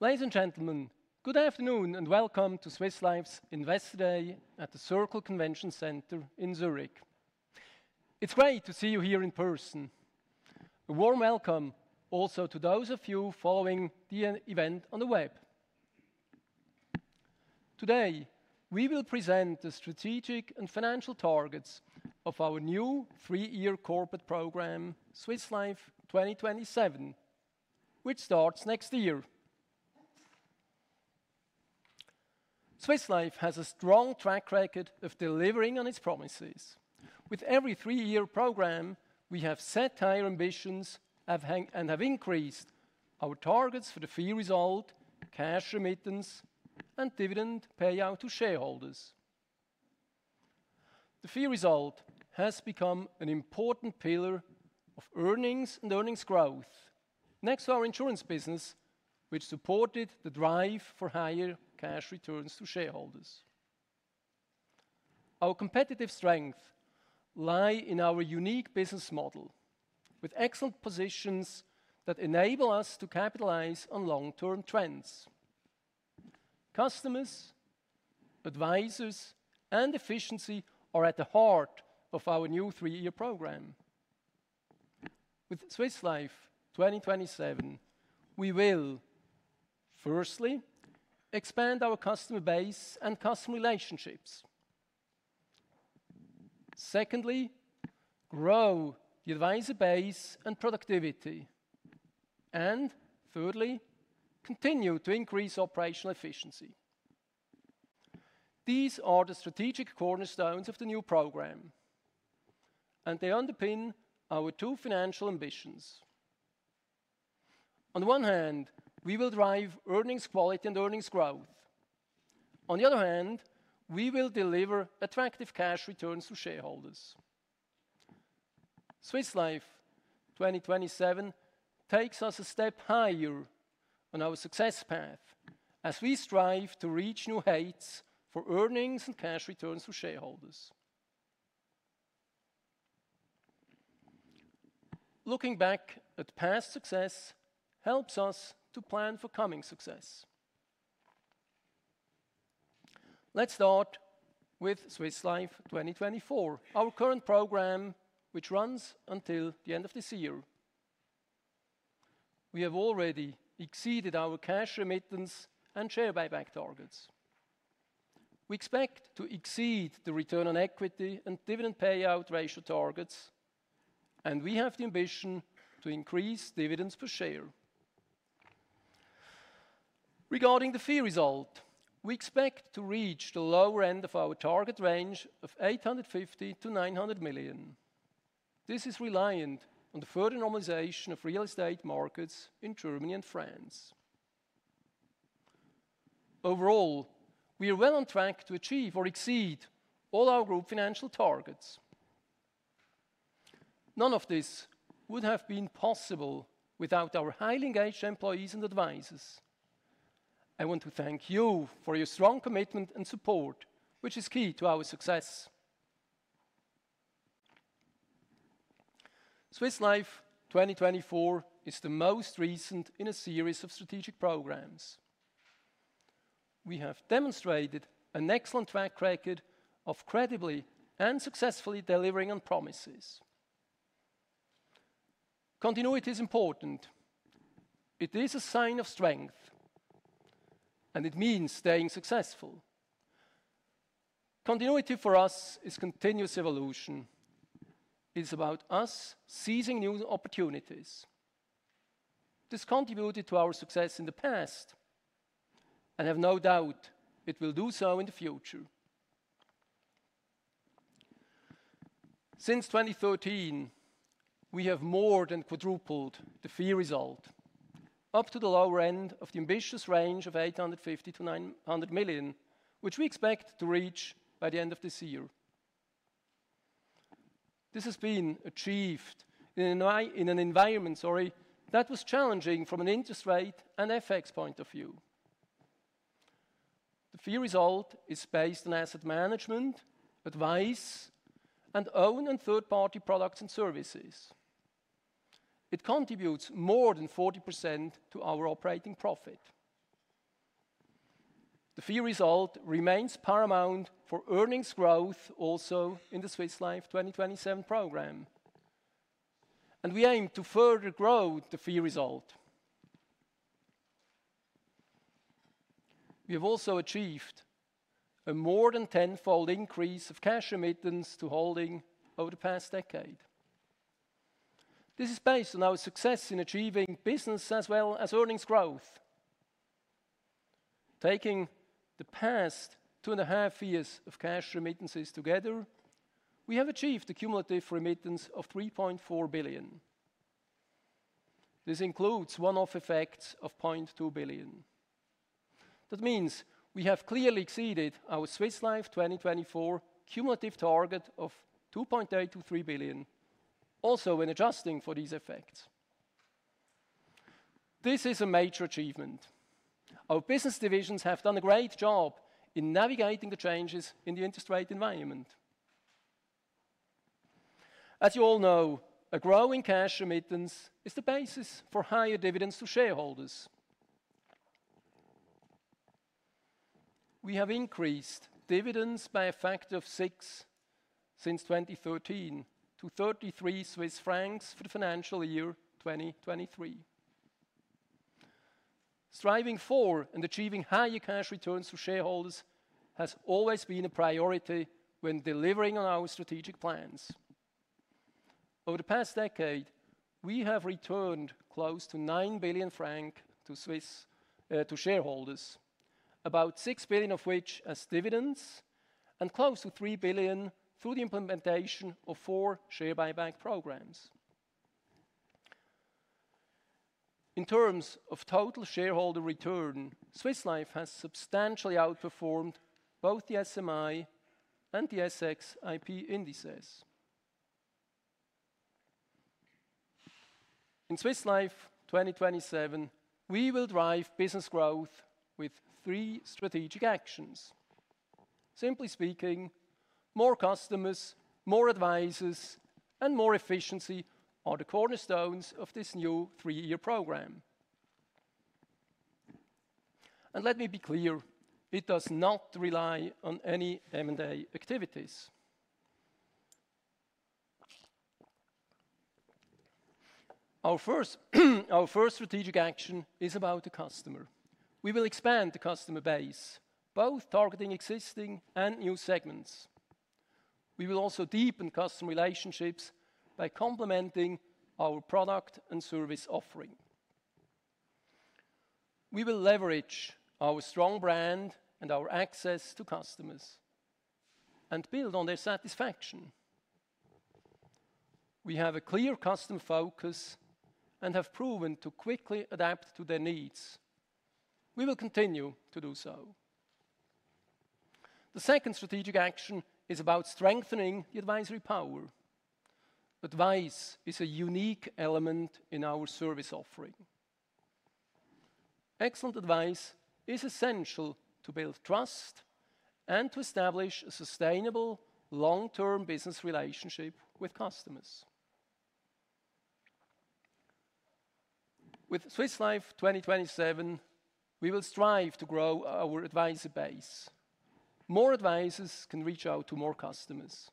Ladies and gentlemen, good afternoon and welcome to Swiss Life's Investor Day at the Circle Convention Center in Zurich. It's great to see you here in person. A warm welcome also to those of you following the event on the web. Today, we will present the strategic and financial targets of our new three-year corporate program, Swiss Life 2027, which starts next year. Swiss Life has a strong track record of delivering on its promises. With every three-year program, we have set higher ambitions and have increased our targets for the fee result, cash remittance, and dividend payout to shareholders. The fee result has become an important pillar of earnings and earnings growth, next to our insurance business, which supported the drive for higher cash returns to shareholders. Our competitive strength lies in our unique business model, with excellent positions that enable us to capitalize on long-term trends. Customers, advisors, and efficiency are at the heart of our new three-year program. With Swiss Life 2027, we will, firstly, expand our customer base and customer relationships. Secondly, grow the advisor base and productivity. And thirdly, continue to increase operational efficiency. These are the strategic cornerstones of the new program, and they underpin our two financial ambitions. On the one hand, we will drive earnings quality and earnings growth. On the other hand, we will deliver attractive cash returns to shareholders. Swiss Life 2027 takes us a step higher on our success path as we strive to reach new heights for earnings and cash returns to shareholders. Looking back at past success helps us to plan for coming success. Let's start with Swiss Life 2024, our current program, which runs until the end of this year. We have already exceeded our cash remittance and share buyback targets. We expect to exceed the return on equity and dividend payout ratio targets, and we have the ambition to increase dividends per share. Regarding the fee result, we expect to reach the lower end of our target range of 850-900 million. This is reliant on the further normalization of real estate markets in Germany and France. Overall, we are well on track to achieve or exceed all our group financial targets. None of this would have been possible without our highly engaged employees and advisors. I want to thank you for your strong commitment and support, which is key to our success. Swiss Life 2024 is the most recent in a series of strategic programs. We have demonstrated an excellent track record of credibly and successfully delivering on promises. Continuity is important. It is a sign of strength, and it means staying successful. Continuity for us is continuous evolution. It is about us seizing new opportunities. This contributed to our success in the past, and I have no doubt it will do so in the future. Since 2013, we have more than quadrupled the fee result, up to the lower end of the ambitious range of 850 million-900 million, which we expect to reach by the end of this year. This has been achieved in an environment that was challenging from an interest rate and FX point of view. The fee result is based on asset management, advice, and owned and third-party products and services. It contributes more than 40% to our operating profit. The fee result remains paramount for earnings growth also in the Swiss Life 2027 program, and we aim to further grow the fee result. We have also achieved a more than tenfold increase of cash remittance to holding over the past decade. This is based on our success in achieving business as well as earnings growth. Taking the past two and a half years of cash remittances together, we have achieved a cumulative remittance of 3.4 billion. This includes one-off effects of 0.2 billion. That means we have clearly exceeded our Swiss Life 2024 cumulative target of 2.823 billion, also when adjusting for these effects. This is a major achievement. Our business divisions have done a great job in navigating the changes in the interest rate environment. As you all know, a growing cash remittance is the basis for higher dividends to shareholders. We have increased dividends by a factor of six since 2013 to 33 Swiss francs for the financial year 2023. Striving for and achieving higher cash returns to shareholders has always been a priority when delivering on our strategic plans. Over the past decade, we have returned close to 9 billion francs to shareholders, about 6 billion of which as dividends and close to 3 billion through the implementation of four share buyback programs. In terms of total shareholder return, Swiss Life has substantially outperformed both the SMI and the SXIP indices. In Swiss Life 2027, we will drive business growth with three strategic actions. Simply speaking, more customers, more advisors, and more efficiency are the cornerstones of this new three-year program. And let me be clear, it does not rely on any M&A activities. Our first strategic action is about the customer. We will expand the customer base, both targeting existing and new segments. We will also deepen customer relationships by complementing our product and service offering. We will leverage our strong brand and our access to customers and build on their satisfaction. We have a clear customer focus and have proven to quickly adapt to their needs. We will continue to do so. The second strategic action is about strengthening the advisory power. Advice is a unique element in our service offering. Excellent advice is essential to build trust and to establish a sustainable long-term business relationship with customers. With Swiss Life 2027, we will strive to grow our advisor base. More advisors can reach out to more customers.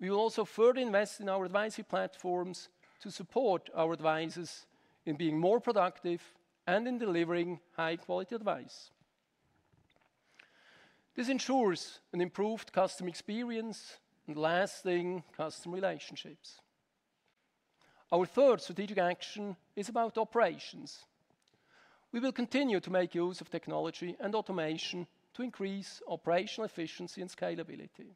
We will also further invest in our advisory platforms to support our advisors in being more productive and in delivering high-quality advice. This ensures an improved customer experience and lasting customer relationships. Our third strategic action is about operations. We will continue to make use of technology and automation to increase operational efficiency and scalability.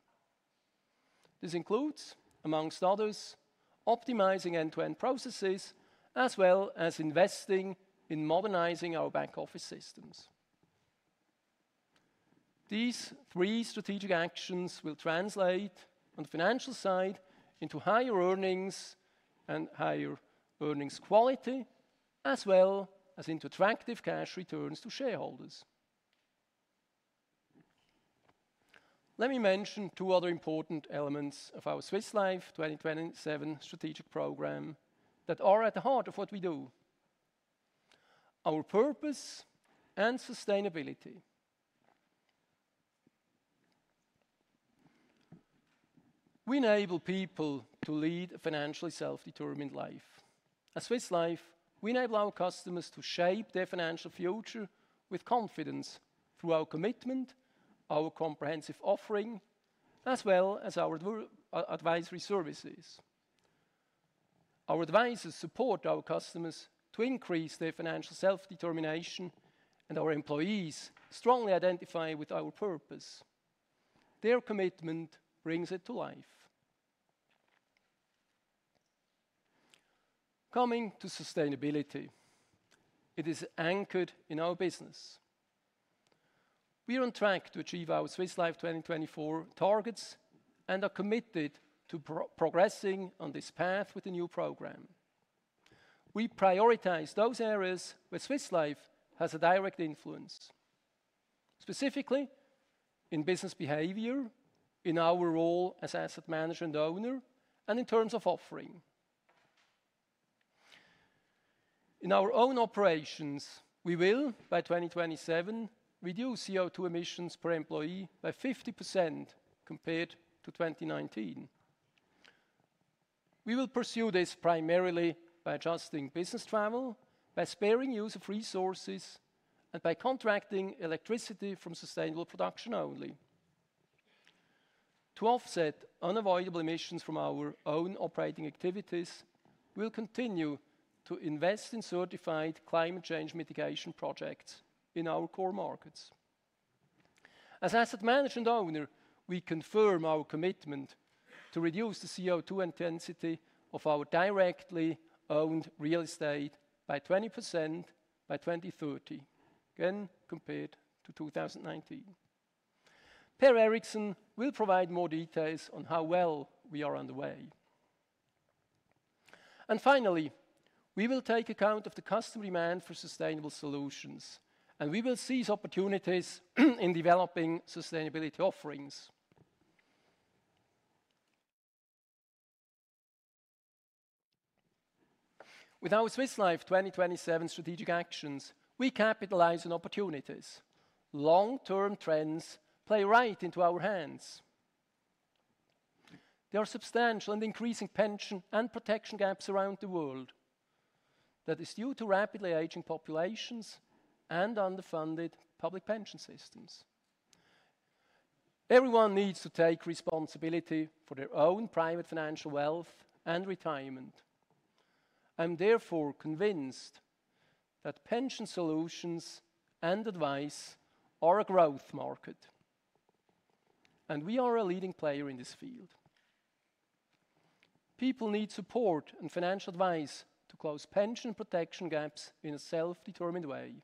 This includes, among others, optimizing end-to-end processes, as well as investing in modernizing our back-office systems. These three strategic actions will translate, on the financial side, into higher earnings and higher earnings quality, as well as into attractive cash returns to shareholders. Let me mention two other important elements of our Swiss Life 2027 strategic program that are at the heart of what we do: our purpose and sustainability. We enable people to lead a financially self-determined life. At Swiss Life, we enable our customers to shape their financial future with confidence through our commitment, our comprehensive offering, as well as our advisory services. Our advisors support our customers to increase their financial self-determination, and our employees strongly identify with our purpose. Their commitment brings it to life. Coming to sustainability, it is anchored in our business. We are on track to achieve our Swiss Life 2024 targets and are committed to progressing on this path with the new program. We prioritize those areas where Swiss Life has a direct influence, specifically in business behavior, in our role as Asset Manager and owner, and in terms of offering. In our own operations, we will, by 2027, reduce CO2 emissions per employee by 50% compared to 2019. We will pursue this primarily by adjusting business travel, by sparing use of resources, and by contracting electricity from sustainable production only. To offset unavoidable emissions from our own operating activities, we will continue to invest in certified climate change mitigation projects in our core markets. As Asset Manager and owner, we confirm our commitment to reduce the CO2 intensity of our directly owned real estate by 20% by 2030, again compared to 2019. Per Erikson will provide more details on how well we are underway. And finally, we will take account of the customer demand for sustainable solutions, and we will seize opportunities in developing sustainability offerings. With our Swiss Life 2027 strategic actions, we capitalize on opportunities. Long-term trends play right into our hands. There are substantial and increasing pension and protection gaps around the world. That is due to rapidly aging populations and underfunded public pension systems. Everyone needs to take responsibility for their own private financial wealth and retirement. I'm therefore convinced that pension solutions and advice are a growth market, and we are a leading player in this field. People need support and financial advice to close pension protection gaps in a self-determined way.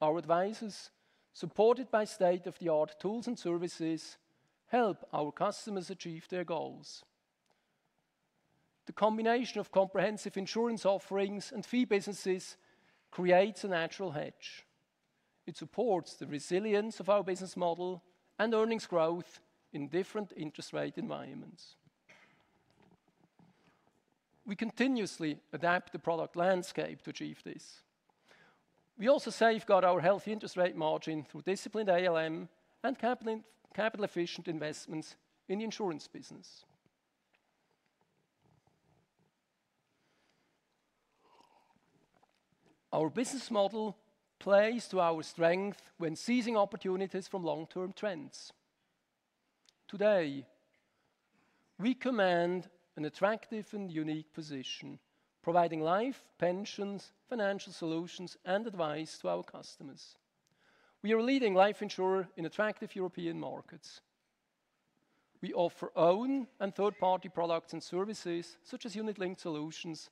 Our advisors, supported by state-of-the-art tools and services, help our customers achieve their goals. The combination of comprehensive insurance offerings and fee businesses creates a natural hedge. It supports the resilience of our business model and earnings growth in different interest rate environments. We continuously adapt the product landscape to achieve this. We also safeguard our healthy interest rate margin through disciplined ALM and capital-efficient investments in the insurance business. Our business model plays to our strength when seizing opportunities from long-term trends. Today, we command an attractive and unique position, providing life, pensions, financial solutions, and advice to our customers. We are a leading life insurer in attractive European markets. We offer owned and third-party products and services, such as unit-linked solutions,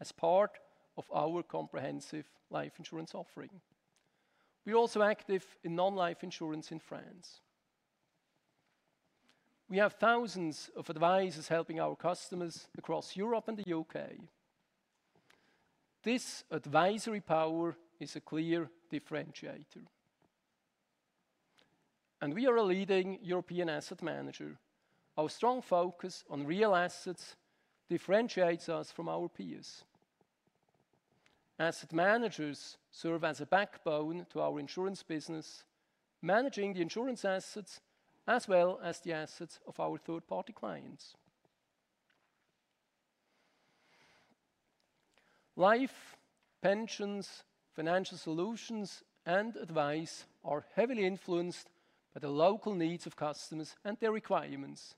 as part of our comprehensive life insurance offering. We are also active in non-life insurance in France. We have thousands of advisors helping our customers across Europe and the U.K. This advisory power is a clear differentiator. We are a leading European Asset Manager. Our strong focus on real assets differentiates us from our peers. Asset managers serve as a backbone to our insurance business, managing the insurance assets as well as the assets of our third-party clients. Life, pensions, financial solutions, and advice are heavily influenced by the local needs of customers and their requirements,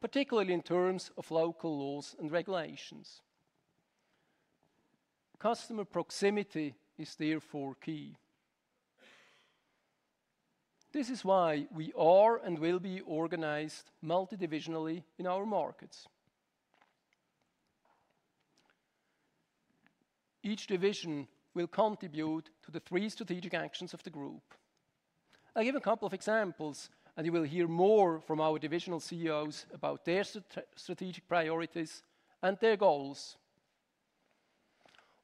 particularly in terms of local laws and regulations. Customer proximity is therefore key. This is why we are and will be organized multidivisional in our markets. Each division will contribute to the three strategic actions of the group. I'll give a couple of examples, and you will hear more from our divisional CEOs about their strategic priorities and their goals.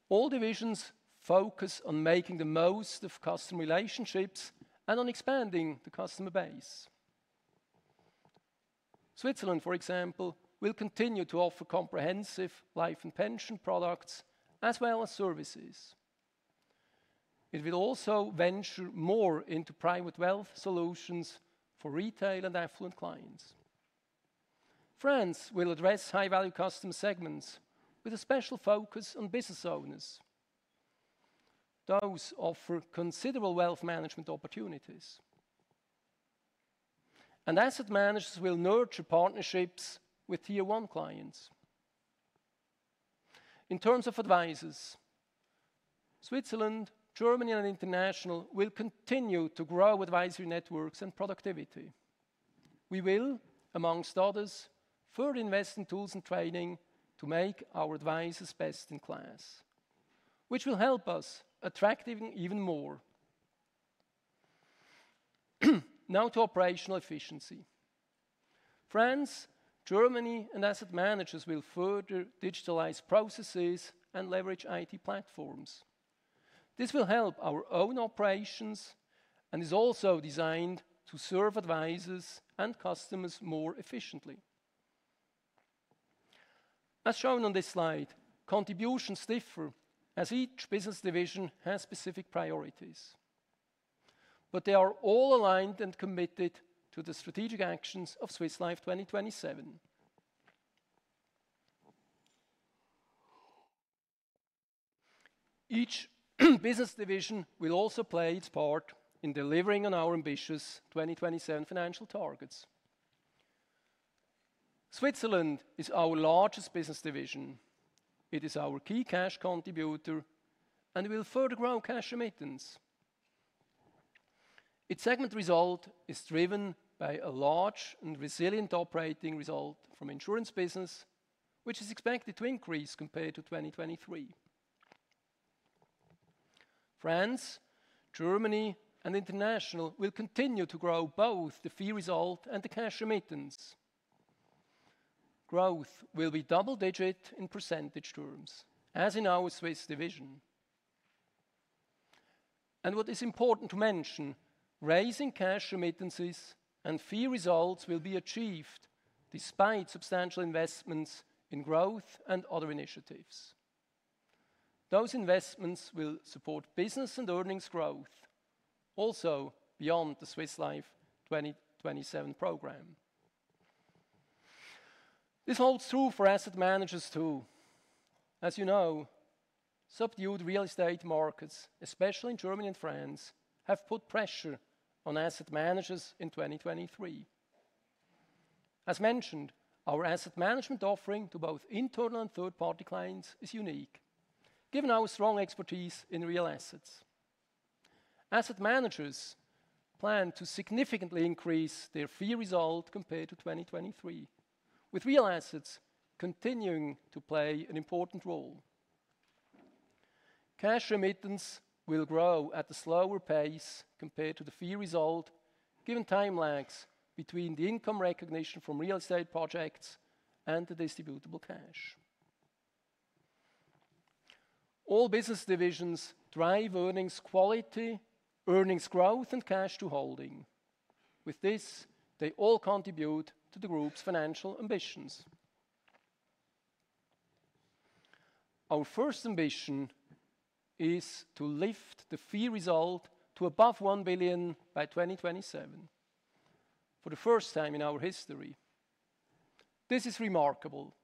All divisions focus on making the most of customer relationships and on expanding the customer base. Switzerland, for example, will continue to offer comprehensive life and pension products as well as services. It will also venture more into private wealth solutions for retail and affluent clients. France will address high-value customer segments with a special focus on business owners. Those offer considerable wealth management opportunities, and Asset Managers will nurture partnerships with tier one clients. In terms of advisors, Switzerland, Germany, and International will continue to grow advisory networks and productivity. We will, amongst others, further invest in tools and training to make our advisors best in class, which will help us attract even more. Now to operational efficiency. France, Germany, and Asset Managers will further digitalize processes and leverage IT platforms. This will help our own operations and is also designed to serve advisors and customers more efficiently. As shown on this slide, contributions differ as each business division has specific priorities, but they are all aligned and committed to the strategic actions of Swiss Life 2027. Each business division will also play its part in delivering on our ambitious 2027 financial targets. Switzerland is our largest business division. It is our key cash contributor and will further grow cash remittance. Its segment result is driven by a large and resilient operating result from insurance business, which is expected to increase compared to 2023. France, Germany, and International will continue to grow both the fee result and the cash remittance. Growth will be double-digit in percentage terms, as in our Swiss division, and what is important to mention, raising cash remittances and fee results will be achieved despite substantial investments in growth and other initiatives. Those investments will support business and earnings growth, also beyond the Swiss Life 2027 program. This holds true for Asset Managers too. As you know, subdued real estate markets, especially in Germany and France, have put pressure on Asset Managers in 2023. As mentioned, our asset management offering to both internal and third-party clients is unique, given our strong expertise in real assets. Asset managers plan to significantly increase their fee result compared to 2023, with real assets continuing to play an important role. Cash remittance will grow at a slower pace compared to the fee result, given time lags between the income recognition from real estate projects and the distributable cash. All business divisions drive earnings quality, earnings growth, and cash to holding. With this, they all contribute to the group's financial ambitions. Our first ambition is to lift the fee result to above 1 billion by 2027, for the first time in our history. This is remarkable.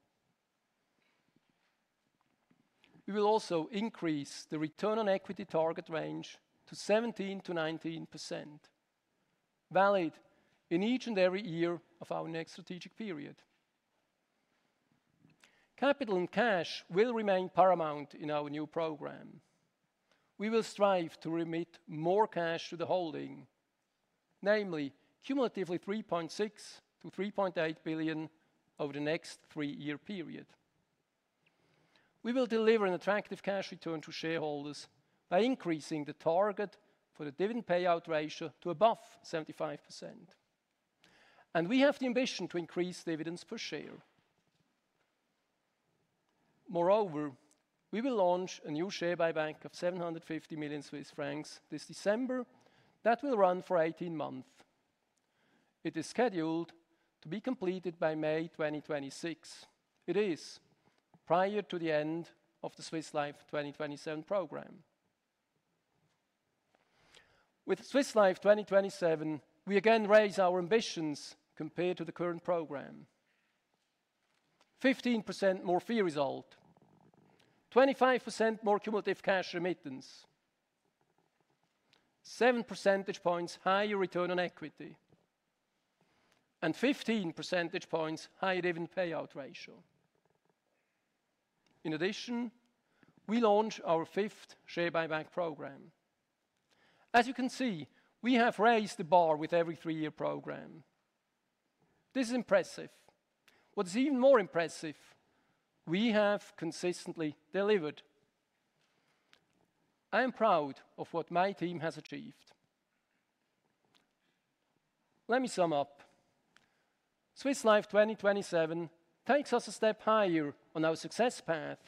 We will also increase the return on equity target range to 17%-19%, valid in each and every year of our next strategic period. Capital and cash will remain paramount in our new program. We will strive to remit more cash to the holding, namely cumulatively 3.6-3.8 billion over the next three-year period. We will deliver an attractive cash return to shareholders by increasing the target for the dividend payout ratio to above 75%. And we have the ambition to increase dividends per share. Moreover, we will launch a new share buyback of 750 million Swiss francs this December that will run for 18 months. It is scheduled to be completed by May 2026. It is prior to the end of the Swiss Life 2027 program. With Swiss Life 2027, we again raise our ambitions compared to the current program: 15% more fee result, 25% more cumulative cash remittance, 7 percentage points higher return on equity, and 15 percentage points higher dividend payout ratio. In addition, we launch our fifth share buyback program. As you can see, we have raised the bar with every three-year program. This is impressive. What is even more impressive, we have consistently delivered. I am proud of what my team has achieved. Let me sum up. Swiss Life 2027 takes us a step higher on our success path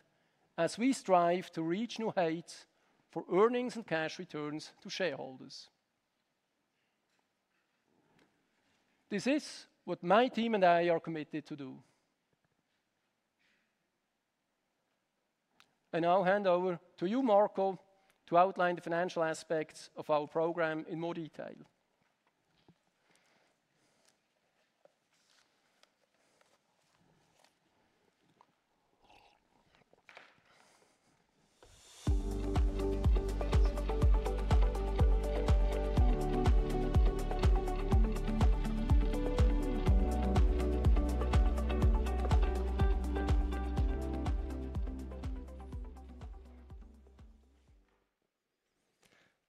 as we strive to reach new heights for earnings and cash returns to shareholders. This is what my team and I are committed to do. I'll hand over to you, Marco, to outline the financial aspects of our program in more detail.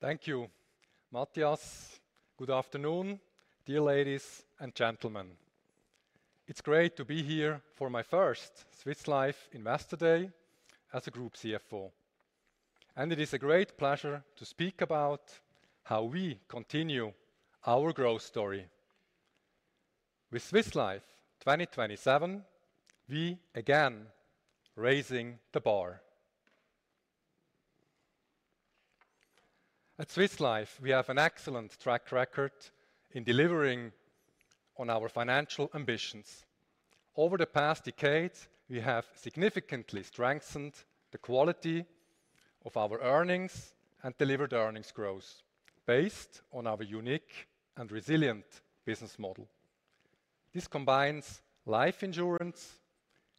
Thank you, Matthias. Good afternoon, dear ladies and gentlemen. It's great to be here for my first Swiss Life Investor Day as a Group CFO. It is a great pleasure to speak about how we continue our growth story. With Swiss Life 2027, we again raising the bar. At Swiss Life, we have an excellent track record in delivering on our financial ambitions. Over the past decade, we have significantly strengthened the quality of our earnings and delivered earnings growth based on our unique and resilient business model. This combines life insurance,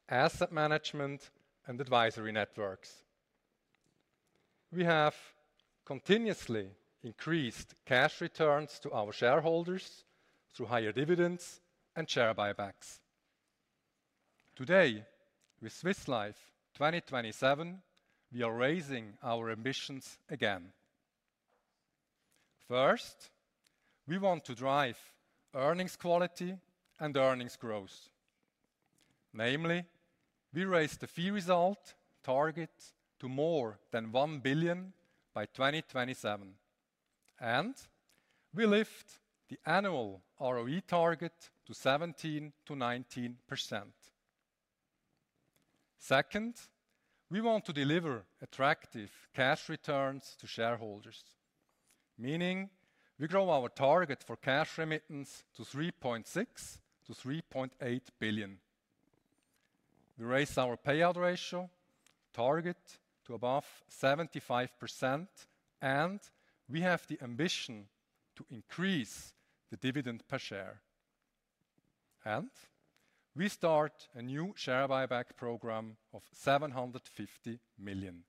asset management, and advisory networks. We have continuously increased cash returns to our shareholders through higher dividends and share buybacks. Today, with Swiss Life 2027, we are raising our ambitions again. First, we want to drive earnings quality and earnings growth. Namely, we raised the fee result target to more than 1 billion by 2027, and we lift the annual ROE target to 17%-19%. Second, we want to deliver attractive cash returns to shareholders, meaning we grow our target for cash remittance to 3.6 to 3.8 billion. We raise our payout ratio target to above 75%, and we have the ambition to increase the dividend per share. And we start a new share buyback program of 750 million.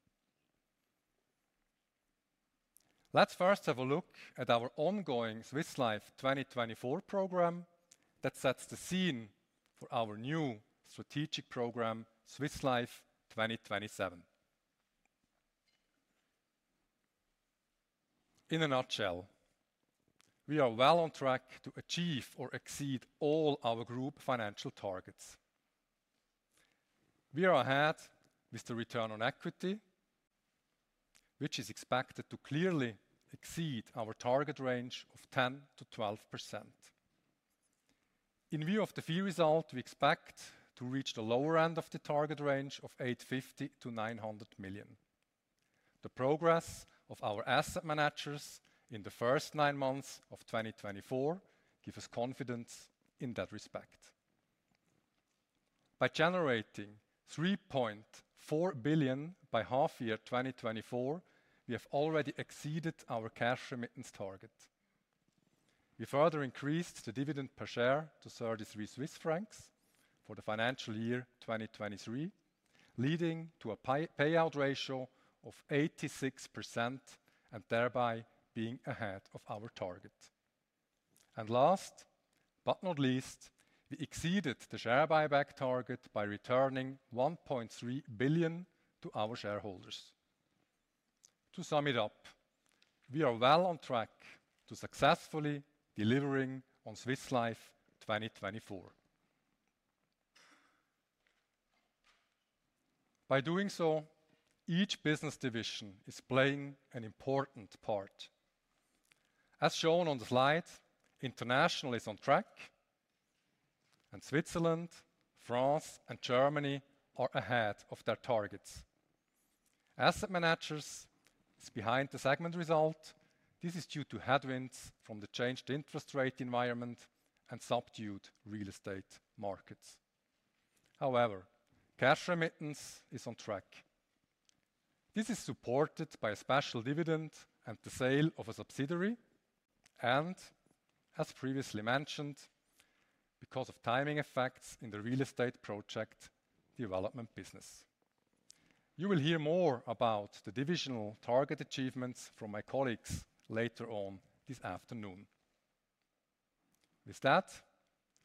Let's first have a look at our ongoing Swiss Life 2024 program that sets the scene for our new strategic program, Swiss Life 2027. In a nutshell, we are well on track to achieve or exceed all our group financial targets. We are ahead with the return on equity, which is expected to clearly exceed our target range of 10%-12%. In view of the fee result, we expect to reach the lower end of the target range of 850-900 million. The progress of our Asset Managers in the first nine months of 2024 gives us confidence in that respect. By generating 3.4 billion by half-year 2024, we have already exceeded our cash remittance target. We further increased the dividend per share to 33 Swiss francs for the financial year 2023, leading to a payout ratio of 86% and thereby being ahead of our target. And last, but not least, we exceeded the share buyback target by returning 1.3 billion to our shareholders. To sum it up, we are well on track to successfully deliver on Swiss Life 2024. By doing so, each business division is playing an important part. As shown on the slide, International is on track, and Switzerland, France, and Germany are ahead of their targets. Asset Managers are behind the segment result. This is due to headwinds from the changed interest rate environment and subdued real estate markets. However, cash remittance is on track. This is supported by a special dividend and the sale of a subsidiary, and as previously mentioned, because of timing effects in the real estate project development business. You will hear more about the divisional target achievements from my colleagues later on this afternoon. With that,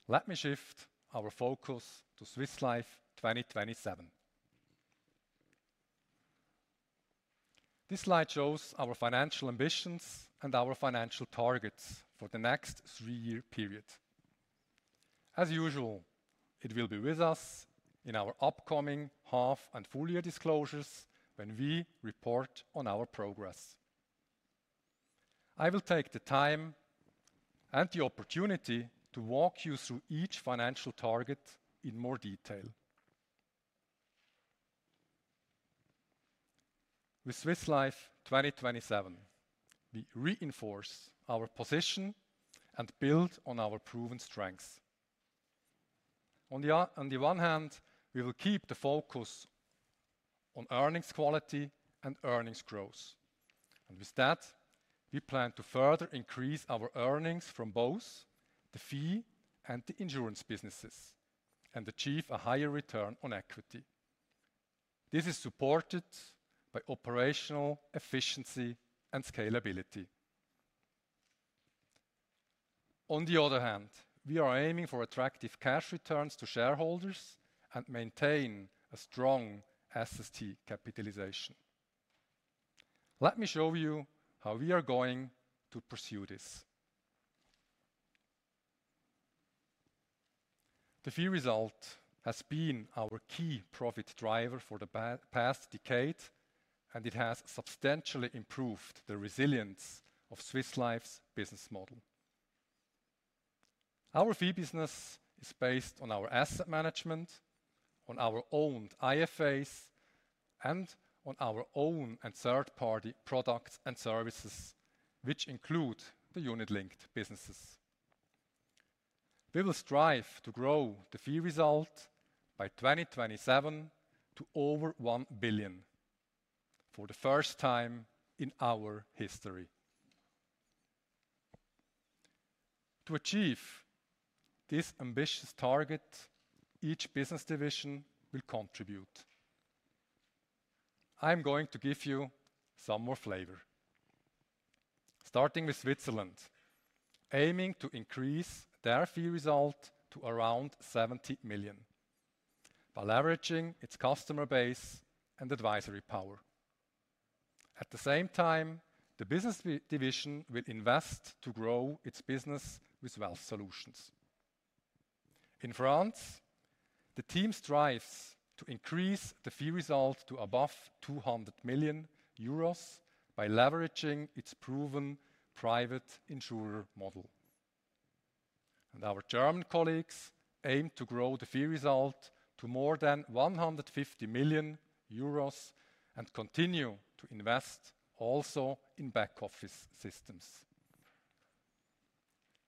let me shift our focus to Swiss Life 2027. This slide shows our financial ambitions and our financial targets for the next three-year period. As usual, it will be with us in our upcoming half and full-year disclosures when we report on our progress. I will take the time and the opportunity to walk you through each financial target in more detail. With Swiss Life 2027, we reinforce our position and build on our proven strengths. On the one hand, we will keep the focus on earnings quality and earnings growth. And with that, we plan to further increase our earnings from both the fee and the insurance businesses and achieve a higher return on equity. This is supported by operational efficiency and scalability. On the other hand, we are aiming for attractive cash returns to shareholders and maintain a strong SST capitalization. Let me show you how we are going to pursue this. The fee result has been our key profit driver for the past decade, and it has substantially improved the resilience of Swiss Life's business model. Our fee business is based on our asset management, on our own IFAs, and on our own and third-party products and services, which include the unit-linked businesses. We will strive to grow the fee result by 2027 to over 1 billion for the first time in our history. To achieve this ambitious target, each business division will contribute. I'm going to give you some more flavor. Starting with Switzerland, aiming to increase their fee result to around 70 million by leveraging its customer base and advisory power. At the same time, the business division will invest to grow its business with wealth solutions. In France, the team strives to increase the fee result to above 200 million euros by leveraging its proven private insurer model. And our German colleagues aim to grow the fee result to more than 150 million euros and continue to invest also in back-office systems.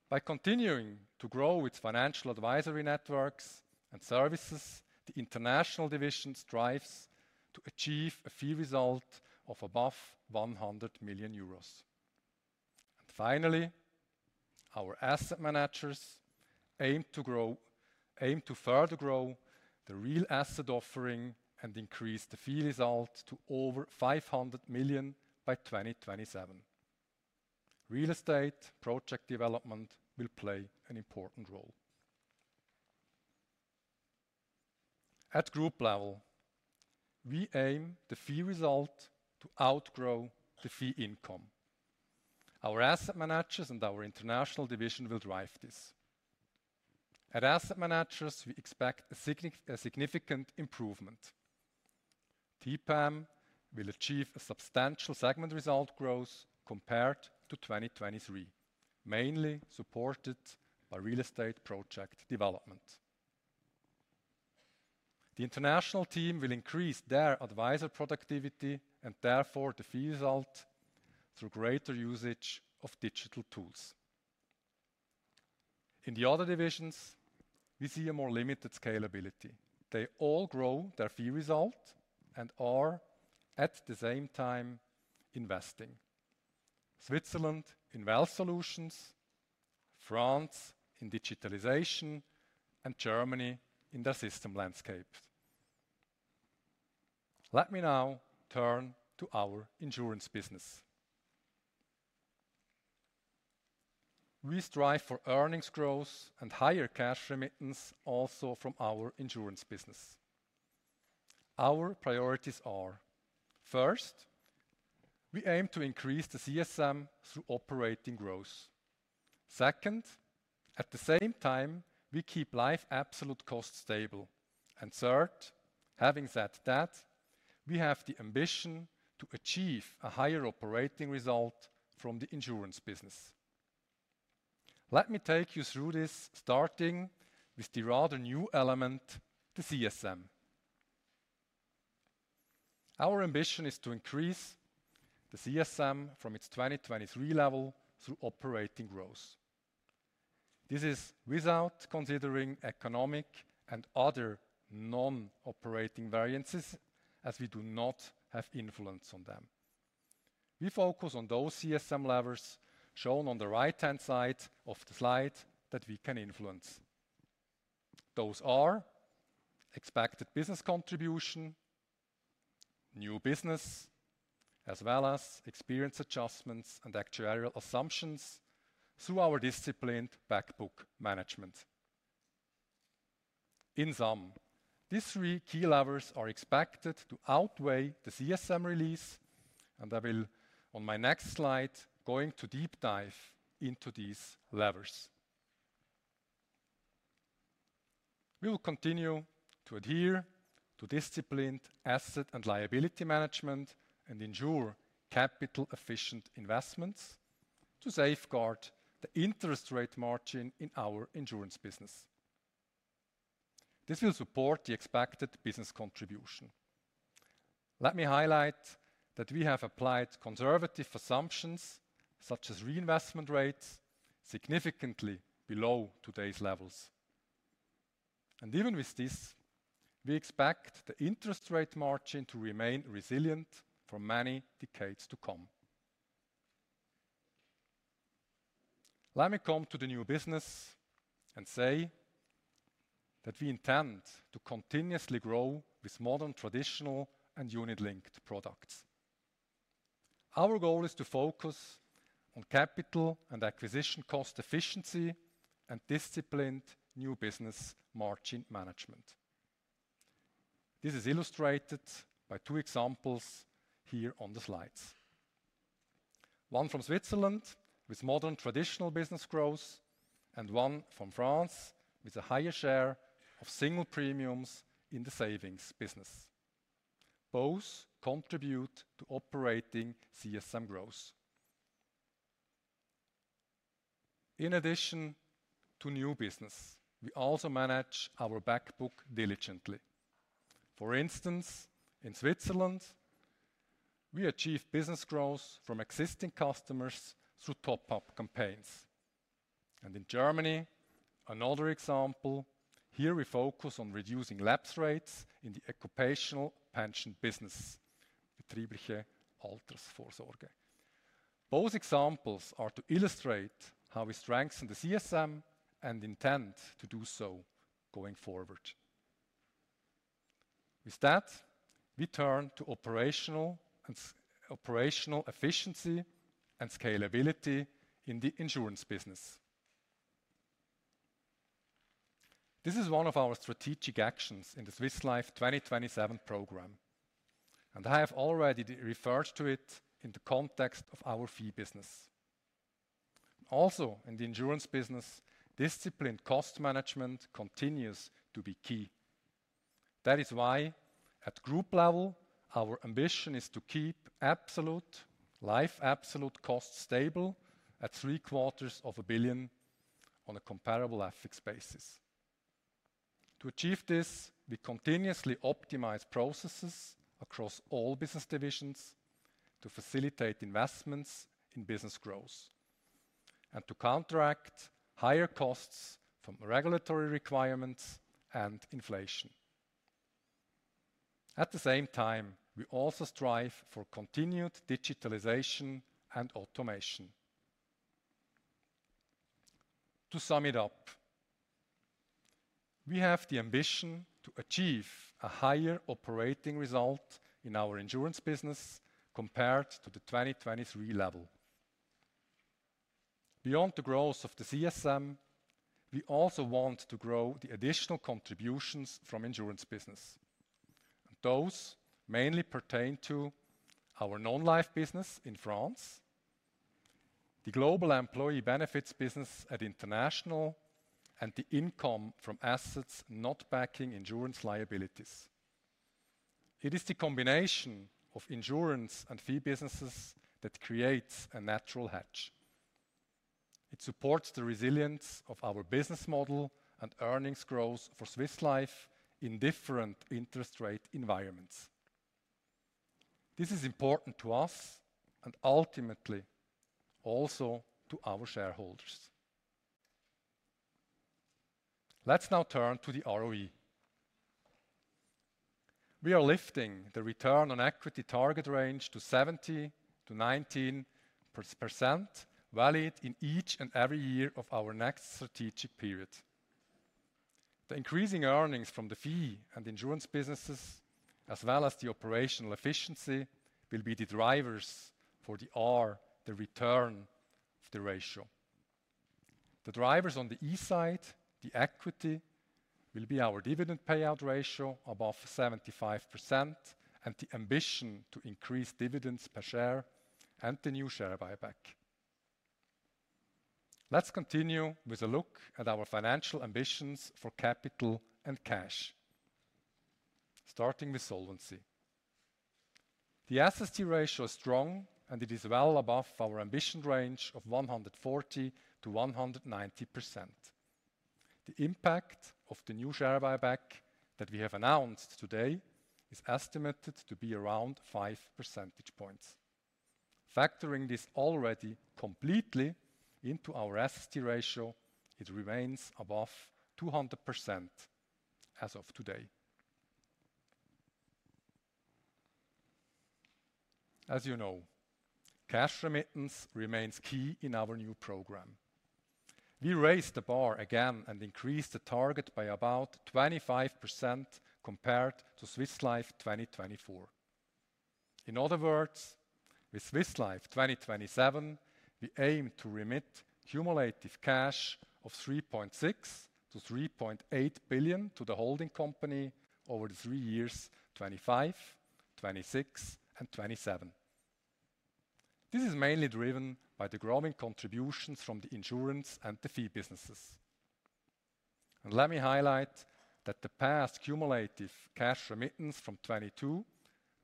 By continuing to grow its financial advisory networks and services, the International division strives to achieve a fee result of above 100 million euros. And finally, our Asset Managers aim to further grow the real asset offering and increase the fee result to over 500 million by 2027. Real estate project development will play an important role. At group level, we aim the fee result to outgrow the fee income. Our Asset Managers and our International division will drive this. At Asset Managers, we expect a significant improvement. TPAM will achieve a substantial segment result growth compared to 2023, mainly supported by real estate project development. The International team will increase their advisor productivity and therefore the fee result through greater usage of digital tools. In the other divisions, we see a more limited scalability. They all grow their fee result and are at the same time investing: Switzerland in wealth solutions, France in digitalization, and Germany in their system landscape. Let me now turn to our insurance business. We strive for earnings growth and higher cash remittance also from our insurance business. Our priorities are: first, we aim to increase the CSM through operating growth, second, at the same time, we keep life absolute costs stable, and third, having said that, we have the ambition to achieve a higher operating result from the insurance business. Let me take you through this starting with the rather new element, the CSM. Our ambition is to increase the CSM from its 2023 level through operating growth. This is without considering economic and other non-operating variances as we do not have influence on them. We focus on those CSM levels shown on the right-hand side of the slide that we can influence. Those are expected business contribution, new business, as well as experience adjustments and actuarial assumptions through our disciplined backbook management. In sum, these three key levers are expected to outweigh the CSM release, and I will on my next slide going to deep dive into these levers. We will continue to adhere to disciplined asset and liability management and ensure capital-efficient investments to safeguard the interest rate margin in our insurance business. This will support the expected business contribution. Let me highlight that we have applied conservative assumptions such as reinvestment rates significantly below today's levels, and even with this, we expect the interest rate margin to remain resilient for many decades to come. Let me come to the new business and say that we intend to continuously grow with modern traditional and unit-linked products. Our goal is to focus on capital and acquisition cost efficiency and disciplined new business margin management. This is illustrated by two examples here on the slides: one from Switzerland with modern traditional business growth and one from France with a higher share of single premiums in the savings business. Both contribute to operating CSM growth. In addition to new business, we also manage our backbook diligently. For instance, in Switzerland, we achieve business growth from existing customers through top-up campaigns, and in Germany, another example, here we focus on reducing lapse rates in the occupational pension business. Both examples are to illustrate how we strengthen the CSM and intend to do so going forward. With that, we turn to operational efficiency and scalability in the insurance business. This is one of our strategic actions in the Swiss Life 2027 program, and I have already referred to it in the context of our fee business. Also, in the insurance business, disciplined cost management continues to be key. That is why, at group level, our ambition is to keep life absolute costs stable at 750 million on a comparable efforts basis. To achieve this, we continuously optimize processes across all business divisions to facilitate investments in business growth and to counteract higher costs from regulatory requirements and inflation. At the same time, we also strive for continued digitalization and automation. To sum it up, we have the ambition to achieve a higher operating result in our insurance business compared to the 2023 level. Beyond the growth of the CSM, we also want to grow the additional contributions from insurance business. Those mainly pertain to our non-life business in France, the global employee benefits business in International, and the income from assets not backing insurance liabilities. It is the combination of insurance and fee businesses that creates a natural hedge. It supports the resilience of our business model and earnings growth for Swiss Life in different interest rate environments. This is important to us and ultimately also to our shareholders. Let's now turn to the ROE. We are lifting the return on equity target range to 17%-19% valid in each and every year of our next strategic period. The increasing earnings from the fee and insurance businesses, as well as the operational efficiency, will be the drivers for the ROE, the return on equity ratio. The drivers on the E side, the equity, will be our dividend payout ratio above 75% and the ambition to increase dividends per share and the new share buyback. Let's continue with a look at our financial ambitions for capital and cash, starting with solvency. The SST ratio is strong, and it is well above our ambition range of 140%-190%. The impact of the new share buyback that we have announced today is estimated to be around five percentage points. Factoring this already completely into our SST ratio, it remains above 200% as of today. As you know, cash remittance remains key in our new program. We raised the bar again and increased the target by about 25% compared to Swiss Life 2024. In other words, with Swiss Life 2027, we aim to remit cumulative cash of 3.6-3.8 billion to the holding company over the three years 2025, 2026, and 2027. This is mainly driven by the growing contributions from the insurance and the fee businesses. Let me highlight that the past cumulative cash remittance from 2022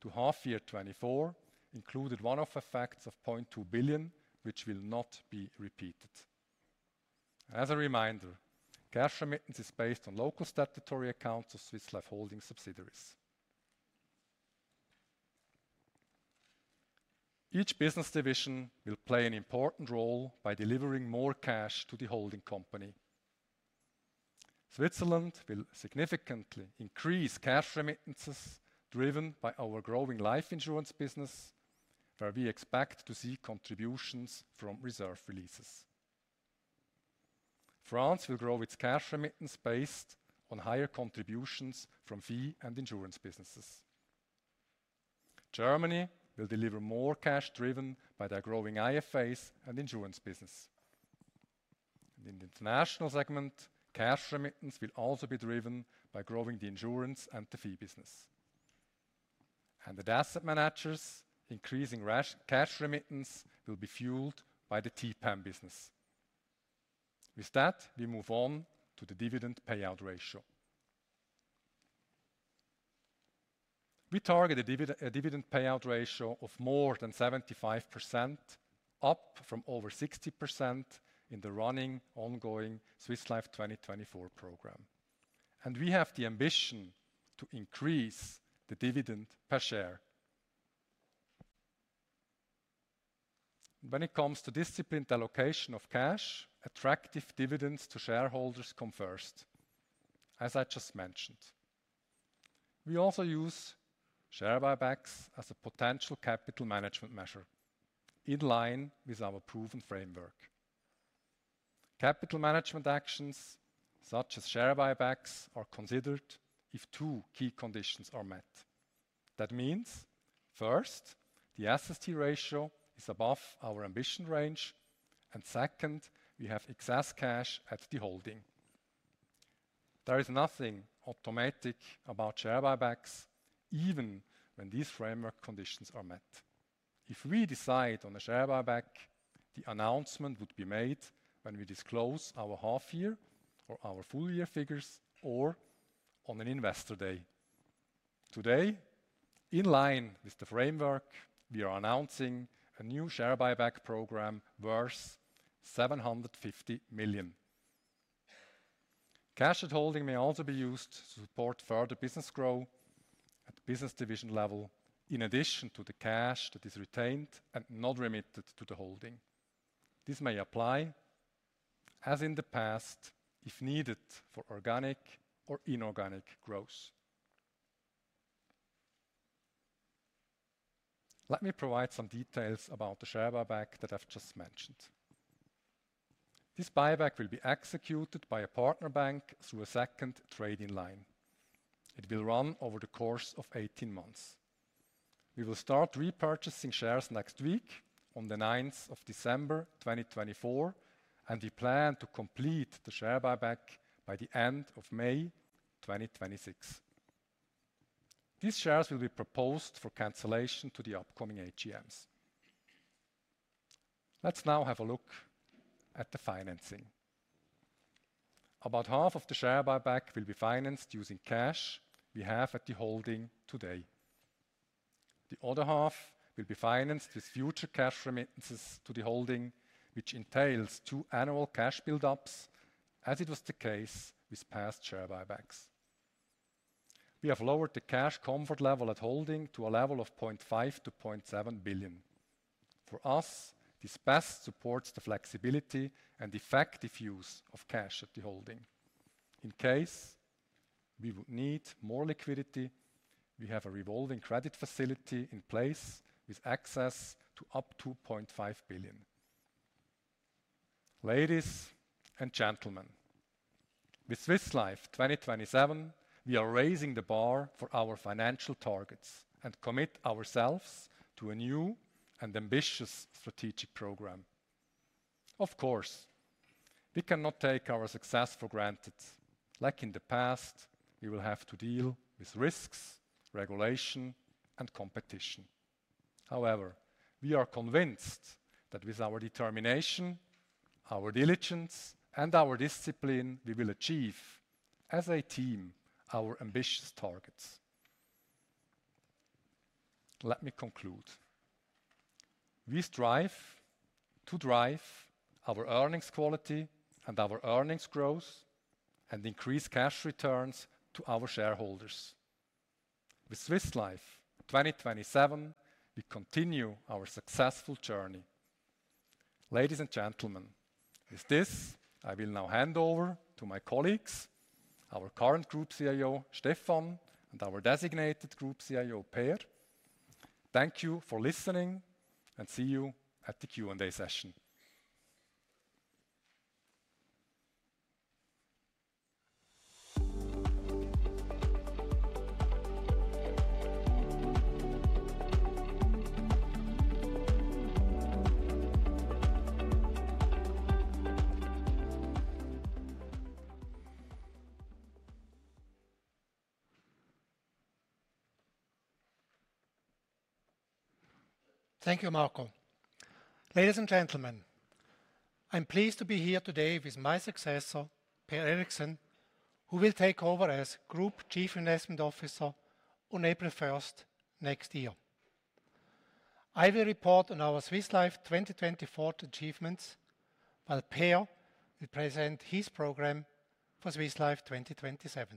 to half year 2024 included one-off effects of 0.2 billion, which will not be repeated. As a reminder, cash remittance is based on local statutory accounts of Swiss Life holding subsidiaries. Each business division will play an important role by delivering more cash to the holding company. Switzerland will significantly increase cash remittances driven by our growing life insurance business, where we expect to see contributions from reserve releases. France will grow its cash remittance based on higher contributions from fee and insurance businesses. Germany will deliver more cash driven by their growing IFAs and insurance business. In the International segment, cash remittance will also be driven by growing the insurance and the fee business, and the Asset Managers' increasing cash remittance will be fueled by the TPAM business. With that, we move on to the dividend payout ratio. We target a dividend payout ratio of more than 75%, up from over 60% in the running ongoing Swiss Life 2024 program, and we have the ambition to increase the dividend per share. When it comes to disciplined allocation of cash, attractive dividends to shareholders come first, as I just mentioned. We also use share buybacks as a potential capital management measure in line with our proven framework. Capital management actions such as share buybacks are considered if two key conditions are met. That means first, the SST ratio is above our ambition range, and second, we have excess cash at the holding. There is nothing automatic about share buybacks, even when these framework conditions are met. If we decide on a share buyback, the announcement would be made when we disclose our half year or our full year figures or on an investor day. Today, in line with the framework, we are announcing a new share buyback program worth 750 million. Cash at holding may also be used to support further business growth at the business division level, in addition to the cash that is retained and not remitted to the holding. This may apply, as in the past, if needed for organic or inorganic growth. Let me provide some details about the share buyback that I've just mentioned. This buyback will be executed by a partner bank through a second trading line. It will run over the course of 18 months. We will start repurchasing shares next week on the 9th of December 2024, and we plan to complete the share buyback by the end of May 2026. These shares will be proposed for cancellation to the upcoming AGMs. Let's now have a look at the financing. About half of the share buyback will be financed using cash we have at the holding today. The other half will be financed with future cash remittances to the holding, which entails two annual cash buildups, as it was the case with past share buybacks. We have lowered the cash comfort level at holding to a level of 0.5-0.7 billion. For us, this best supports the flexibility and effective use of cash at the holding. In case we would need more liquidity, we have a revolving credit facility in place with access to up to 0.5 billion. Ladies and gentlemen, with Swiss Life 2027, we are raising the bar for our financial targets and commit ourselves to a new and ambitious strategic program. Of course, we cannot take our success for granted. Like in the past, we will have to deal with risks, regulation, and competition. However, we are convinced that with our determination, our diligence, and our discipline, we will achieve, as a team, our ambitious targets. Let me conclude. We strive to drive our earnings quality and our earnings growth and increase cash returns to our shareholders. With Swiss Life 2027, we continue our successful journey. Ladies and gentlemen, with this, I will now hand over to my colleagues, our current Group CIO, Stefan, and our designated Group CIO, Per. Thank you for listening, and see you at the Q&A session. Thank you, Marco. Ladies and gentlemen, I'm pleased to be here today with my successor, Per Erikson, who will take over as Group Chief Investment Officer on April 1st next year. I will report on our Swiss Life 2024 achievements, while Per will present his program for Swiss Life 2027.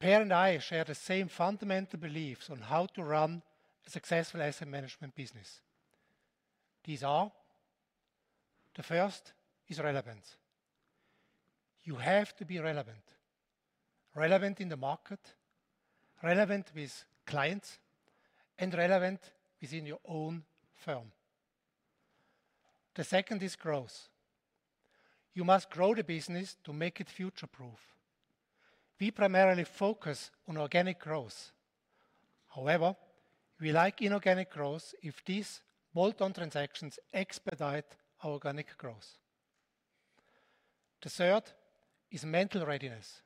Per and I share the same fundamental beliefs on how to run a successful asset management business. These are: the first is relevance. You have to be relevant. Relevant in the market, relevant with clients, and relevant within your own firm. The second is growth. You must grow the business to make it future-proof. We primarily focus on organic growth. However, we like inorganic growth if these bolt-on transactions expedite our organic growth. The third is mental readiness.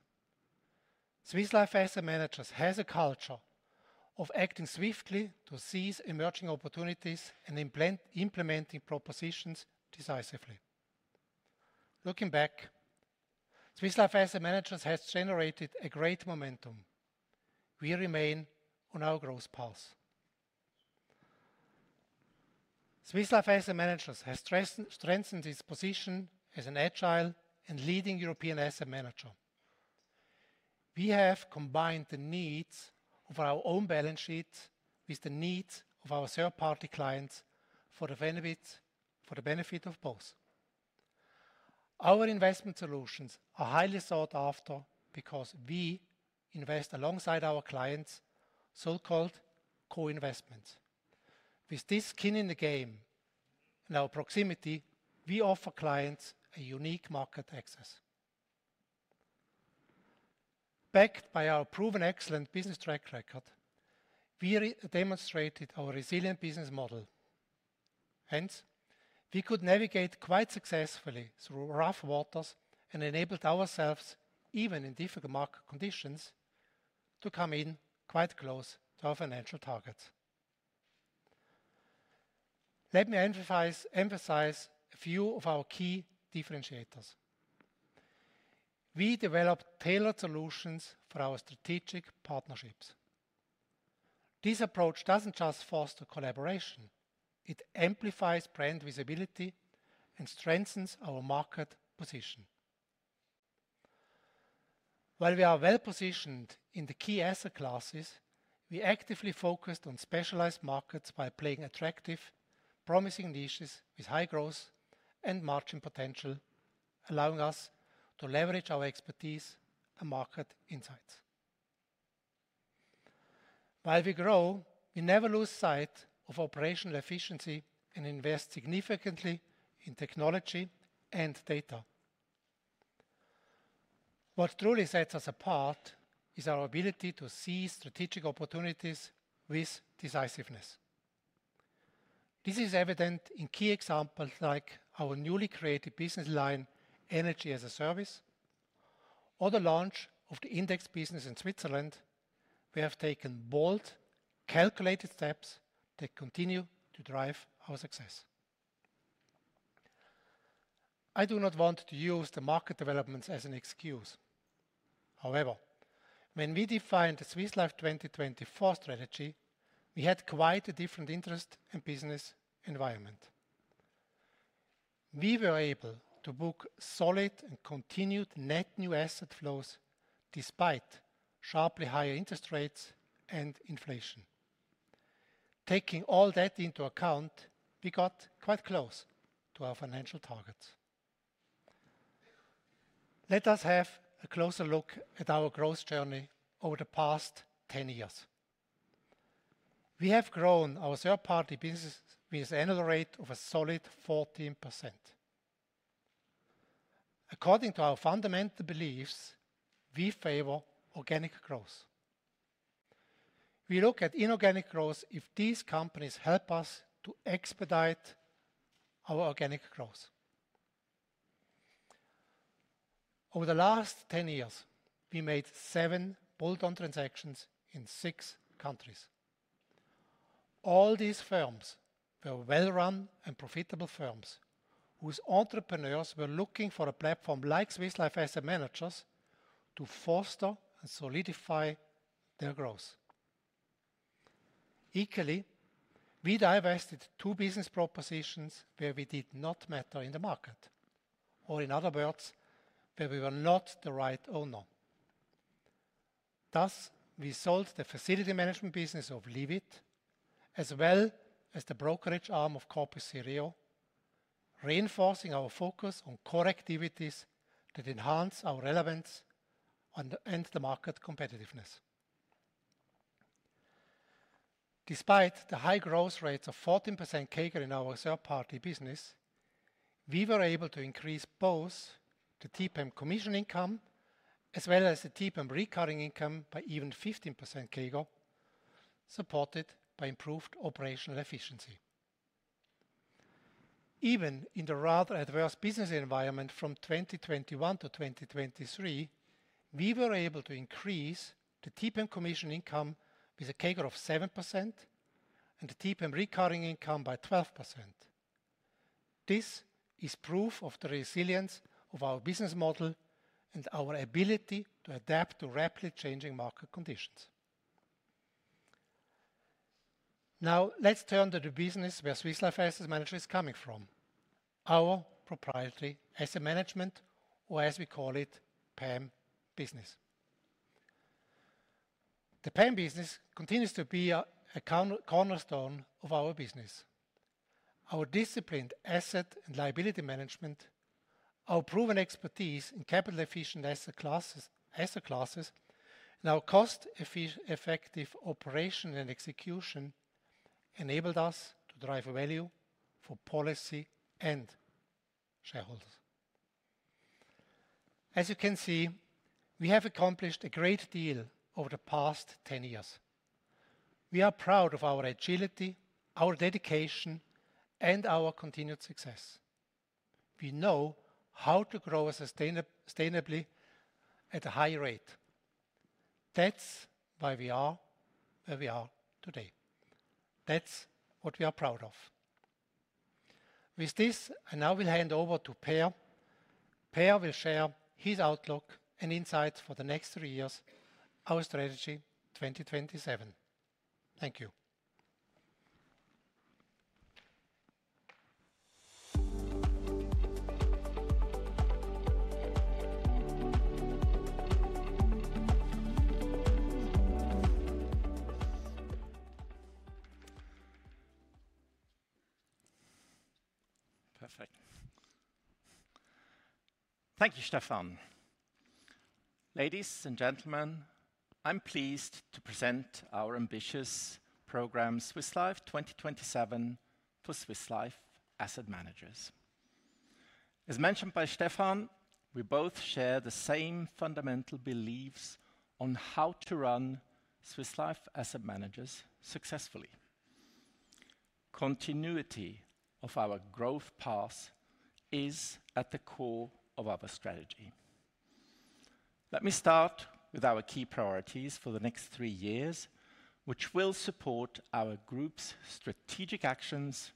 Swiss Life Asset Managers has a culture of acting swiftly to seize emerging opportunities and implementing propositions decisively. Looking back, Swiss Life Asset Managers has generated a great momentum. We remain on our growth path. Swiss Life Asset Managers has strengthened its position as an agile and leading European Asset Manager. We have combined the needs of our own balance sheet with the needs of our third-party clients for the benefit of both. Our investment solutions are highly sought after because we invest alongside our clients, so-called co-investments. With this skin in the game and our proximity, we offer clients a unique market access. Backed by our proven excellent business track record, we demonstrated our resilient business model. Hence, we could navigate quite successfully through rough waters and enabled ourselves, even in difficult market conditions, to come in quite close to our financial targets. Let me emphasize a few of our key differentiators. We develop tailored solutions for our strategic partnerships. This approach doesn't just foster collaboration. It amplifies brand visibility and strengthens our market position. While we are well positioned in the key asset classes, we actively focused on specialized markets by playing attractive, promising niches with high growth and margin potential, allowing us to leverage our expertise and market insights. While we grow, we never lose sight of operational efficiency and invest significantly in technology and data. What truly sets us apart is our ability to seize strategic opportunities with decisiveness. This is evident in key examples like our newly created business line, Energy as a Service, or the launch of the index business in Switzerland. We have taken bold, calculated steps that continue to drive our success. I do not want to use the market developments as an excuse. However, when we defined the Swiss Life 2024 strategy, we had quite a different interest and business environment. We were able to book solid and continued net new asset flows despite sharply higher interest rates and inflation. Taking all that into account, we got quite close to our financial targets. Let us have a closer look at our growth journey over the past 10 years. We have grown our third-party business with an annual rate of a solid 14%. According to our fundamental beliefs, we favor organic growth. We look at inorganic growth if these companies help us to expedite our organic growth. Over the last 10 years, we made seven bolt-on transactions in six countries. All these firms were well-run and profitable firms whose entrepreneurs were looking for a platform like Swiss Life Asset Managers to foster and solidify their growth. Equally, we divested two business propositions where we did not matter in the market, or in other words, where we were not the right owner. Thus, we sold the facility management business of Livit, as well as the brokerage arm of Corpus Sireo, reinforcing our focus on core activities that enhance our relevance and the market competitiveness. Despite the high growth rates of 14% CAGR in our third-party business, we were able to increase both the TPAM commission income as well as the TPAM recurring income by even 15% CAGR, supported by improved operational efficiency. Even in the rather adverse business environment from 2021 to 2023, we were able to increase the TPAM commission income with a CAGR of 7% and the TPAM recurring income by 12%. This is proof of the resilience of our business model and our ability to adapt to rapidly changing market conditions. Now, let's turn to the business where Swiss Life Asset Managers is coming from, our proprietary asset management, or as we call it, PAM business. The PAM business continues to be a cornerstone of our business. Our disciplined asset and liability management, our proven expertise in capital-efficient asset classes, and our cost-effective operation and execution enabled us to drive value for policyholders and shareholders. As you can see, we have accomplished a great deal over the past 10 years. We are proud of our agility, our dedication, and our continued success. We know how to grow sustainably at a high rate. That's why we are where we are today. That's what we are proud of. With this, I now will hand over to Per. Per will share his outlook and insights for the next three years, our strategy 2027. Thank you. Perfect. Thank you, Stefan. Ladies and gentlemen, I'm pleased to present our ambitious program, Swiss Life 2027, to Swiss Life Asset Managers. As mentioned by Stefan, we both share the same fundamental beliefs on how to run Swiss Life Asset Managers successfully. Continuity of our growth path is at the core of our strategy. Let me start with our key priorities for the next three years, which will support our group's strategic actions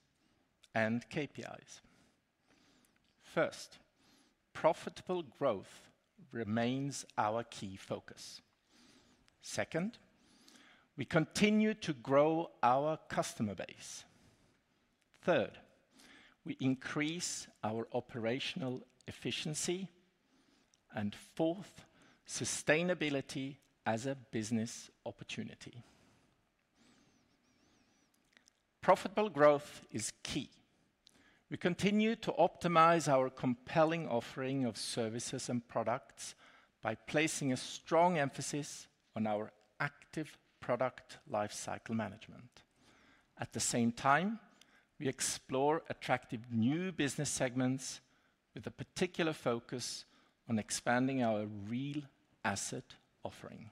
and KPIs. First, profitable growth remains our key focus. Second, we continue to grow our customer base. Third, we increase our operational efficiency, and fourth, sustainability as a business opportunity. Profitable growth is key. We continue to optimize our compelling offering of services and products by placing a strong emphasis on our active product lifecycle management. At the same time, we explore attractive new business segments with a particular focus on expanding our real asset offering.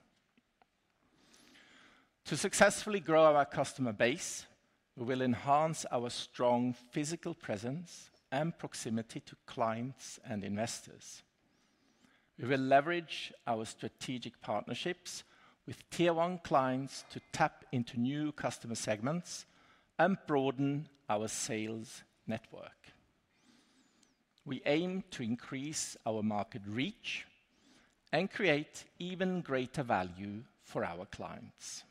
To successfully grow our customer base, we will enhance our strong physical presence and proximity to clients and investors. We will leverage our strategic partnerships with tier one clients to tap into new customer segments and broaden our sales network. We aim to increase our market reach and create even greater value for our clients.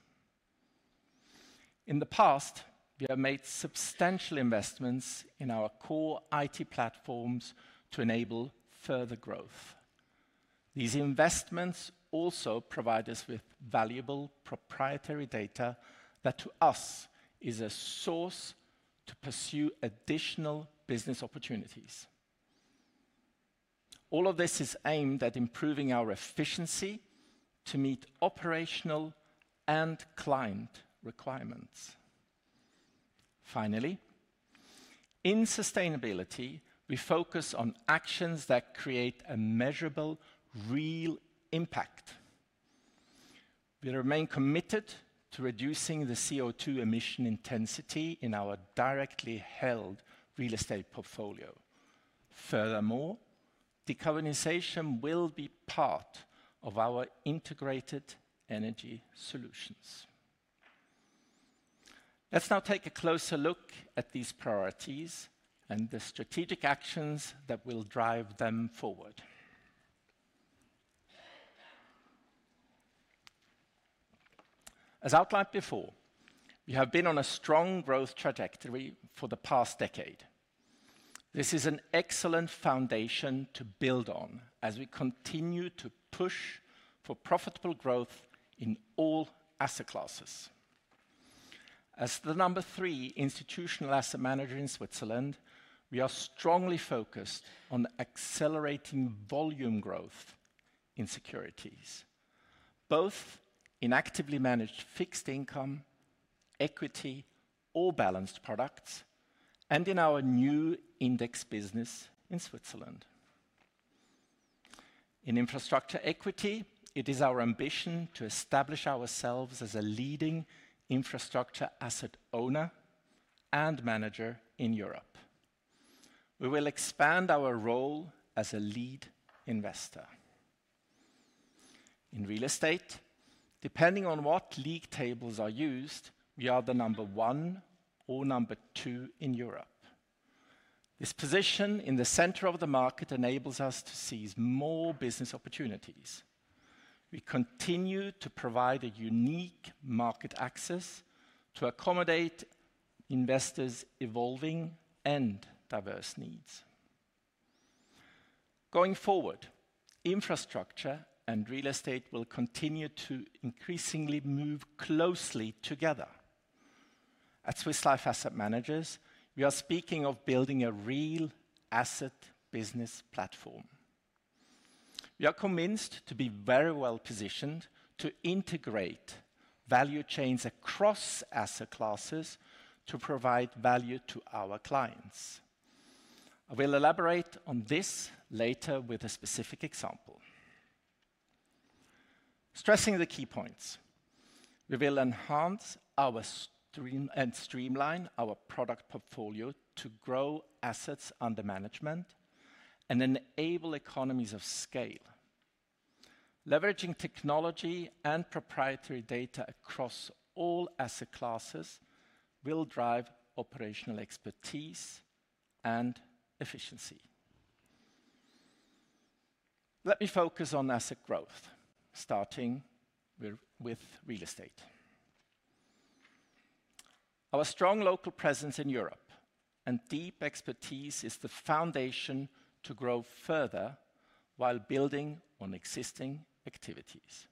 In the past, we have made substantial investments in our core IT platforms to enable further growth. These investments also provide us with valuable proprietary data that, to us, is a source to pursue additional business opportunities. All of this is aimed at improving our efficiency to meet operational and client requirements. Finally, in sustainability, we focus on actions that create a measurable real impact. We remain committed to reducing the CO2 emission intensity in our directly held real estate portfolio. Furthermore, decarbonization will be part of our integrated energy solutions. Let's now take a closer look at these priorities and the strategic actions that will drive them forward. As outlined before, we have been on a strong growth trajectory for the past decade. This is an excellent foundation to build on as we continue to push for profitable growth in all asset classes. As the number three institutional Asset Manager in Switzerland, we are strongly focused on accelerating volume growth in securities, both in actively managed fixed income, equity, or balanced products, and in our new index business in Switzerland. In infrastructure equity, it is our ambition to establish ourselves as a leading infrastructure asset owner and manager in Europe. We will expand our role as a lead investor. In real estate, depending on what league tables are used, we are the number one or number two in Europe. This position in the center of the market enables us to seize more business opportunities. We continue to provide a unique market access to accommodate investors' evolving and diverse needs. Going forward, infrastructure and real estate will continue to increasingly move closely together. At Swiss Life Asset Managers, we are speaking of building a real asset business platform. We are convinced to be very well positioned to integrate value chains across asset classes to provide value to our clients. I will elaborate on this later with a specific example. Stressing the key points, we will enhance and streamline our product portfolio to grow assets under management and enable economies of scale. Leveraging technology and proprietary data across all asset classes will drive operational expertise and efficiency. Let me focus on asset growth, starting with real estate. Our strong local presence in Europe and deep expertise is the foundation to grow further while building on existing activities.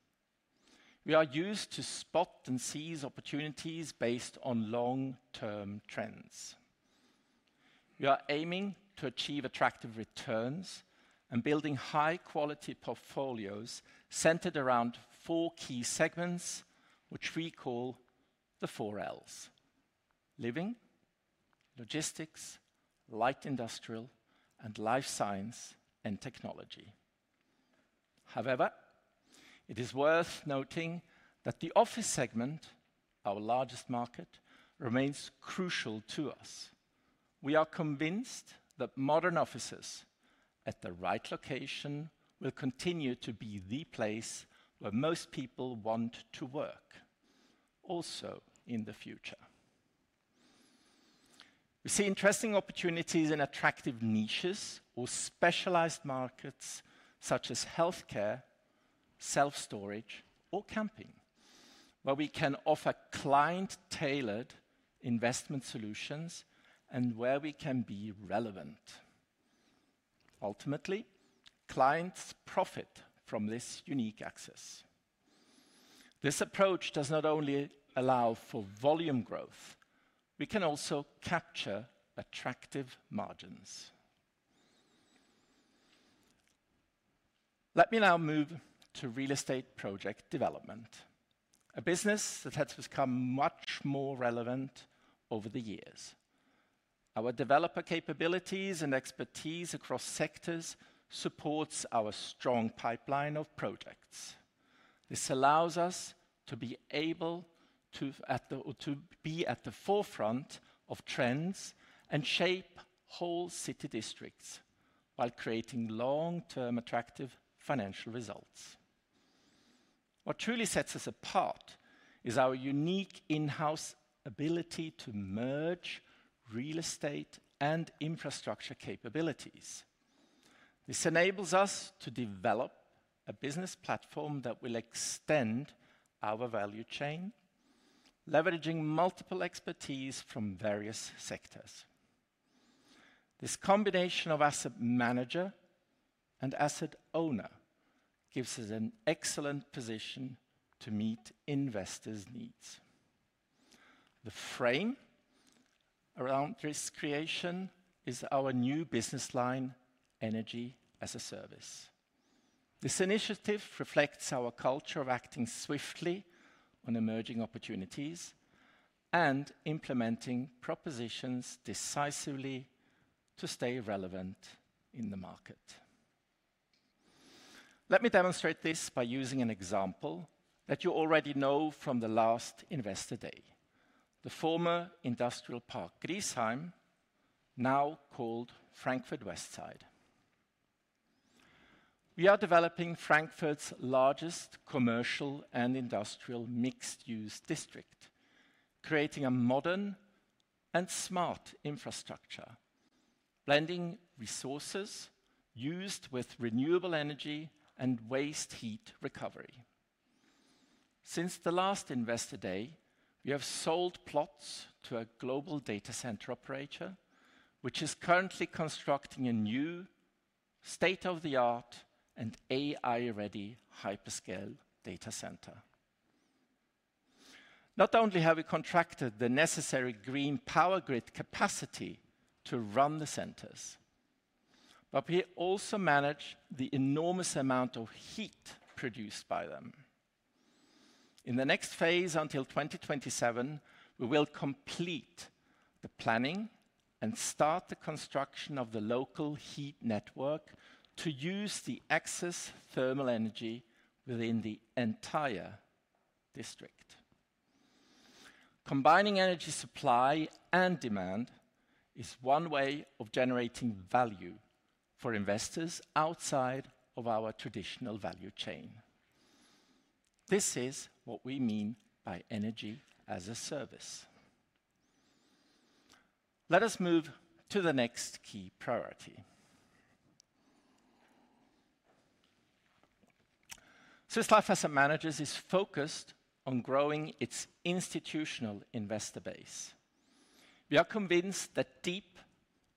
We are used to spot and seize opportunities based on long-term trends. We are aiming to achieve attractive returns and building high-quality portfolios centered around four key segments, which we call the four Ls: living, logistics, light industrial, and life science and technology. However, it is worth noting that the office segment, our largest market, remains crucial to us. We are convinced that modern offices at the right location will continue to be the place where most people want to work, also in the future. We see interesting opportunities in attractive niches or specialized markets such as healthcare, self-storage, or camping, where we can offer client-tailored investment solutions and where we can be relevant. Ultimately, clients profit from this unique access. This approach does not only allow for volume growth. We can also capture attractive margins. Let me now move to real estate project development, a business that has become much more relevant over the years. Our developer capabilities and expertise across sectors support our strong pipeline of projects. This allows us to be able to be at the forefront of trends and shape whole city districts while creating long-term attractive financial results. What truly sets us apart is our unique in-house ability to merge real estate and infrastructure capabilities. This enables us to develop a business platform that will extend our value chain, leveraging multiple expertise from various sectors. This combination of Asset Manager and asset owner gives us an excellent position to meet investors' needs. The frame around risk creation is our new business line, Energy as a Service. This initiative reflects our culture of acting swiftly on emerging opportunities and implementing propositions decisively to stay relevant in the market. Let me demonstrate this by using an example that you already know from the last investor day, the former industrial park Griesheim, now called Frankfurt Westside. We are developing Frankfurt's largest commercial and industrial mixed-use district, creating a modern and smart infrastructure, blending resources used with renewable energy and waste heat recovery. Since the last investor day, we have sold plots to a global data center operator, which is currently constructing a new state-of-the-art and AI-ready hyperscale data center. Not only have we contracted the necessary green power grid capacity to run the centers, but we also manage the enormous amount of heat produced by them. In the next phase, until 2027, we will complete the planning and start the construction of the local heat network to use the excess thermal energy within the entire district. Combining energy supply and demand is one way of generating value for investors outside of our traditional value chain. This is what we mean by energy as a service. Let us move to the next key priority. Swiss Life Asset Managers is focused on growing its institutional investor base. We are convinced that deep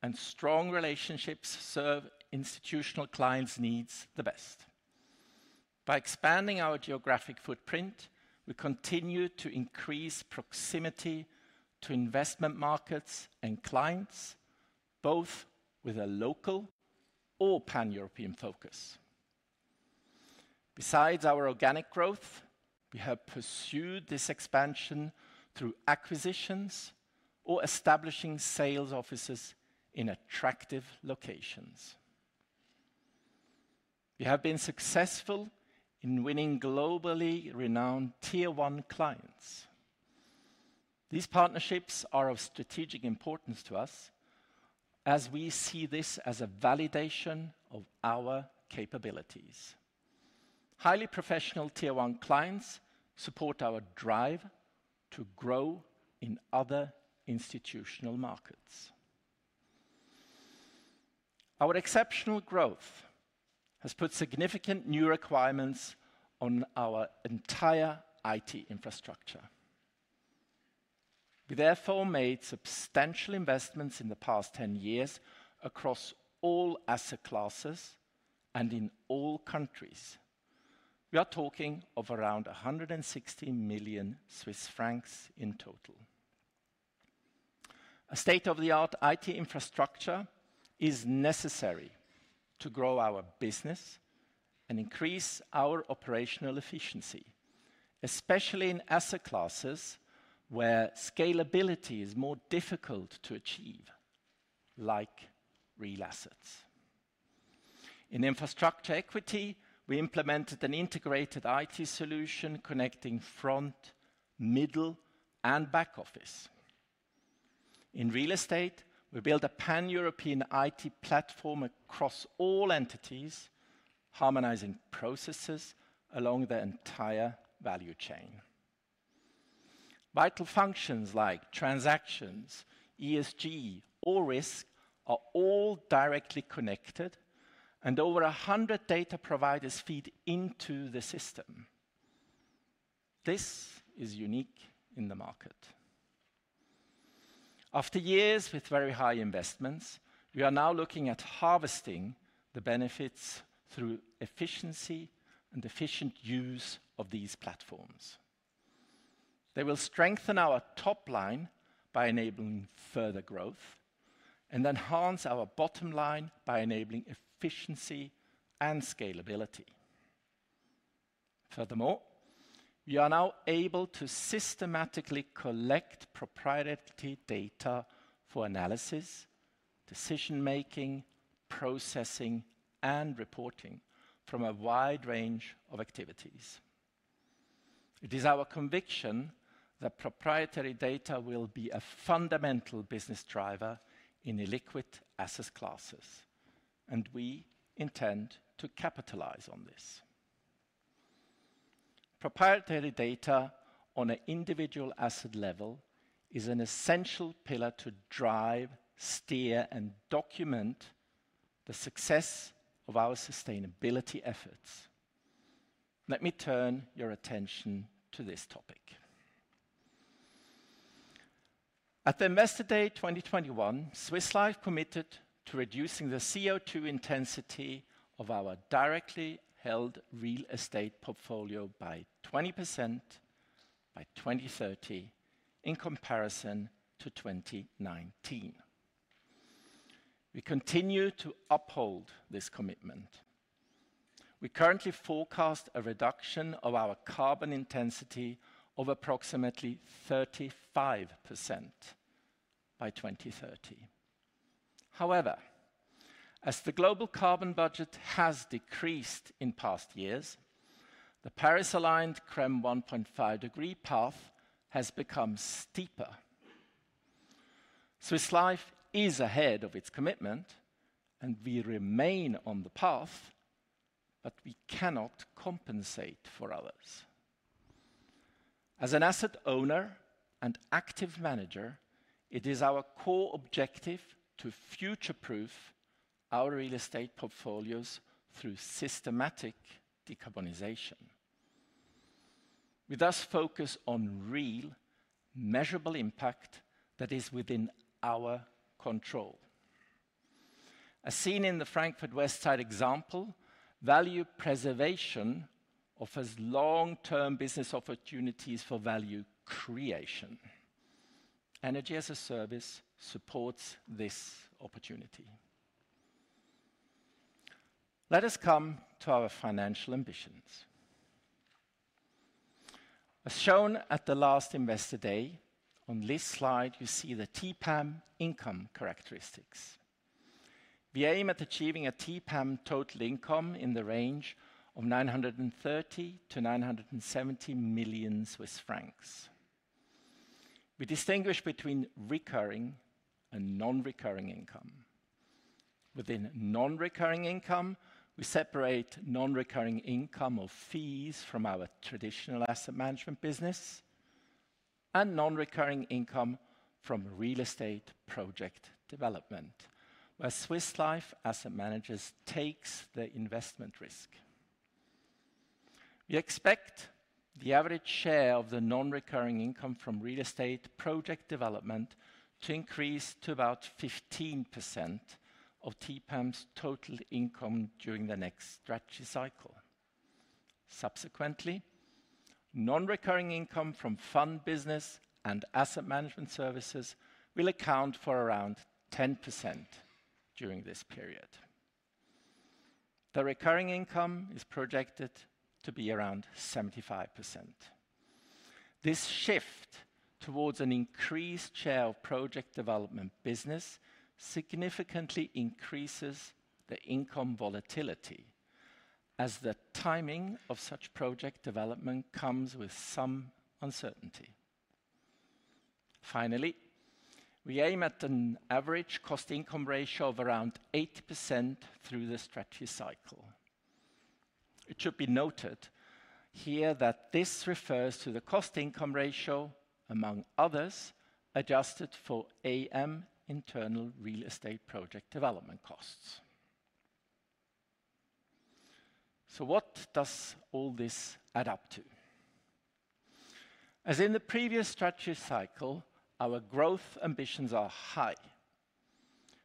and strong relationships serve institutional clients' needs the best. By expanding our geographic footprint, we continue to increase proximity to investment markets and clients, both with a local or pan-European focus. Besides our organic growth, we have pursued this expansion through acquisitions or establishing sales offices in attractive locations. We have been successful in winning globally renowned tier one clients. These partnerships are of strategic importance to us, as we see this as a validation of our capabilities. Highly professional tier one clients support our drive to grow in other institutional markets. Our exceptional growth has put significant new requirements on our entire IT infrastructure. We therefore made substantial investments in the past 10 years across all asset classes and in all countries. We are talking of around 160 million Swiss francs in total. A state-of-the-art IT infrastructure is necessary to grow our business and increase our operational efficiency, especially in asset classes where scalability is more difficult to achieve, like real assets. In infrastructure equity, we implemented an integrated IT solution connecting front, middle, and back office. In real estate, we built a pan-European IT platform across all entities, harmonizing processes along the entire value chain. Vital functions like transactions, ESG, or risk are all directly connected, and over 100 data providers feed into the system. This is unique in the market. After years with very high investments, we are now looking at harvesting the benefits through efficiency and efficient use of these platforms. They will strengthen our top line by enabling further growth and enhance our bottom line by enabling efficiency and scalability. Furthermore, we are now able to systematically collect proprietary data for analysis, decision-making, processing, and reporting from a wide range of activities. It is our conviction that proprietary data will be a fundamental business driver in illiquid asset classes, and we intend to capitalize on this. Proprietary data on an individual asset level is an essential pillar to drive, steer, and document the success of our sustainability efforts. Let me turn your attention to this topic. At the Investor Day 2021, Swiss Life committed to reducing the CO2 intensity of our directly held real estate portfolio by 20% by 2030 in comparison to 2019. We continue to uphold this commitment. We currently forecast a reduction of our carbon intensity of approximately 35% by 2030. However, as the global carbon budget has decreased in past years, the Paris-aligned 1.5-degree path has become steeper. Swiss Life is ahead of its commitment, and we remain on the path, but we cannot compensate for others. As an asset owner and active manager, it is our core objective to future-proof our real estate portfolios through systematic decarbonization. We thus focus on real, measurable impact that is within our control. As seen in the Frankfurt Westside example, value preservation offers long-term business opportunities for value creation. Energy as a Service supports this opportunity. Let us come to our financial ambitions. As shown at the last Investor Day, on this slide, you see the TPAM income characteristics. We aim at achieving a TPAM total income in the range of 930 million-970 million Swiss francs. We distinguish between recurring and non-recurring income. Within non-recurring income, we separate non-recurring income or fees from our traditional asset management business and non-recurring income from real estate project development, where Swiss Life Asset Managers takes the investment risk. We expect the average share of the non-recurring income from real estate project development to increase to about 15% of TPAM's total income during the next strategy cycle. Subsequently, non-recurring income from fund business and asset management services will account for around 10% during this period. The recurring income is projected to be around 75%. This shift towards an increased share of project development business significantly increases the income volatility as the timing of such project development comes with some uncertainty. Finally, we aim at an average cost-income ratio of around 8% through the strategy cycle. It should be noted here that this refers to the cost-income ratio, among others, adjusted for AM internal real estate project development costs. So what does all this add up to? As in the previous strategy cycle, our growth ambitions are high.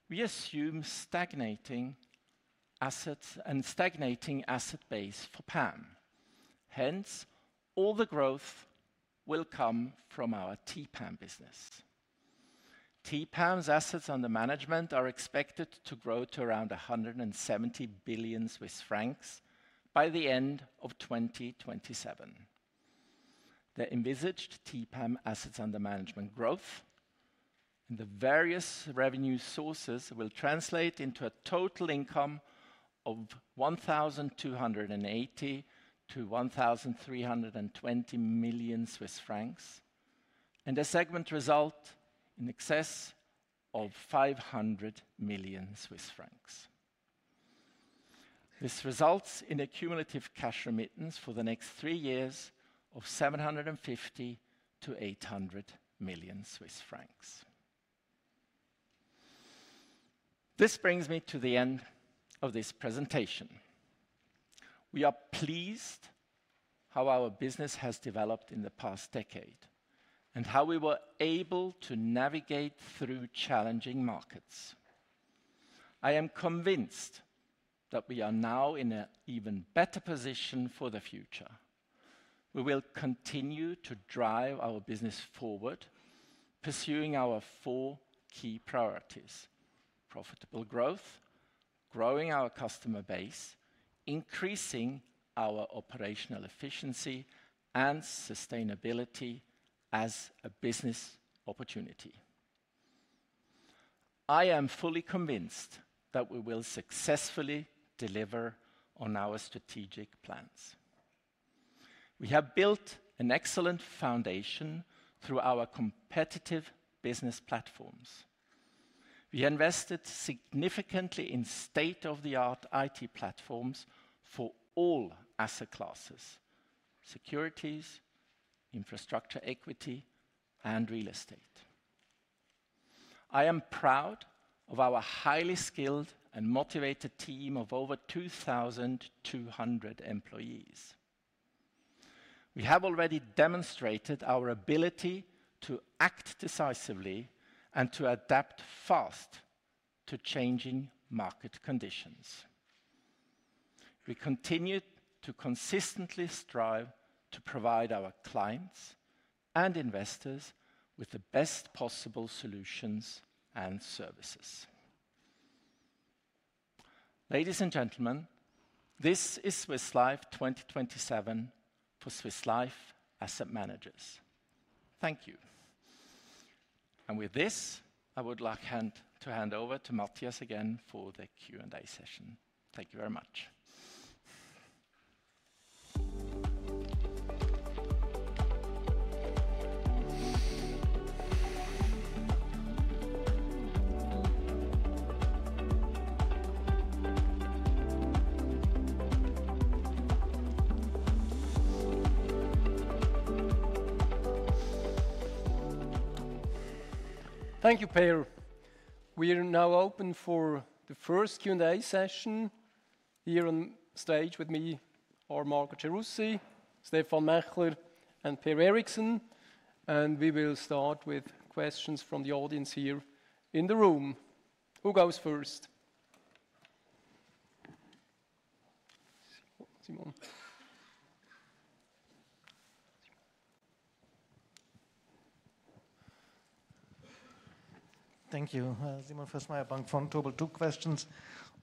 We assume stagnating assets and a stagnating asset base for PAM. Hence, all the growth will come from our TPAM business. TPAM's assets under management are expected to grow to around 170 billion Swiss francs by the end of 2027. The envisaged TPAM assets under management growth and the various revenue sources will translate into a total income of 1,280-1,320 million Swiss francs and a segment result in excess of 500 million Swiss francs. This results in a cumulative cash remittance for the next three years of 750-800 million Swiss francs. This brings me to the end of this presentation. We are pleased how our business has developed in the past decade and how we were able to navigate through challenging markets. I am convinced that we are now in an even better position for the future. We will continue to drive our business forward, pursuing our four key priorities: profitable growth, growing our customer base, increasing our operational efficiency, and sustainability as a business opportunity. I am fully convinced that we will successfully deliver on our strategic plans. We have built an excellent foundation through our competitive business platforms. We invested significantly in state-of-the-art IT platforms for all asset classes: securities, infrastructure equity, and real estate. I am proud of our highly skilled and motivated team of over 2,200 employees. We have already demonstrated our ability to act decisively and to adapt fast to changing market conditions. We continue to consistently strive to provide our clients and investors with the best possible solutions and services. Ladies and gentlemen, this is Swiss Life 2027 for Swiss Life Asset Managers. Thank you. And with this, I would like to hand over to Matthias again for the Q&A session. Thank you very much. Thank you, Per. We are now open for the first Q&A session here on stage with me are Marco Gerussi, Stefan Mächler, and Per Erikson. And we will start with questions from the audience here in the room. Who goes first? Thank you. Simon Fössmeier, Bank Vontobel. Two questions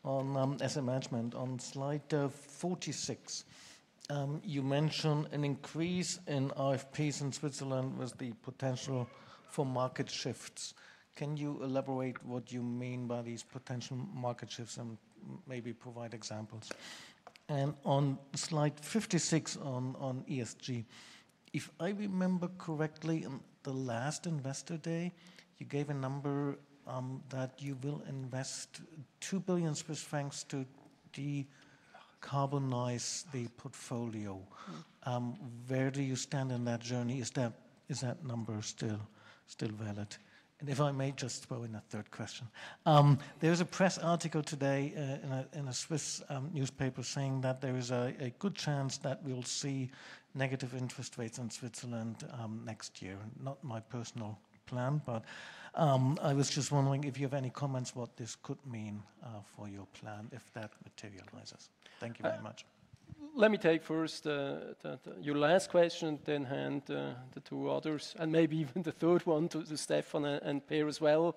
on asset management on slide 46. You mentioned an increase in RFPs in Switzerland with the potential for market shifts. Can you elaborate what you mean by these potential market shifts and maybe provide examples? And on slide 56 on ESG, if I remember correctly, on the last Investor Day, you gave a number that you will invest 2 billion Swiss francs to decarbonize the portfolio. Where do you stand in that journey? Is that number still valid? And if I may just throw in a third question. There was a press article today in a Swiss newspaper saying that there is a good chance that we will see negative interest rates in Switzerland next year. Not my personal plan, but I was just wondering if you have any comments on what this could mean for your plan if that materializes. Thank you very much. Let me take first your last question, then hand the two others, and maybe even the third one to Stefan and Per as well.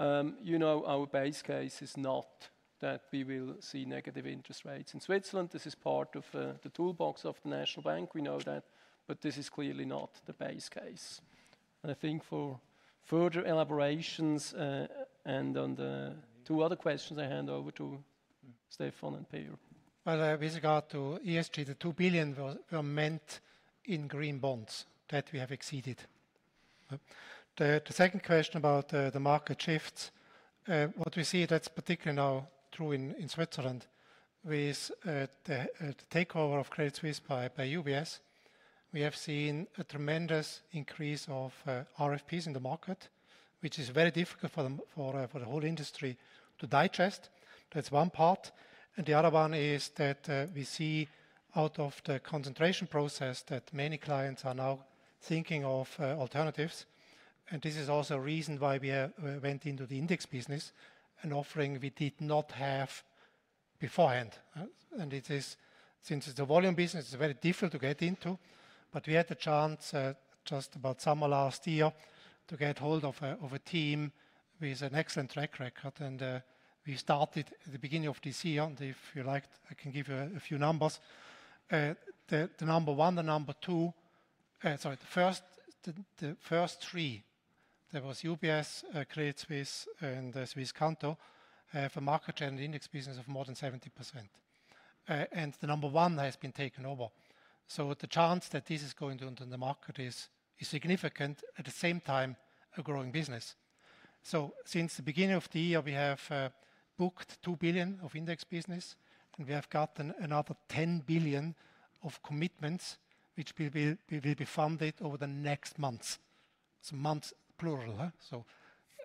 You know, our base case is not that we will see negative interest rates in Switzerland. This is part of the toolbox of the National Bank. We know that, but this is clearly not the base case. And I think for further elaborations and on the two other questions, I hand over to Stefan and Per. Well, with regard to ESG, the 2 billion were meant in green bonds that we have exceeded. The second question about the market shifts, what we see, that's particularly now true in Switzerland with the takeover of Credit Suisse by UBS. We have seen a tremendous increase of RFPs in the market, which is very difficult for the whole industry to digest. That's one part. And the other one is that we see out of the concentration process that many clients are now thinking of alternatives. And this is also a reason why we went into the index business, an offering we did not have beforehand. And since it's a volume business, it's very difficult to get into. But we had the chance just about summer last year to get hold of a team with an excellent track record. And we started at the beginning of this year. And if you like, I can give you a few numbers. The number one, the number two, sorry, the first three, there was UBS, Credit Suisse, and Swisscanto for market share in the index business of more than 70%. The number one has been taken over. The chance that this is going to enter the market is significant, at the same time a growing business. Since the beginning of the year, we have booked 2 billion of index business, and we have gotten another 10 billion of commitments, which will be funded over the next months. Months plural,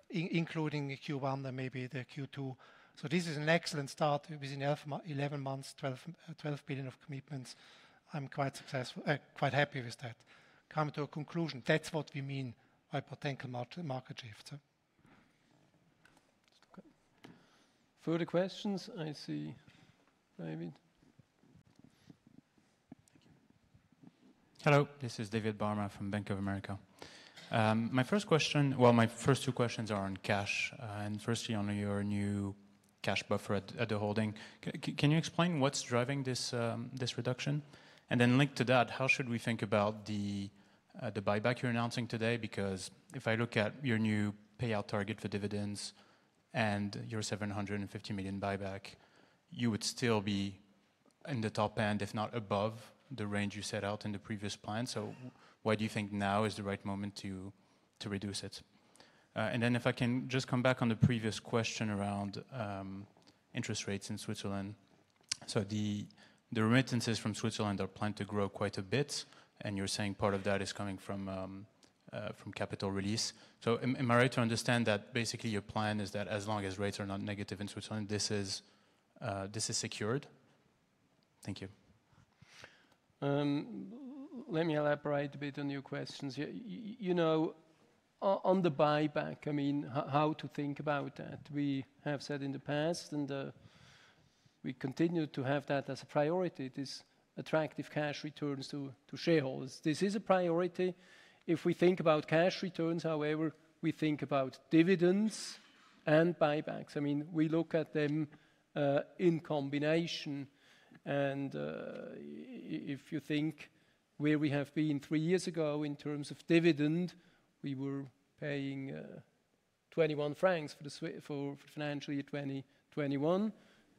including Q1 and maybe Q2. This is an excellent start. Within 11 months, 12 billion of commitments. I'm quite successful, quite happy with that. Coming to a conclusion, that's what we mean by potential market shifts. Further questions? I see David. Hello, this is David Barma from Bank of America. My first question, well, my first two questions are on cash and firstly on your new cash buffer at the holding. Can you explain what's driving this reduction? And then linked to that, how should we think about the buyback you're announcing today? Because if I look at your new payout target for dividends and your 750 million buyback, you would still be in the top end, if not above the range you set out in the previous plan. So why do you think now is the right moment to reduce it? And then if I can just come back on the previous question around interest rates in Switzerland. So the remittances from Switzerland are planned to grow quite a bit. And you're saying part of that is coming from capital release. So am I right to understand that basically your plan is that as long as rates are not negative in Switzerland, this is secured? Thank you. Let me elaborate a bit on your questions. You know, on the buyback, I mean, how to think about that? We have said in the past, and we continue to have that as a priority, this attractive cash returns to shareholders. This is a priority. If we think about cash returns, however, we think about dividends and buybacks. I mean, we look at them in combination. And if you think where we have been three years ago in terms of dividend, we were paying 21 francs for financial year 2021.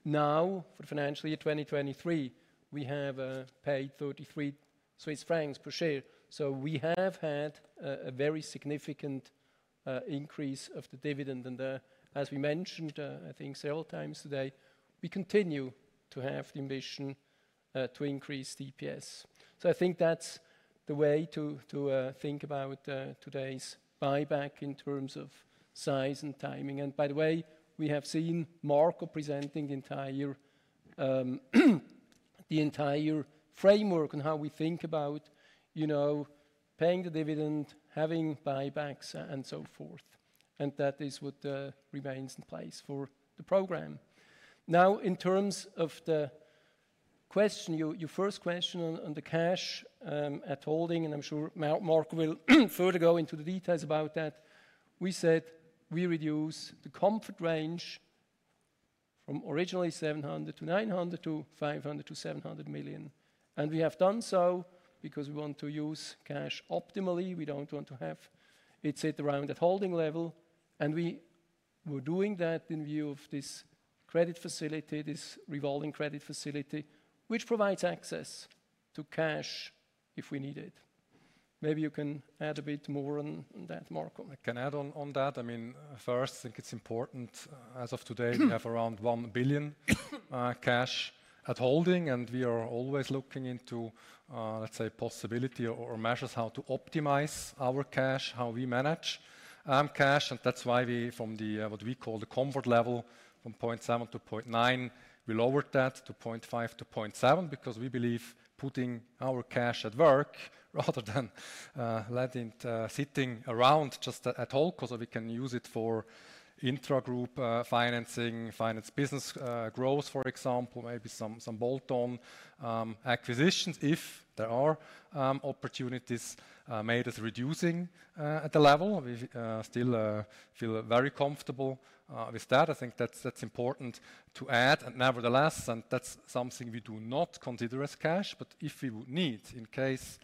Now, for financial year 2023, we have paid 33 Swiss francs per share. So we have had a very significant increase of the dividend. And as we mentioned, I think several times today, we continue to have the ambition to increase EPS. So I think that's the way to think about today's buyback in terms of size and timing. By the way, we have seen Marco presenting the entire framework on how we think about paying the dividend, having buybacks, and so forth. That is what remains in place for the program. Now, in terms of the question, your first question on the cash at holding, and I'm sure Marco will further go into the details about that, we said we reduce the comfort range from originally 700 million-900 million to 500 million-700 million. We have done so because we want to use cash optimally. We don't want to have it sit around at holding level. We were doing that in view of this credit facility, this revolving credit facility, which provides access to cash if we need it. Maybe you can add a bit more on that, Marco. I can add on that. I mean, first, I think it's important. As of today, we have around 1 billion cash at holding, and we are always looking into, let's say, possibility or measures how to optimize our cash, how we manage cash, and that's why we, from what we call the comfort level, from 0.7 billion to 0.9 billion, lowered that to 0.5 billion to 0.7 billion because we believe putting our cash at work rather than letting it sitting around just at all, because we can use it for intra-group financing, finance business growth, for example, maybe some bolt-on acquisitions if there are opportunities made as reducing at the level. We still feel very comfortable with that. I think that's important to add. Nevertheless, and that's something we do not consider as cash, but if we would need in case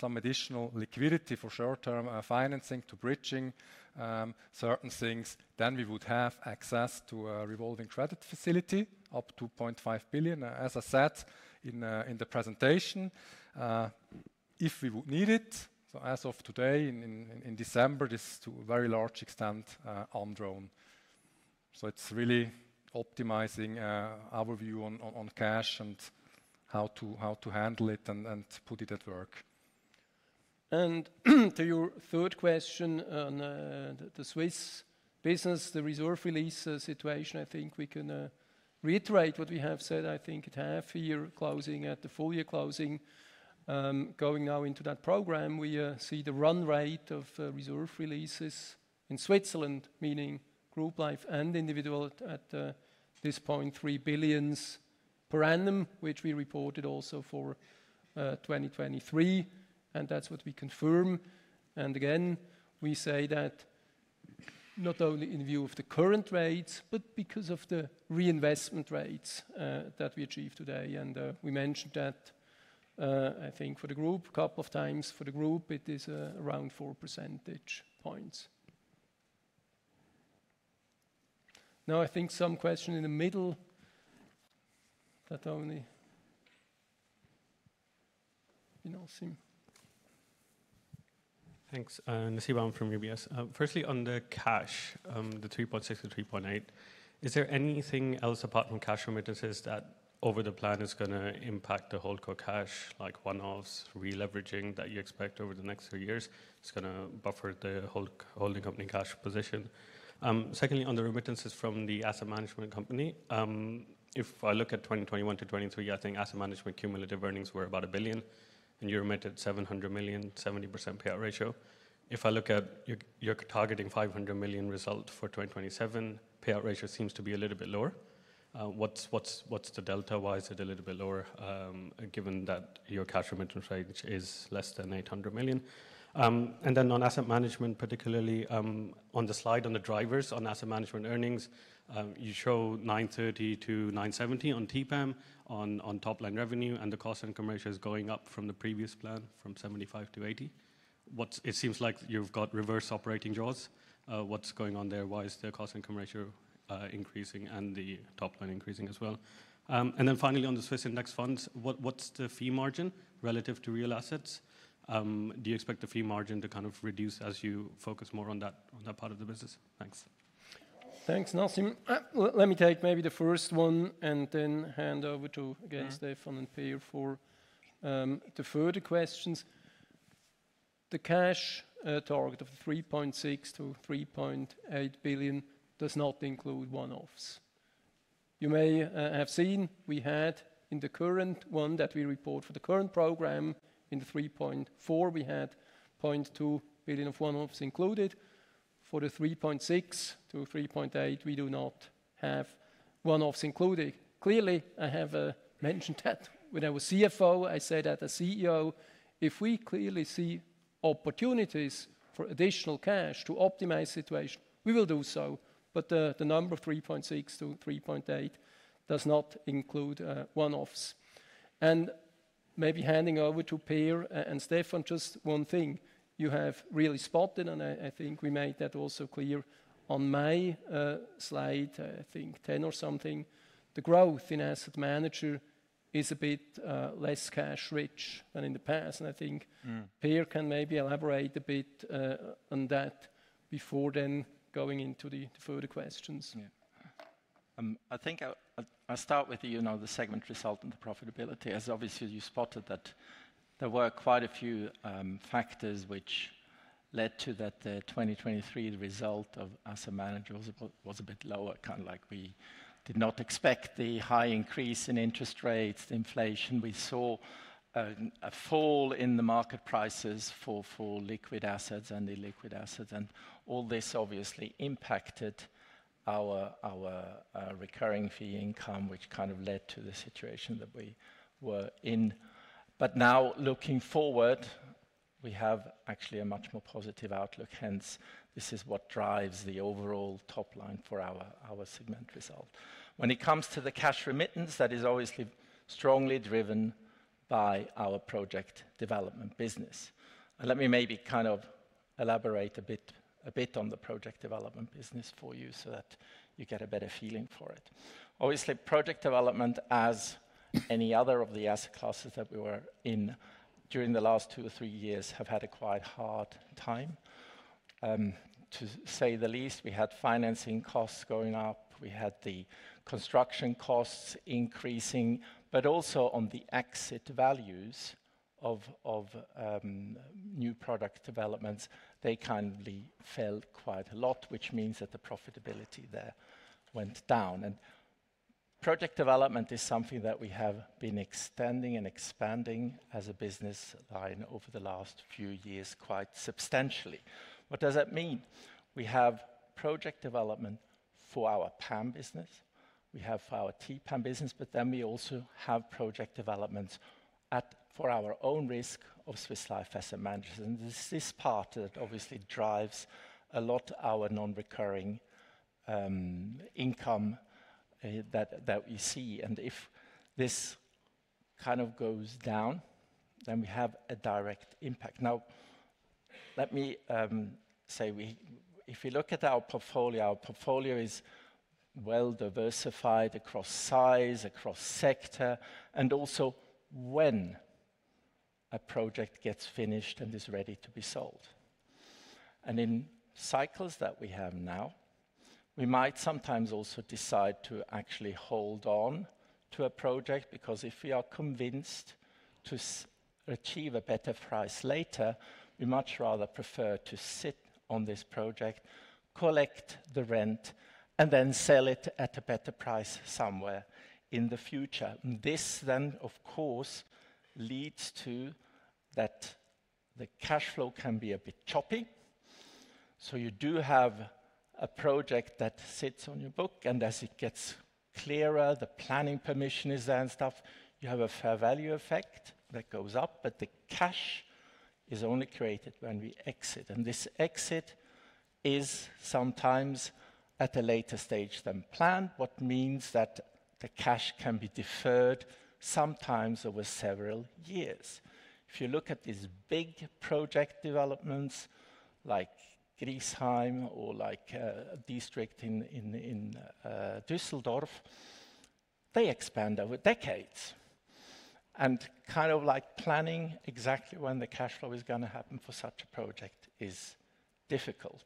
some additional liquidity for short-term financing to bridge certain things, then we would have access to a revolving credit facility up to 0.5 billion. As I said in the presentation, if we would need it. So as of today, in December, this is to a very large extent undrawn. So it's really optimizing our view on cash and how to handle it and put it at work. And to your third question on the Swiss business, the reserve release situation, I think we can reiterate what we have said. I think at half-year closing, at the full-year closing, going now into that program, we see the run rate of reserve releases in Switzerland, meaning group life and individual at this point, 3 billion per annum, which we reported also for 2023. That's what we confirm. And again, we say that not only in view of the current rates, but because of the reinvestment rates that we achieved today. And we mentioned that, I think, for the group, a couple of times for the group. It is around 4 percentage points. Now, I think some question in the middle that only you know, Sim. Thanks. [And the one] from UBS. Firstly, on the cash, the 3.6-3.8, is there anything else apart from cash remittances that over the plan is going to impact the whole core cash, like one-offs releveraging that you expect over the next three years? It's going to buffer the whole holding company cash position. Secondly, on the remittances from the asset management company, if I look at 2021 to 2023, I think asset management cumulative earnings were about a billion. You remitted 700 million, 70% payout ratio. If I look at your targeting 500 million result for 2027, payout ratio seems to be a little bit lower. What's the delta? Why is it a little bit lower given that your cash remittance range is less than 800 million? And then on asset management, particularly on the slide on the drivers on asset management earnings, you show 930-970 on TPAM on top line revenue, and the cost-income ratio is going up from the previous plan from 75%-80%. It seems like you've got reverse operating draws. What's going on there? Why is the cost-income ratio increasing and the top line increasing as well? And then finally, on the Swiss index funds, what's the fee margin relative to real assets? Do you expect the fee margin to kind of reduce as you focus more on that part of the business? Thanks. Thanks, [Nasib]. Let me take maybe the first one and then hand over to again Stefan and Per for the further questions. The cash target of 3.6-3.8 billion does not include one-offs. You may have seen we had in the current one that we report for the current program, in the 3.4 billion, we had 0.2 billion of one-offs included. For the 3.6-3.8 billion, we do not have one-offs included. Clearly, I have mentioned that when I was CFO, I said at the CEO, if we clearly see opportunities for additional cash to optimize the situation, we will do so. But the number 3.6-3.8 billion does not include one-offs. And maybe handing over to Per and Stefan, just one thing. You have really spotted, and I think we made that also clear on my slide, I think 10 or something. The growth in Asset Manager is a bit less cash rich than in the past. And I think Per can maybe elaborate a bit on that before then going into the further questions. I think I'll start with the segment result and the profitability. As obviously, you spotted that there were quite a few factors which led to that the 2023 result of Asset Manager was a bit lower, kind of like we did not expect the high increase in interest rates, the inflation. We saw a fall in the market prices for liquid assets and illiquid assets. And all this obviously impacted our recurring fee income, which kind of led to the situation that we were in. But now looking forward, we have actually a much more positive outlook. Hence, this is what drives the overall top line for our segment result. When it comes to the cash remittance, that is obviously strongly driven by our project development business, and let me maybe kind of elaborate a bit on the project development business for you so that you get a better feeling for it. Obviously, project development, as any other of the asset classes that we were in during the last two or three years, have had a quite hard time, to say the least. We had financing costs going up. We had the construction costs increasing, but also on the exit values of new project developments, they kind of fell quite a lot, which means that the profitability there went down, and project development is something that we have been extending and expanding as a business line over the last few years quite substantially. What does that mean? We have project development for our PAM business. We have our TPAM business, but then we also have project developments for our own risk of Swiss Life Asset Managers, and this is part that obviously drives a lot of our non-recurring income that we see, and if this kind of goes down, then we have a direct impact. Now, let me say, if you look at our portfolio, our portfolio is well diversified across size, across sector, and also when a project gets finished and is ready to be sold, and in cycles that we have now, we might sometimes also decide to actually hold on to a project because if we are convinced to achieve a better price later, we much rather prefer to sit on this project, collect the rent, and then sell it at a better price somewhere in the future. This then, of course, leads to that the cash flow can be a bit choppy. So you do have a project that sits on your book. And as it gets clearer, the planning permission is there and stuff, you have a fair value effect that goes up, but the cash is only created when we exit. And this exit is sometimes at a later stage than planned, what means that the cash can be deferred sometimes over several years. If you look at these big project developments like Griesheim or like a district in Düsseldorf, they expand over decades. And kind of like planning exactly when the cash flow is going to happen for such a project is difficult.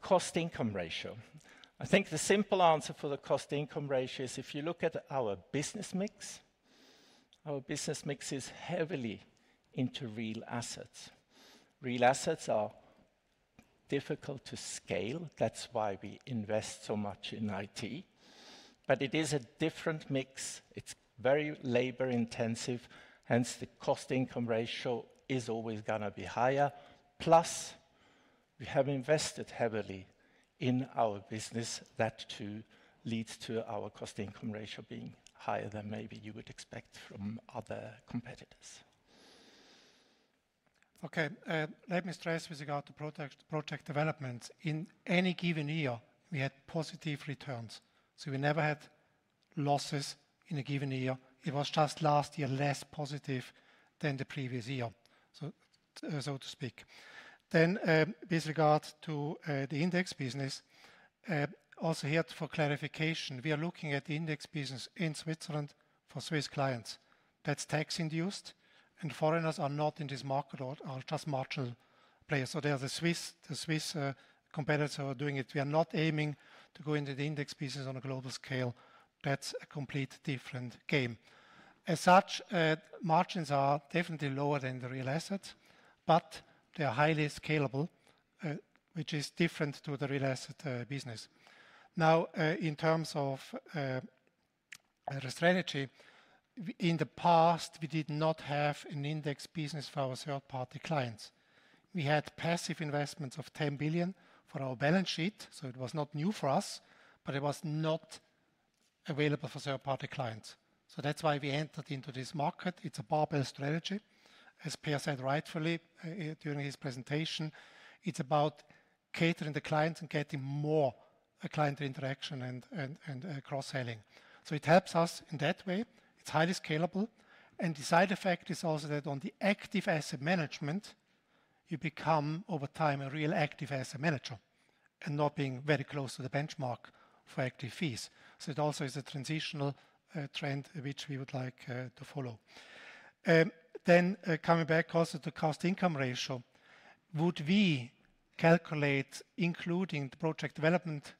Cost-income ratio. I think the simple answer for the cost-income ratio is if you look at our business mix, our business mix is heavily into real assets. Real assets are difficult to scale. That's why we invest so much in IT. But it is a different mix. It's very labor-intensive. Hence, the cost-to-income ratio is always going to be higher. Plus, we have invested heavily in our business. That too leads to our cost-to-income ratio being higher than maybe you would expect from other competitors. Okay. Let me stress with regard to project development. In any given year, we had positive returns. So we never had losses in a given year. It was just last year less positive than the previous year, so to speak. Then with regard to the index business, also here for clarification, we are looking at the index business in Switzerland for Swiss clients. That's tax-induced. And foreigners are not in this market or just marginal players. So there are the Swiss competitors who are doing it. We are not aiming to go into the index business on a global scale. That's a completely different game. As such, margins are definitely lower than the real assets, but they are highly scalable, which is different to the real asset business. Now, in terms of strategy, in the past, we did not have an index business for our third-party clients. We had passive investments of 10 billion for our balance sheet. So it was not new for us, but it was not available for third-party clients. So that's why we entered into this market. It's a barbell strategy. As Per said rightfully during his presentation, it's about catering to the clients and getting more client interaction and cross-selling. So it helps us in that way. It's highly scalable. And the side effect is also that on the active asset management, you become over time a real active Asset Manager and not being very close to the benchmark for active fees. So it also is a transitional trend which we would like to follow. Then coming back also to the cost-to-income ratio, would we calculate including the project development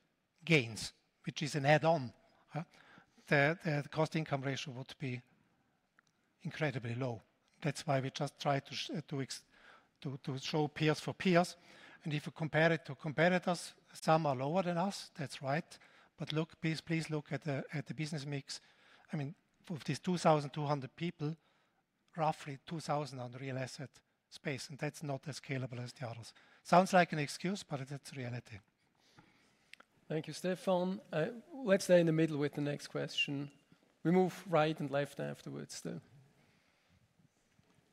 gains, which is an add-on, the cost-to-income ratio would be incredibly low. That's why we just try to show peers for peers. And if we compare it to competitors, some are lower than us. That's right. But look, please look at the business mix. I mean, with these 2,200 people, roughly 2,000 on the real asset space. And that's not as scalable as the others. Sounds like an excuse, but it's reality. Thank you, Stefan. Let's stay in the middle with the next question. We move right and left afterwards though.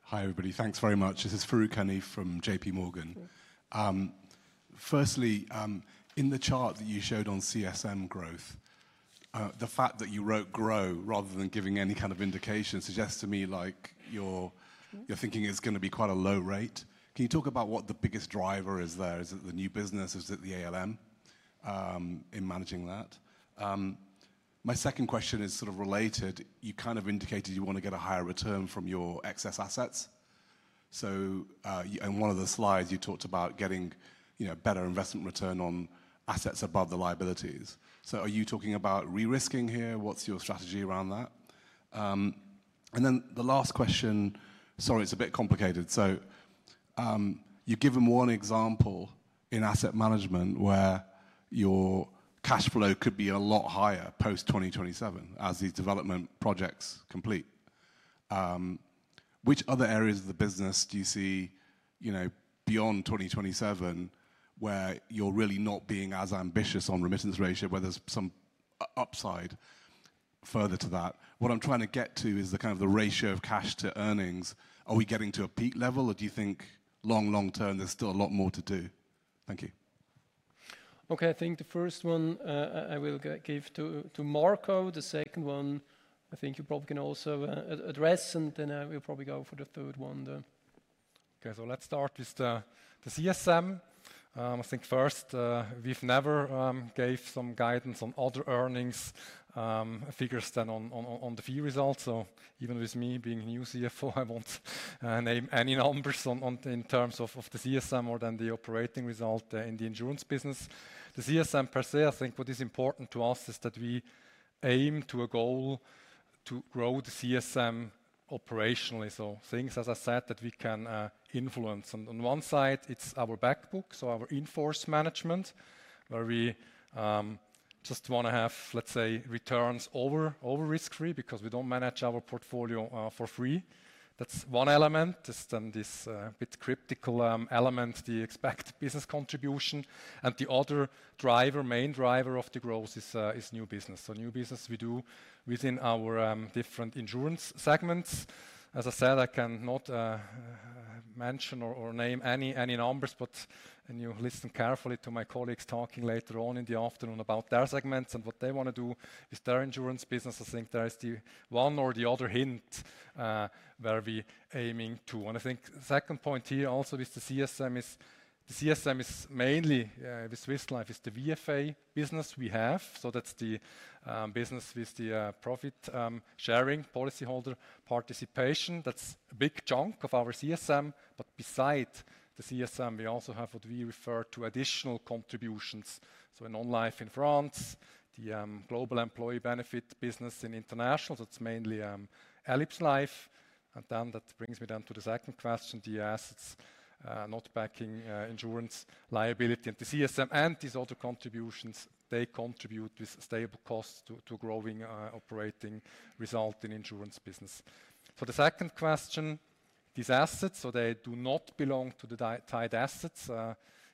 Hi everybody. Thanks very much. This is Farooq Hanif from J.P. Morgan. Firstly, in the chart that you showed on CSM growth, the fact that you wrote grow rather than giving any kind of indication suggests to me like you're thinking it's going to be quite a low rate. Can you talk about what the biggest driver is there? Is it the new business? Is it the ALM in managing that? My second question is sort of related. You kind of indicated you want to get a higher return from your excess assets. So in one of the slides, you talked about getting better investment return on assets above the liabilities. So are you talking about re-risking here? What's your strategy around that? And then the last question, sorry, it's a bit complicated. So you've given one example in asset management where your cash flow could be a lot higher post 2027 as these development projects complete. Which other areas of the business do you see beyond 2027 where you're really not being as ambitious on remittance ratio, where there's some upside further to that? What I'm trying to get to is the kind of the ratio of cash to earnings. Are we getting to a peak level or do you think long, long term there's still a lot more to do? Thank you. Okay, I think the first one I will give to Marco. The second one, I think you probably can also address, and then we'll probably go for the third one there. Okay, so let's start with the CSM. I think first, we've never gave some guidance on other earnings figures than on the fee result. So even with me being a new CFO, I won't name any numbers in terms of the CSM or then the operating result in the insurance business. The CSM per se, I think what is important to us is that we aim to a goal to grow the CSM operationally. So things, as I said, that we can influence. On one side, it's our backbook, so our in-force management, where we just want to have, let's say, returns over risk-free because we don't manage our portfolio for free. That's one element. There's then this bit cryptic element, the expected business contribution. And the other driver, main driver of the growth is new business. So new business we do within our different insurance segments. As I said, I cannot mention or name any numbers, but if you listen carefully to my colleagues talking later on in the afternoon about their segments and what they want to do with their insurance business, I think there is the one or the other hint where we're aiming to. And I think the second point here also with the CSM is mainly, with Swiss Life, the VFA business we have. So that's the business with the profit sharing policyholder participation. That's a big chunk of our CSM. But besides the CSM, we also have what we refer to as additional contributions. So in [own life] in France, the group employee benefit business in International, so it's mainly elipsLife. That brings me then to the second question, the assets not backing insurance liability and the CSM and these other contributions. They contribute with stable costs to growing operating result in insurance business. For the second question, these assets, so they do not belong to the tied assets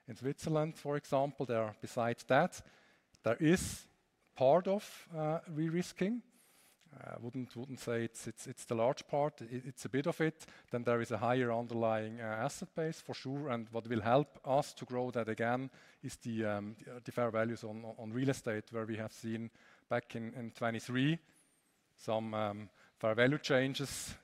in Switzerland, for example. They are besides that. There is part of de-risking. I wouldn't say it's the large part. It's a bit of it. Then there is a higher underlying asset base for sure. What will help us to grow that again is the fair values on real estate where we have seen back in 2023 some fair value changes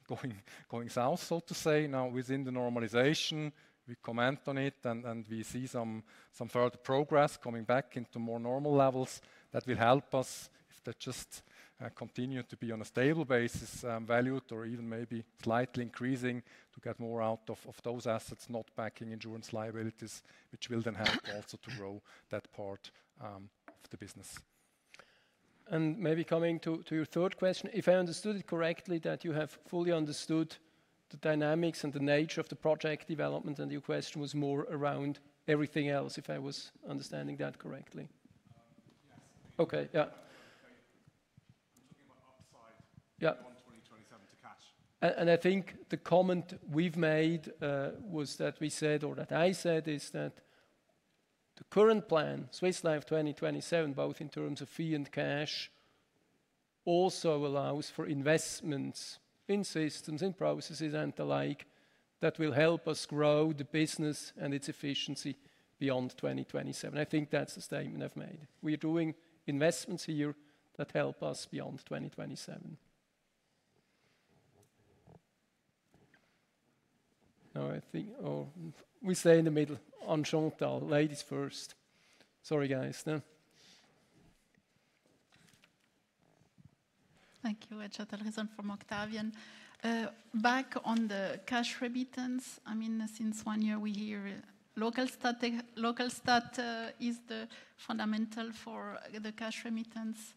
going south, so to say. Now within the normalization, we comment on it and we see some further progress coming back into more normal levels that will help us if they just continue to be on a stable basis valued or even maybe slightly increasing to get more out of those assets not backing insurance liabilities, which will then help also to grow that part of the business. And maybe coming to your third question, if I understood it correctly, that you have fully understood the dynamics and the nature of the project development and your question was more around everything else, if I was understanding that correctly. Okay, yeah. I'm talking about upside on 2027 to cash. And I think the comment we've made was that we said, or that I said, is that the current plan, Swiss Life 2027, both in terms of fee and cash, also allows for investments in systems, in processes and the like that will help us grow the business and its efficiency beyond 2027. I think that's the statement I've made. We are doing investments here that help us beyond 2027. We stay in the middle. Enchanté, ladies first. Sorry, guys. Thank you. [Edgar Thalasinos] from Octavian. Back on the cash remittance, I mean, since one year we hear local statutory is the fundamental for the cash remittance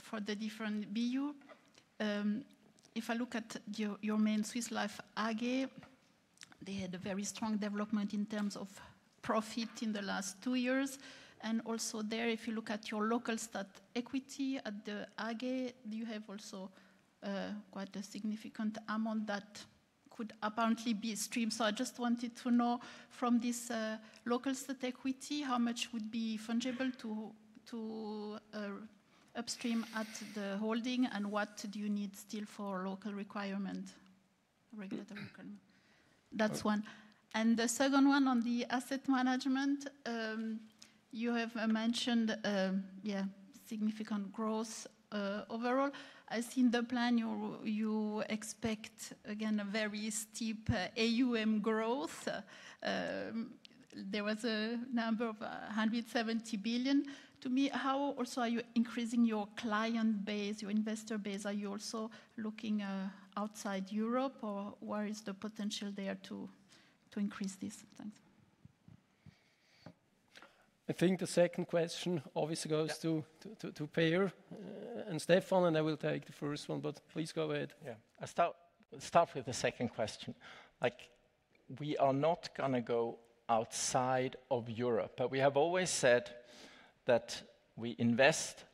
for the different BU. If I look at your main Swiss Life AG, they had a very strong development in terms of profit in the last two years. And also there, if you look at your local stat equity at the AGE, you have also quite a significant amount that could apparently be streamed. So I just wanted to know from this local stat equity how much would be fungible to upstream at the holding and what do you need still for local requirement, regulatory requirement. That's one. And the second one on the asset management, you have mentioned, yeah, significant growth overall. I see in the plan you expect, again, a very steep AUM growth. There was a number of 170 billion. To me, how also are you increasing your client base, your investor base? Are you also looking outside Europe or where is the potential there to increase this? Thanks. I think the second question obviously goes to Per and Stefan, and I will take the first one, but please go ahead. Yeah, I'll start with the second question. We are not going to go outside of Europe, but we have always said that we invest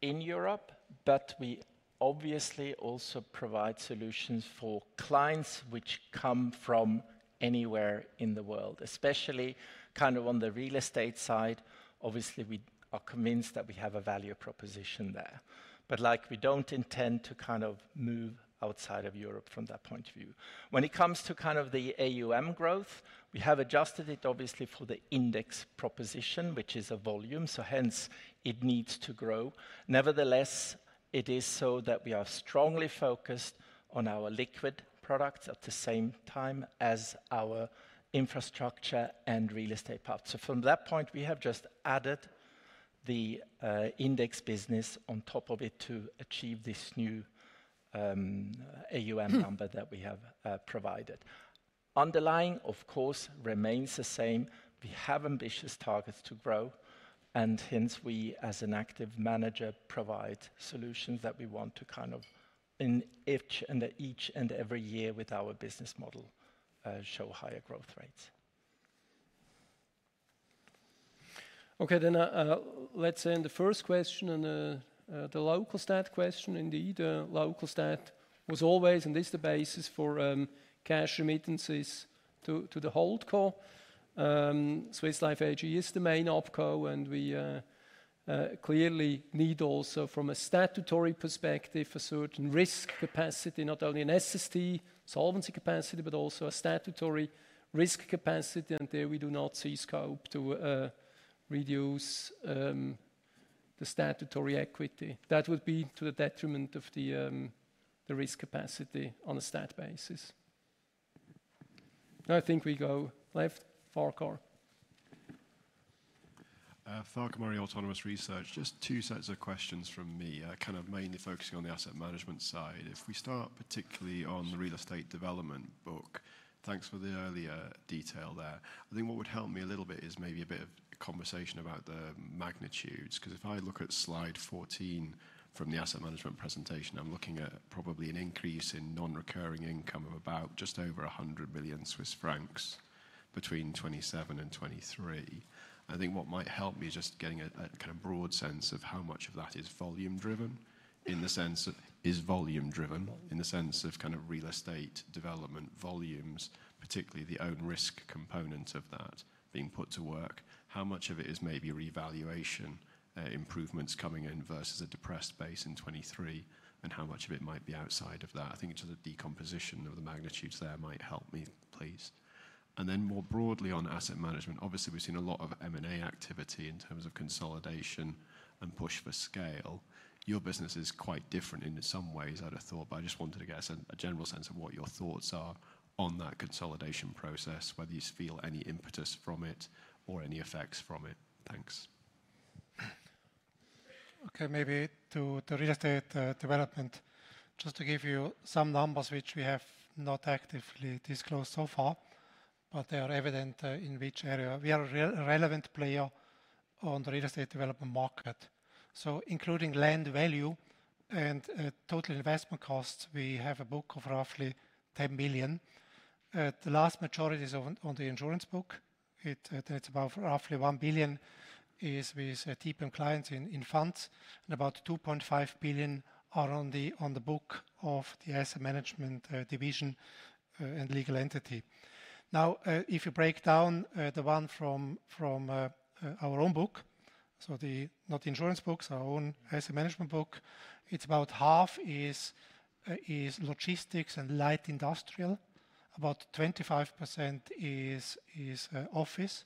in Europe, but we obviously also provide solutions for clients which come from anywhere in the world, especially kind of on the real estate side. Obviously, we are convinced that we have a value proposition there, but we don't intend to kind of move outside of Europe from that point of view. When it comes to kind of the AUM growth, we have adjusted it obviously for the index proposition, which is a volume, so hence it needs to grow. Nevertheless, it is so that we are strongly focused on our liquid products at the same time as our infrastructure and real estate parts. From that point, we have just added the index business on top of it to achieve this new AUM number that we have provided. Underlying, of course, remains the same. We have ambitious targets to grow, and hence we, as an active manager, provide solutions that we want to kind of in each and every year with our business model show higher growth rates. Okay, then let's end the first question and the local stat question. Indeed, local stat was always, and this is the basis for cash remittances to the holdco. Swiss Life AG is the main opco, and we clearly need also from a statutory perspective a certain risk capacity, not only an SST solvency capacity, but also a statutory risk capacity, and there we do not see scope to reduce the statutory equity. That would be to the detriment of the risk capacity on a stat basis. I think we go left, Farquhar. Farquhar Murray, Autonomous Research. Just two sets of questions from me, kind of mainly focusing on the asset management side. If we start particularly on the real estate development book, thanks for the earlier detail there. I think what would help me a little bit is maybe a bit of conversation about the magnitudes, because if I look at slide 14 from the asset management presentation, I'm looking at probably an increase in non-recurring income of about just over 100 million Swiss francs between 2027 and 2023. I think what might help me is just getting a kind of broad sense of how much of that is volume-driven, in the sense that is volume-driven in the sense of kind of real estate development volumes, particularly the own risk component of that being put to work? How much of it is maybe revaluation improvements coming in versus a depressed base in 2023, and how much of it might be outside of that? I think sort of decomposition of the magnitudes there might help me, please. And then more broadly on asset management, obviously we've seen a lot of M&A activity in terms of consolidation and push for scale. Your business is quite different in some ways, I'd have thought, but I just wanted to get a general sense of what your thoughts are on that consolidation process, whether you feel any impetus from it or any effects from it. Thanks. Okay, maybe to real estate development, just to give you some numbers which we have not actively disclosed so far, but they are evident in which area we are a relevant player on the real estate development market. So including land value and total investment costs, we have a book of roughly 10 million. The vast majority is on the insurance book. It's about roughly 1 billion with TPAM clients in funds, and about 2.5 billion are on the book of the asset management division and legal entity. Now, if you break down the one from our own book, so not the insurance book, so our own asset management book, it's about half is logistics and light industrial, about 25% is office,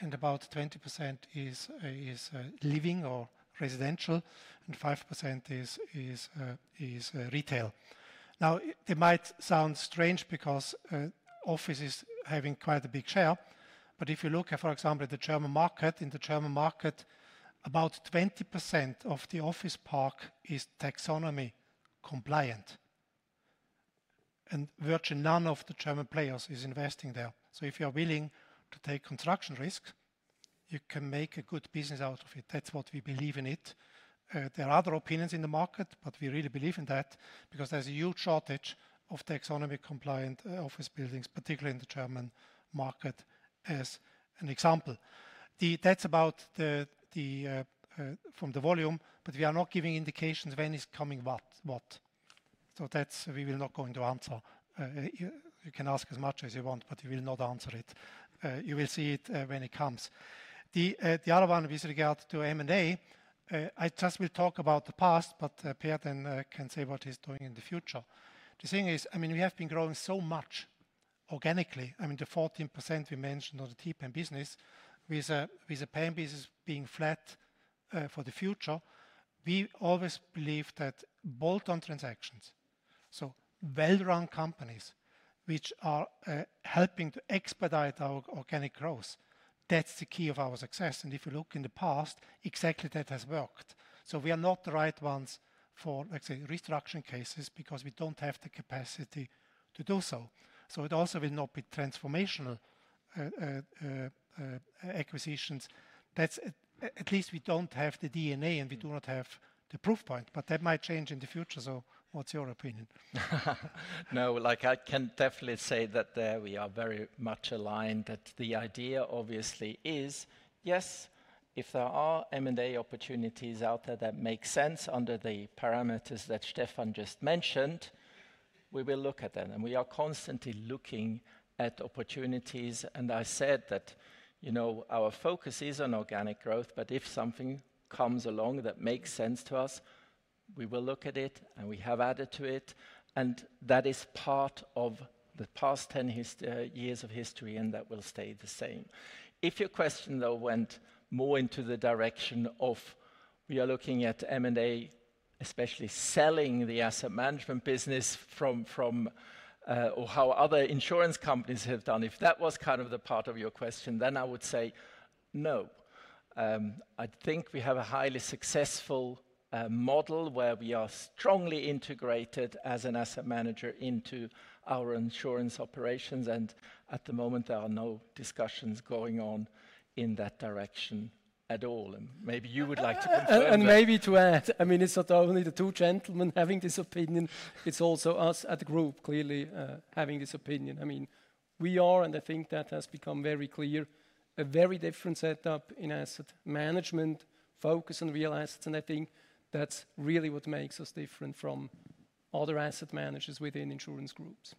and about 20% is living or residential, and 5% is retail. Now, it might sound strange because office is having quite a big share, but if you look at, for example, the German market, in the German market, about 20% of the office park is taxonomy compliant, and virtually none of the German players is investing there. So if you're willing to take construction risk, you can make a good business out of it. That's what we believe in it. There are other opinions in the market, but we really believe in that because there's a huge shortage of taxonomy compliant office buildings, particularly in the German market as an example. That's about from the volume, but we are not giving indications when is coming what. So we will not go into answer. You can ask as much as you want, but we will not answer it. You will see it when it comes. The other one with regard to M&A, I just will talk about the past, but Per then can say what he's doing in the future. The thing is, I mean, we have been growing so much organically. I mean, the 14% we mentioned on the TPAM business, with a PAM business being flat for the future, we always believe that bolt-on transactions, so well-run companies which are helping to expedite our organic growth, that's the key of our success. And if you look in the past, exactly that has worked. So we are not the right ones for, let's say, restructuring cases because we don't have the capacity to do so. So it also will not be transformational acquisitions. At least we don't have the DNA and we do not have the proof point, but that might change in the future. So what's your opinion? No, I can definitely say that we are very much aligned that the idea obviously is, yes, if there are M&A opportunities out there that make sense under the parameters that Stefan just mentioned, we will look at them. And we are constantly looking at opportunities. And I said that our focus is on organic growth, but if something comes along that makes sense to us, we will look at it and we have added to it. And that is part of the past 10 years of history and that will stay the same. If your question, though, went more into the direction of we are looking at M&A, especially selling the asset management business from or how other insurance companies have done, if that was kind of the part of your question, then I would say no. I think we have a highly successful model where we are strongly integrated as an Asset Manager into our insurance operations. And at the moment, there are no discussions going on in that direction at all. And maybe you would like to confirm. And maybe to add, I mean, it's not only the two gentlemen having this opinion, it's also us at the group clearly having this opinion. I mean, we are, and I think that has become very clear, a very different setup in asset management, focus on real assets. And I think that's really what makes us different from other Asset Managers within insurance groups.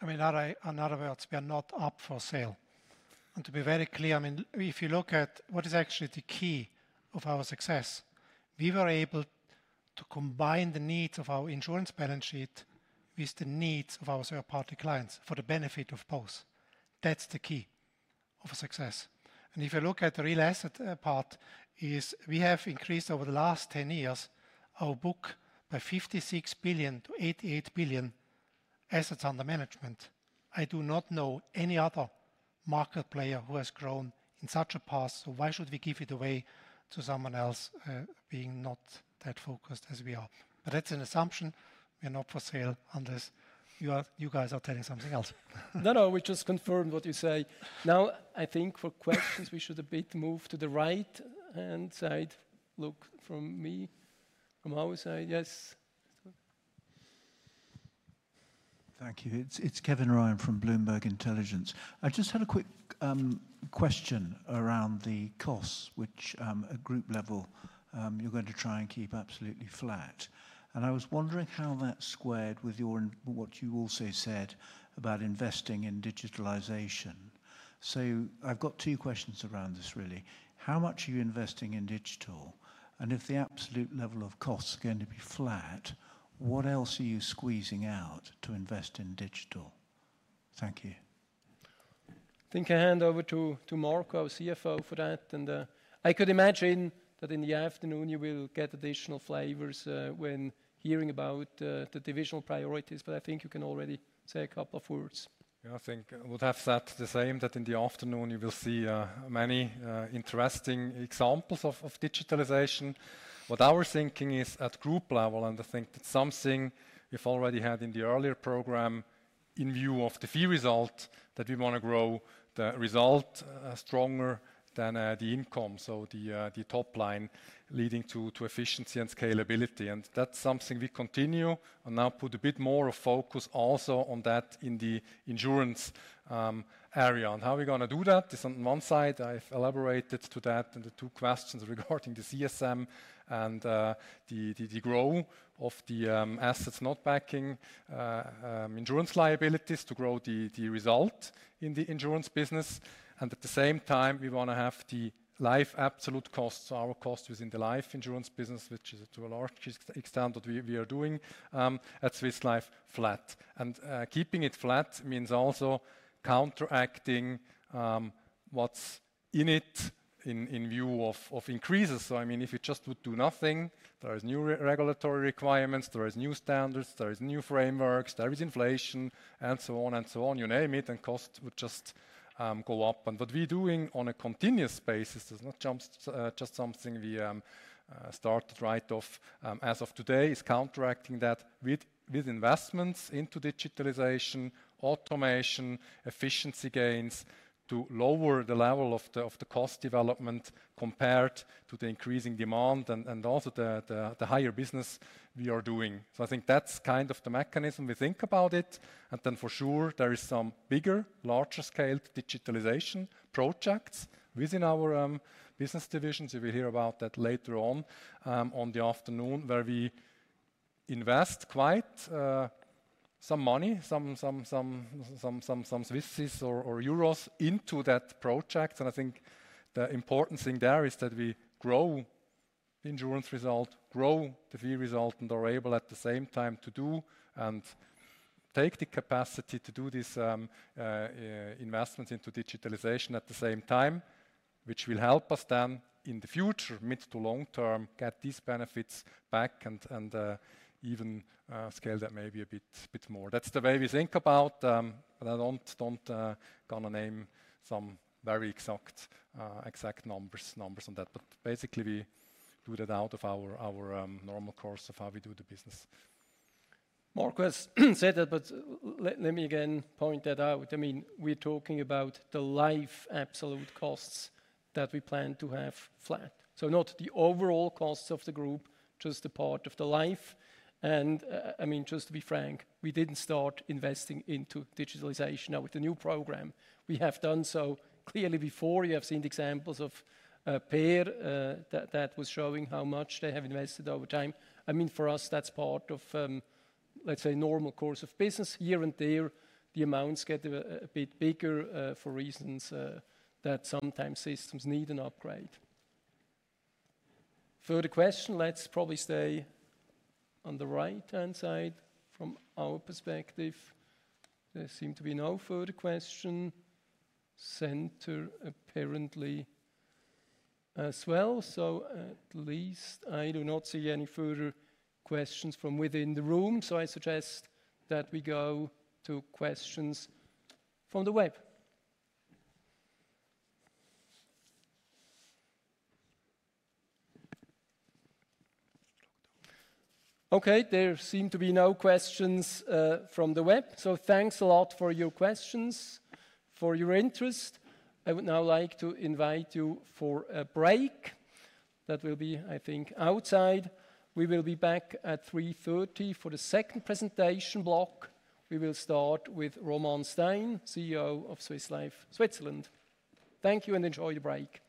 I mean, in other words, we are not up for sale. And to be very clear, I mean, if you look at what is actually the key of our success, we were able to combine the needs of our insurance balance sheet with the needs of our third-party clients for the benefit of both. That's the key of success. And if you look at the real asset part, we have increased over the last 10 years our book by 56 billion to 88 billion assets under management. I do not know any other market player who has grown in such a path. So why should we give it away to someone else being not that focused as we are? But that's an assumption. We are not for sale unless you guys are telling something else. No, no, we just confirmed what you say. Now, I think for questions, we should a bit move to the right-hand side. Look, from me, from our side, yes. Thank you. It's Kevin Ryan from Bloomberg Intelligence. I just had a quick question around the costs, which at group level you're going to try and keep absolutely flat. And I was wondering how that squared with what you also said about investing in digitalization. So I've got two questions around this, really. How much are you investing in digital? And if the absolute level of costs are going to be flat, what else are you squeezing out to invest in digital? Thank you. I think I hand over to Marco, our CFO, for that. And I could imagine that in the afternoon you will get additional flavors when hearing about the divisional priorities, but I think you can already say a couple of words. Yeah, I think we'll have that the same, that in the afternoon you will see many interesting examples of digitalization. What our thinking is at group level, and I think that's something we've already had in the earlier program in view of the fee result, that we want to grow the result stronger than the income, so the top line leading to efficiency and scalability. That's something we continue and now put a bit more of focus also on that in the insurance area. How are we going to do that? On one side, I've elaborated to that and the two questions regarding the CSM and the growth of the assets not backing insurance liabilities to grow the result in the insurance business. And at the same time, we want to have the life absolute costs, so our costs within the life insurance business, which is to a large extent what we are doing at Swiss Life, flat. And keeping it flat means also counteracting what's in it in view of increases. So I mean, if you just would do nothing, there are new regulatory requirements, there are new standards, there are new frameworks, there is inflation, and so on and so on, you name it, and costs would just go up. And what we're doing on a continuous basis is not just something we started right off as of today, counteracting that with investments into digitalization, automation, efficiency gains to lower the level of the cost development compared to the increasing demand and also the higher business we are doing. So I think that's kind of the mechanism we think about it. And then for sure, there is some bigger, larger scale digitalization projects within our business divisions. You will hear about that later in the afternoon where we invest quite some money, some Swiss francs or euros into that project. And I think the important thing there is that we grow the insurance result, grow the fee result, and are able at the same time to do and take the capacity to do these investments into digitalization at the same time, which will help us then in the future, mid to long term, get these benefits back and even scale that maybe a bit more. That's the way we think about, but I don't want to name some very exact numbers on that. But basically, we do that out of our normal course of how we do the business. Marco said that, but let me again point that out. I mean, we're talking about the life absolute costs that we plan to have flat, so not the overall costs of the group, just a part of the life, and I mean, just to be frank, we didn't start investing into digitalization now with the new program. We have done so clearly before. You have seen examples of our that was showing how much they have invested over time. I mean, for us, that's part of, let's say, normal course of business. Here and there, the amounts get a bit bigger for reasons that sometimes systems need an upgrade. Further question? Let's probably stay on the right-hand side from our perspective. There seem to be no further questions. Center apparently as well, so at least I do not see any further questions from within the room. So I suggest that we go to questions from the web. Okay, there seem to be no questions from the web. So thanks a lot for your questions, for your interest. I would now like to invite you for a break. That will be, I think, outside. We will be back at 3:30 P.M. for the second presentation block. We will start with Roman Stein, CEO of Swiss Life Switzerland. Thank you and enjoy your break.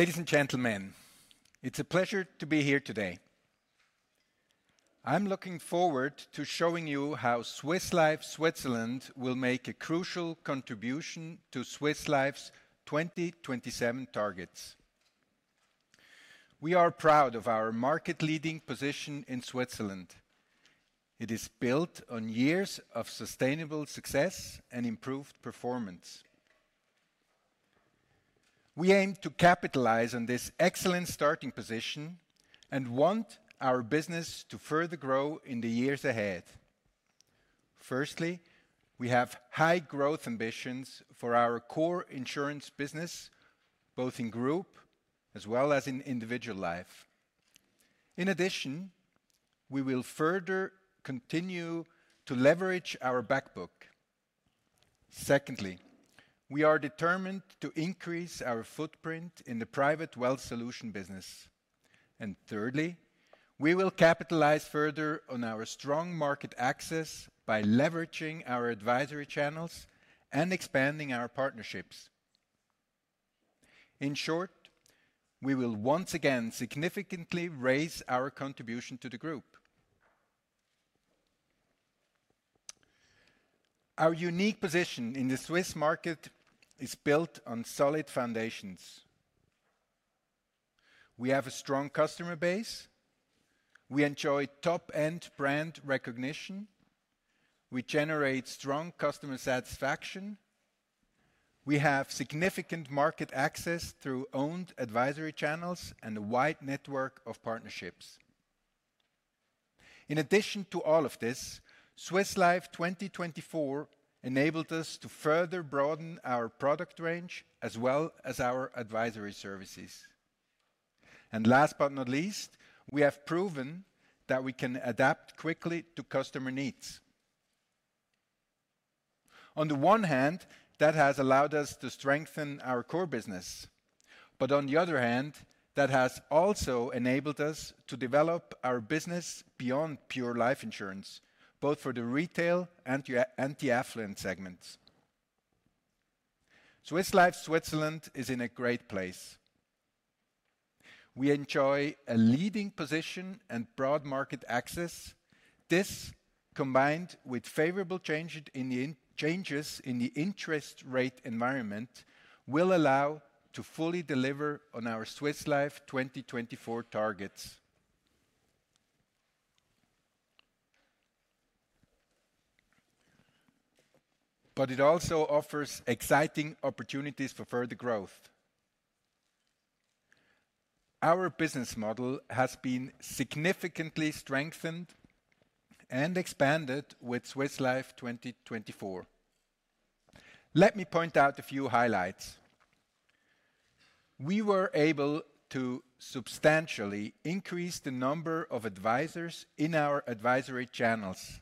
Ladies and gentlemen, it's a pleasure to be here today. I'm looking forward to showing you how Swiss Life Switzerland will make a crucial contribution to Swiss Life's 2027 targets. We are proud of our market-leading position in Switzerland. It is built on years of sustainable success and improved performance. We aim to capitalize on this excellent starting position and want our business to further grow in the years ahead. Firstly, we have high growth ambitions for our core insurance business, both in group as well as in individual life. In addition, we will further continue to leverage our backbook. Secondly, we are determined to increase our footprint in the private wealth solution business. And thirdly, we will capitalize further on our strong market access by leveraging our advisory channels and expanding our partnerships. In short, we will once again significantly raise our contribution to the group. Our unique position in the Swiss market is built on solid foundations. We have a strong customer base. We enjoy top-end brand recognition. We generate strong customer satisfaction. We have significant market access through owned advisory channels and a wide network of partnerships. In addition to all of this, Swiss Life 2024 enabled us to further broaden our product range as well as our advisory services. Last but not least, we have proven that we can adapt quickly to customer needs. On the one hand, that has allowed us to strengthen our core business, but on the other hand, that has also enabled us to develop our business beyond pure life insurance, both for the retail and the affluent segments. Swiss Life Switzerland is in a great place. We enjoy a leading position and broad market access. This, combined with favorable changes in the interest rate environment, will allow us to fully deliver on our Swiss Life 2024 targets. But it also offers exciting opportunities for further growth. Our business model has been significantly strengthened and expanded with Swiss Life 2024. Let me point out a few highlights. We were able to substantially increase the number of advisors in our advisory channels,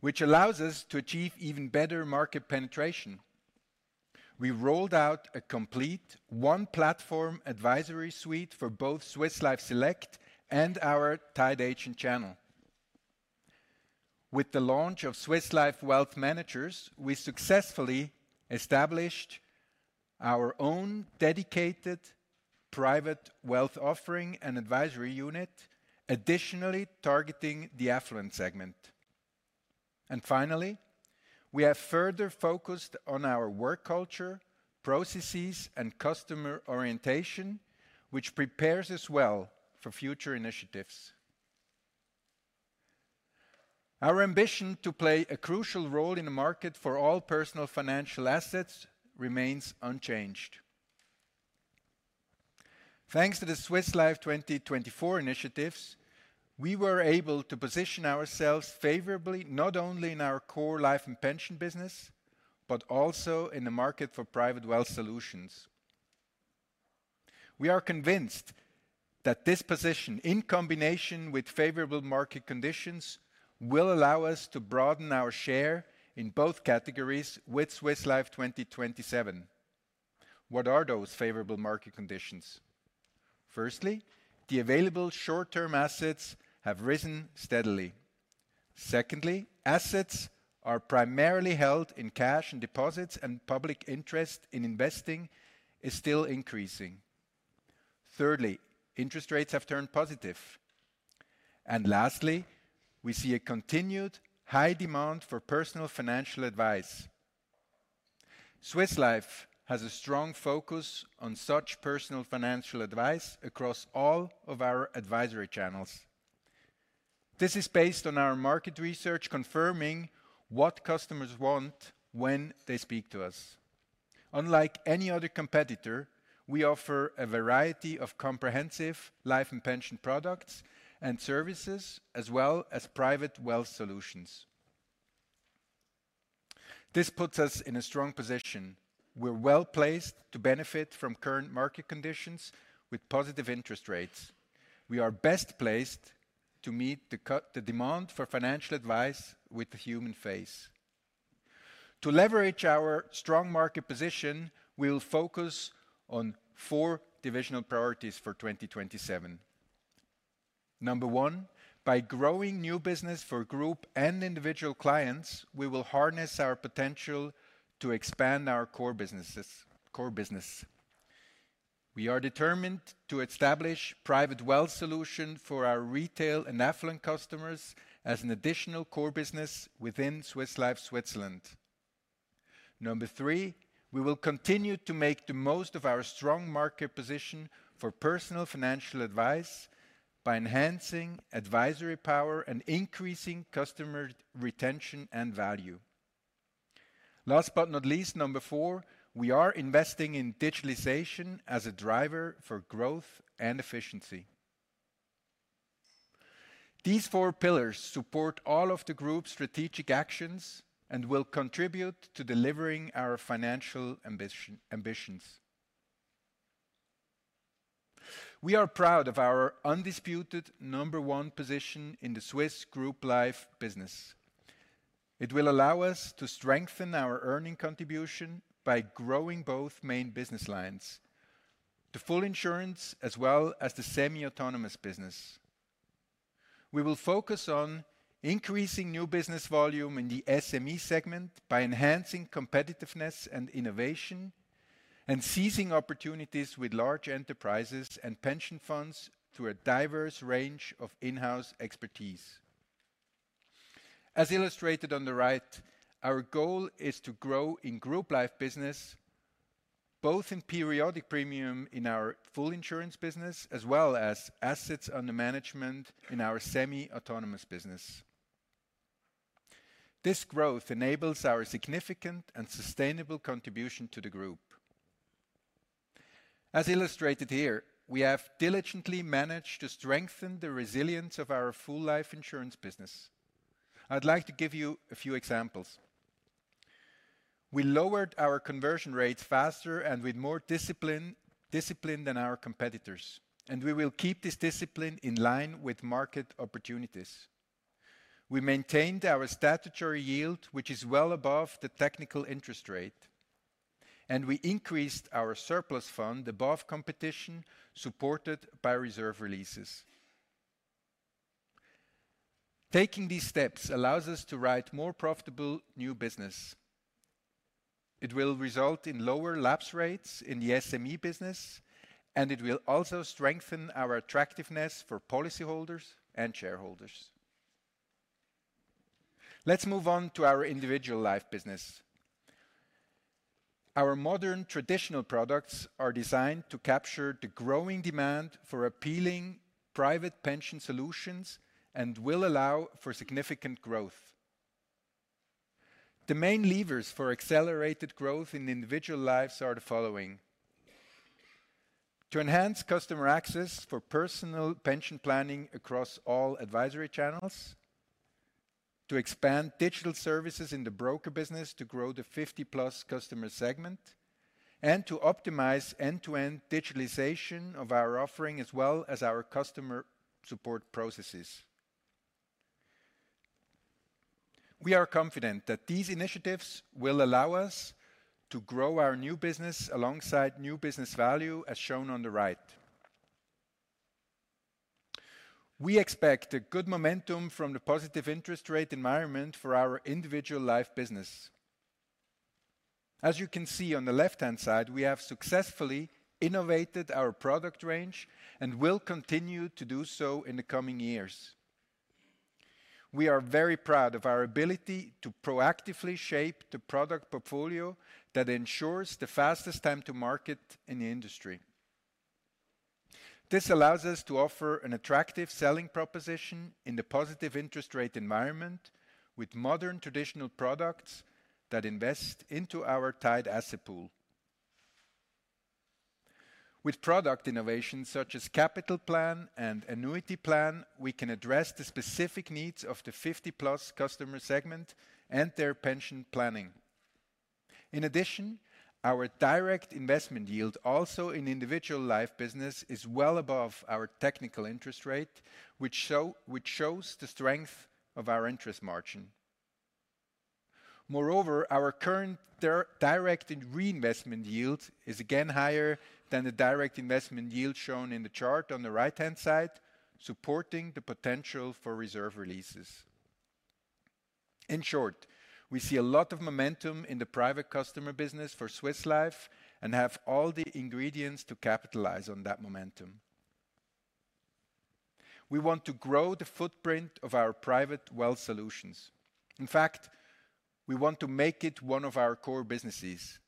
which allows us to achieve even better market penetration. We rolled out a complete one-platform advisory suite for both Swiss Life Select and our tied agent channel. With the launch of Swiss Life Wealth Managers, we successfully established our own dedicated private wealth offering and advisory unit, additionally targeting the affluent segment. And finally, we have further focused on our work culture, processes, and customer orientation, which prepares us well for future initiatives. Our ambition to play a crucial role in the market for all personal financial assets remains unchanged. Thanks to the Swiss Life 2024 initiatives, we were able to position ourselves favorably not only in our core life and pension business, but also in the market for private wealth solutions. We are convinced that this position, in combination with favorable market conditions, will allow us to broaden our share in both categories with Swiss Life 2027. What are those favorable market conditions? Firstly, the available short-term assets have risen steadily. Secondly, assets are primarily held in cash and deposits, and public interest in investing is still increasing. Thirdly, interest rates have turned positive, and lastly, we see a continued high demand for personal financial advice. Swiss Life has a strong focus on such personal financial advice across all of our advisory channels. This is based on our market research confirming what customers want when they speak to us. Unlike any other competitor, we offer a variety of comprehensive life and pension products and services, as well as private wealth solutions. This puts us in a strong position. We're well placed to benefit from current market conditions with positive interest rates. We are best placed to meet the demand for financial advice with the human face. To leverage our strong market position, we'll focus on four divisional priorities for 2027. Number one, by growing new business for group and individual clients, we will harness our potential to expand our core businesses. We are determined to establish private wealth solutions for our retail and affluent customers as an additional core business within Swiss Life Switzerland. Number three, we will continue to make the most of our strong market position for personal financial advice by enhancing advisory power and increasing customer retention and value. Last but not least, number four, we are investing in digitalization as a driver for growth and efficiency. These four pillars support all of the group's strategic actions and will contribute to delivering our financial ambitions. We are proud of our undisputed number one position in the Swiss group life business. It will allow us to strengthen our earning contribution by growing both main business lines: the full insurance, as well as the semi-autonomous business. We will focus on increasing new business volume in the SME segment by enhancing competitiveness and innovation and seizing opportunities with large enterprises and pension funds through a diverse range of in-house expertise. As illustrated on the right, our goal is to grow in group life business, both in periodic premium in our full insurance business, as well as assets under management in our semi-autonomous business. This growth enables our significant and sustainable contribution to the group. As illustrated here, we have diligently managed to strengthen the resilience of our full life insurance business. I'd like to give you a few examples. We lowered our conversion rates faster and with more discipline than our competitors, and we will keep this discipline in line with market opportunities. We maintained our statutory yield, which is well above the technical interest rate, and we increased our surplus fund above competition, supported by reserve releases. Taking these steps allows us to write more profitable new business. It will result in lower lapse rates in the SME business, and it will also strengthen our attractiveness for policyholders and shareholders. Let's move on to our individual life business. Our modern traditional products are designed to capture the growing demand for appealing private pension solutions and will allow for significant growth. The main levers for accelerated growth in individual lives are the following: to enhance customer access for personal pension planning across all advisory channels, to expand digital services in the broker business to grow the 50-plus customer segment, and to optimize end-to-end digitalization of our offering as well as our customer support processes. We are confident that these initiatives will allow us to grow our new business alongside new business value, as shown on the right. We expect a good momentum from the positive interest rate environment for our individual life business. As you can see on the left-hand side, we have successfully innovated our product range and will continue to do so in the coming years. We are very proud of our ability to proactively shape the product portfolio that ensures the fastest time to market in the industry. This allows us to offer an attractive selling proposition in the positive interest rate environment with modern traditional products that invest into our tied asset pool. With product innovations such as Capital Plan and Annuity Plan, we can address the specific needs of the 50-plus customer segment and their pension planning. In addition, our direct investment yield also in individual life business is well above our technical interest rate, which shows the strength of our interest margin. Moreover, our current direct reinvestment yield is again higher than the direct investment yield shown in the chart on the right-hand side, supporting the potential for reserve releases. In short, we see a lot of momentum in the private customer business for Swiss Life and have all the ingredients to capitalize on that momentum. We want to grow the footprint of our private wealth solutions. In fact, we want to make it one of our core businesses.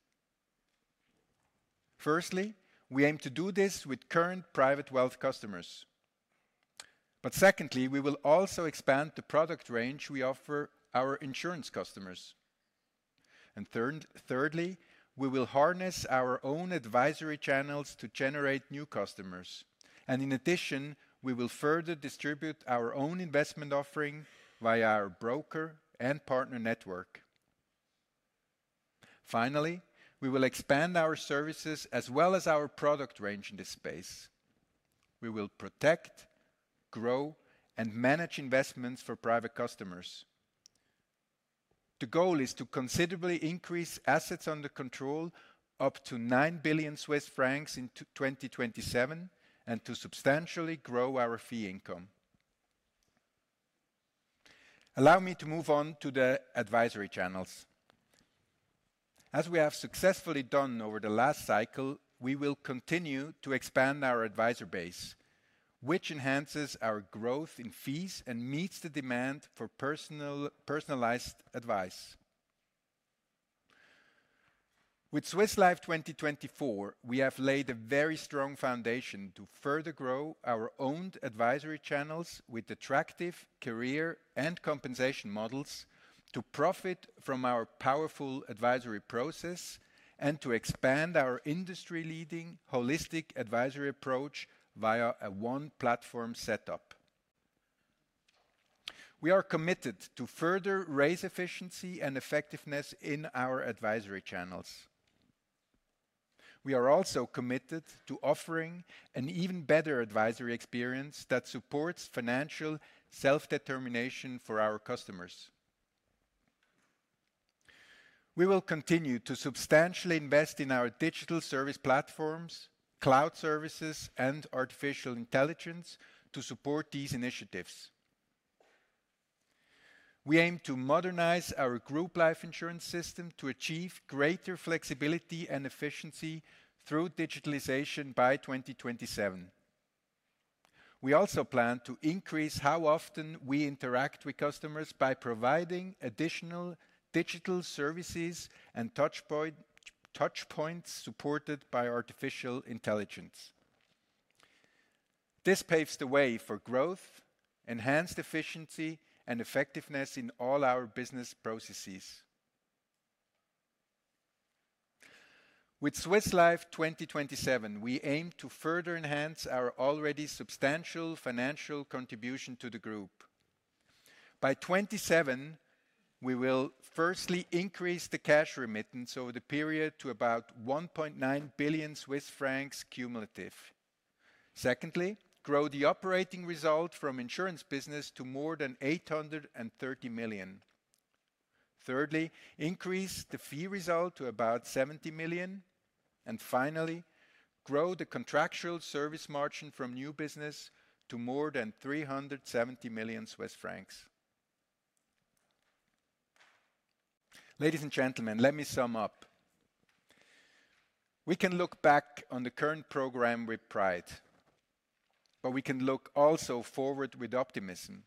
Firstly, we aim to do this with current private wealth customers. But secondly, we will also expand the product range we offer our insurance customers, and thirdly, we will harness our own advisory channels to generate new customers. In addition, we will further distribute our own investment offering via our broker and partner network. Finally, we will expand our services as well as our product range in this space. We will protect, grow, and manage investments for private customers. The goal is to considerably increase assets under control up to 9 billion Swiss francs in 2027 and to substantially grow our fee income. Allow me to move on to the advisory channels. As we have successfully done over the last cycle, we will continue to expand our advisor base, which enhances our growth in fees and meets the demand for personalized advice. With Swiss Life 2024, we have laid a very strong foundation to further grow our own advisory channels with attractive career and compensation models to profit from our powerful advisory process and to expand our industry-leading holistic advisory approach via a one-platform setup. We are committed to further raise efficiency and effectiveness in our advisory channels. We are also committed to offering an even better advisory experience that supports financial self-determination for our customers. We will continue to substantially invest in our digital service platforms, cloud services, and artificial intelligence to support these initiatives. We aim to modernize our group life insurance system to achieve greater flexibility and efficiency through digitalization by 2027. We also plan to increase how often we interact with customers by providing additional digital services and touchpoints supported by artificial intelligence. This paves the way for growth, enhanced efficiency, and effectiveness in all our business processes. With Swiss Life 2027, we aim to further enhance our already substantial financial contribution to the group. By 2027, we will firstly increase the cash remittance over the period to about 1.9 billion Swiss francs cumulative. Secondly, grow the operating result from insurance business to more than 830 million CHF. Thirdly, increase the fee result to about 70 million CHF. And finally, grow the contractual service margin from new business to more than 370 million CHF. Ladies and gentlemen, let me sum up. We can look back on the current program with pride, but we can look also forward with optimism.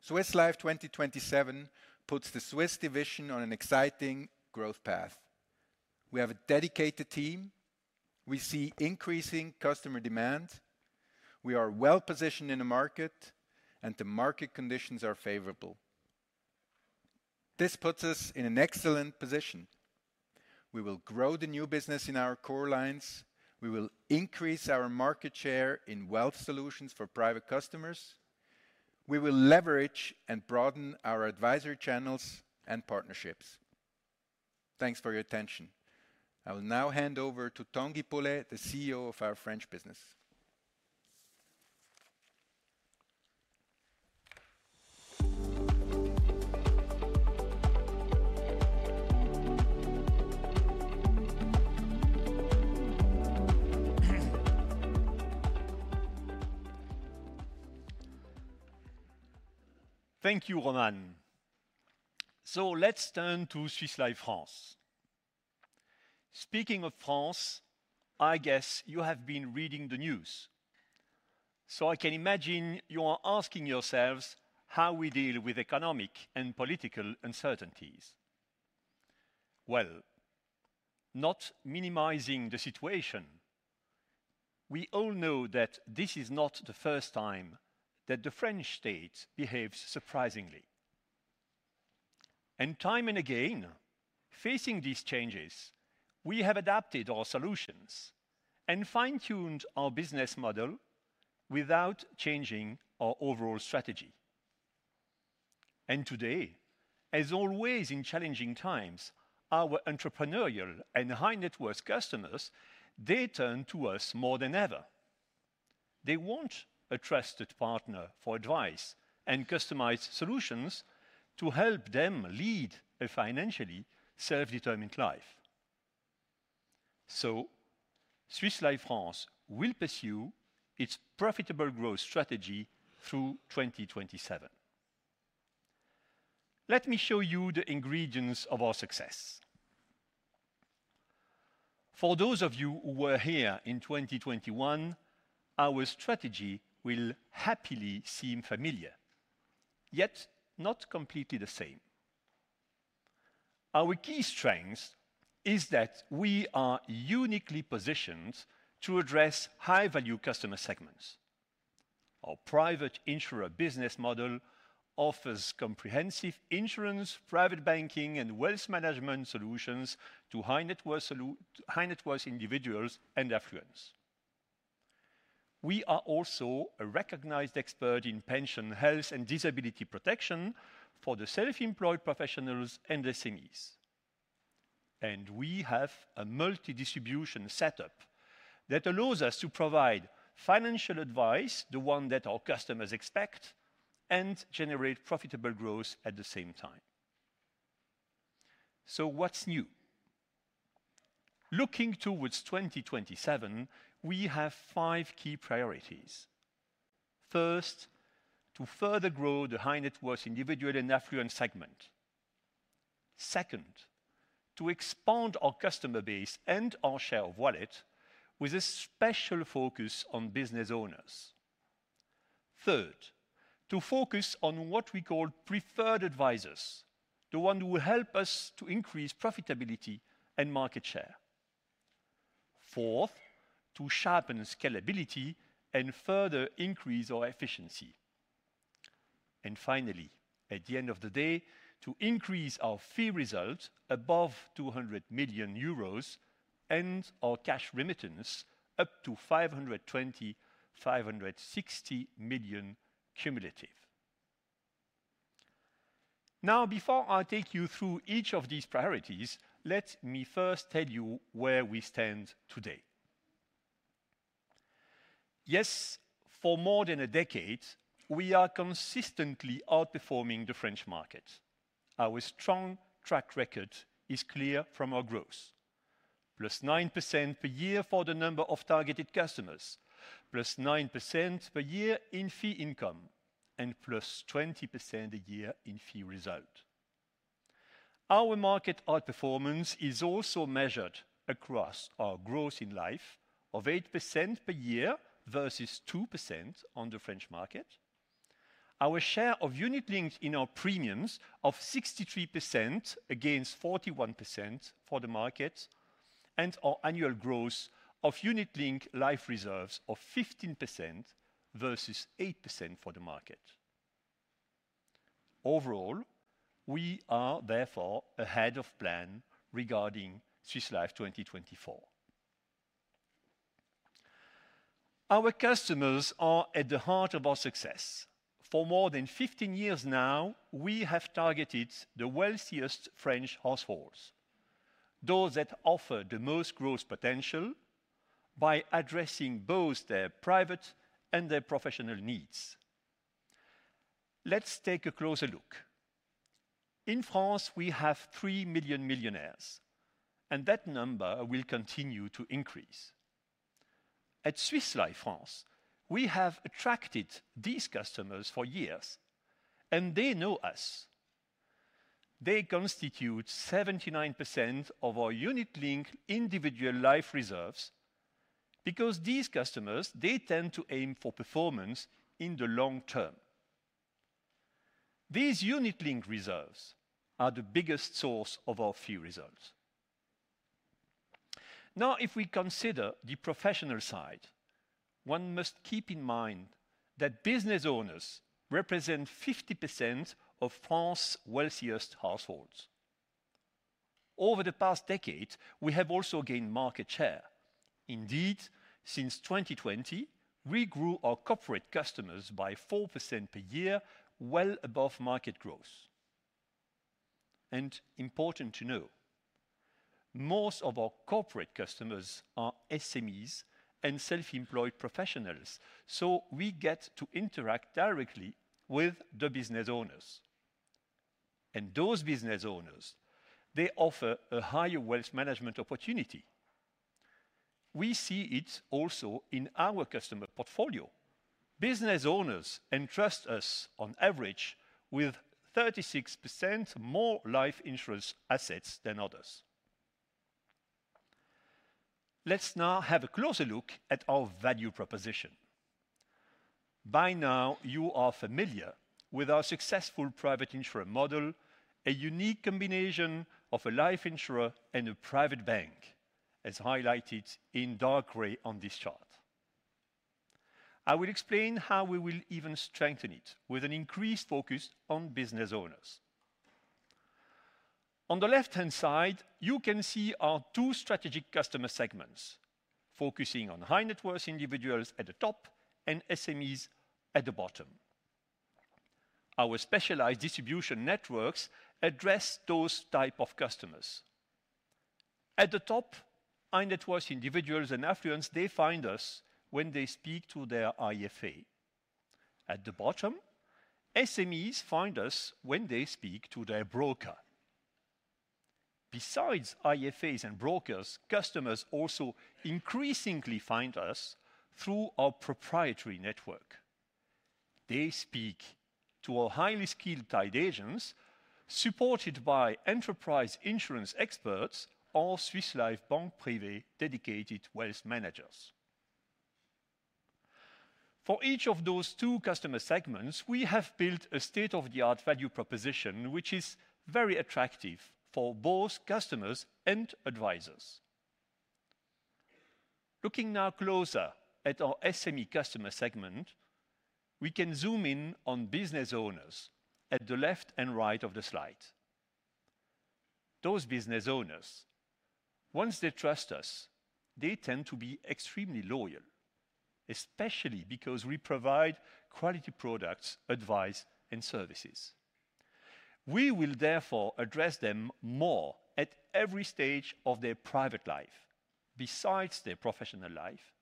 Swiss Life 2027 puts the Swiss division on an exciting growth path. We have a dedicated team. We see increasing customer demand. We are well positioned in the market, and the market conditions are favorable. This puts us in an excellent position. We will grow the new business in our core lines. We will increase our market share in wealth solutions for private customers. We will leverage and broaden our advisory channels and partnerships. Thanks for your attention. I will now hand over to Tanguy Polet, the CEO of our French business. Thank you, Roman. So let's turn to Swiss Life France. Speaking of France, I guess you have been reading the news. So I can imagine you are asking yourselves how we deal with economic and political uncertainties. Well, not minimizing the situation. We all know that this is not the first time that the French state behaves surprisingly. And time and again, facing these changes, we have adapted our solutions and fine-tuned our business model without changing our overall strategy. And today, as always in challenging times, our entrepreneurial and high-net-worth customers, they turn to us more than ever. They want a trusted partner for advice and customized solutions to help them lead a financially self-determined life. So Swiss Life France will pursue its profitable growth strategy through 2027. Let me show you the ingredients of our success. For those of you who were here in 2021, our strategy will happily seem familiar, yet not completely the same. Our key strength is that we are uniquely positioned to address high-value customer segments. Our private insurer business model offers comprehensive insurance, private banking, and wealth management solutions to high-net-worth individuals and affluents. We are also a recognized expert in pension, health, and disability protection for the self-employed professionals and SMEs. And we have a multi-distribution setup that allows us to provide financial advice, the one that our customers expect, and generate profitable growth at the same time. So what's new? Looking towards 2027, we have five key priorities. First, to further grow the high-net-worth individual and affluent segment. Second, to expand our customer base and our share of wallet with a special focus on business owners. Third, to focus on what we call preferred advisors, the ones who will help us to increase profitability and market share. Fourth, to sharpen scalability and further increase our efficiency. And finally, at the end of the day, to increase our fee result above 200 million euros and our cash remittance up to 520-560 million cumulative. Now, before I take you through each of these priorities, let me first tell you where we stand today. Yes, for more than a decade, we are consistently outperforming the French market. Our strong track record is clear from our growth: plus 9% per year for the number of targeted customers, plus 9% per year in fee income, and plus 20% a year in fee result. Our market outperformance is also measured across our growth in life of 8% per year versus 2% on the French market. Our share of unit linked in our premiums of 63% against 41% for the market, and our annual growth of unit linked life reserves of 15% versus 8% for the market. Overall, we are therefore ahead of plan regarding Swiss Life 2024. Our customers are at the heart of our success. For more than 15 years now, we have targeted the wealthiest French households, those that offer the most growth potential by addressing both their private and their professional needs. Let's take a closer look. In France, we have 3 million millionaires, and that number will continue to increase. At Swiss Life France, we have attracted these customers for years, and they know us. They constitute 79% of our unit linked individual life reserves because these customers, they tend to aim for performance in the long term. These unit linked reserves are the biggest source of our fee results. Now, if we consider the professional side, one must keep in mind that business owners represent 50% of France's wealthiest households. Over the past decade, we have also gained market share. Indeed, since 2020, we grew our corporate customers by 4% per year, well above market growth. And important to know, most of our corporate customers are SMEs and self-employed professionals, so we get to interact directly with the business owners. And those business owners, they offer a higher wealth management opportunity. We see it also in our customer portfolio. Business owners entrust us, on average, with 36% more life insurance assets than others. Let's now have a closer look at our value proposition. By now, you are familiar with our successful private insurer model, a unique combination of a life insurer and a private bank, as highlighted in dark gray on this chart. I will explain how we will even strengthen it with an increased focus on business owners. On the left-hand side, you can see our two strategic customer segments, focusing on high-net-worth individuals at the top and SMEs at the bottom. Our specialized distribution networks address those types of customers. At the top, high-net-worth individuals and affluents, they find us when they speak to their IFA. At the bottom, SMEs find us when they speak to their broker. Besides IFAs and brokers, customers also increasingly find us through our proprietary network. They speak to our highly skilled tied agents, supported by enterprise insurance experts or Swiss Life Banque Privée dedicated wealth managers. For each of those two customer segments, we have built a state-of-the-art value proposition, which is very attractive for both customers and advisors. Looking now closer at our SME customer segment, we can zoom in on business owners at the left and right of the slide. Those business owners, once they trust us, they tend to be extremely loyal, especially because we provide quality products, advice, and services. We will therefore address them more at every stage of their private life, besides their professional life,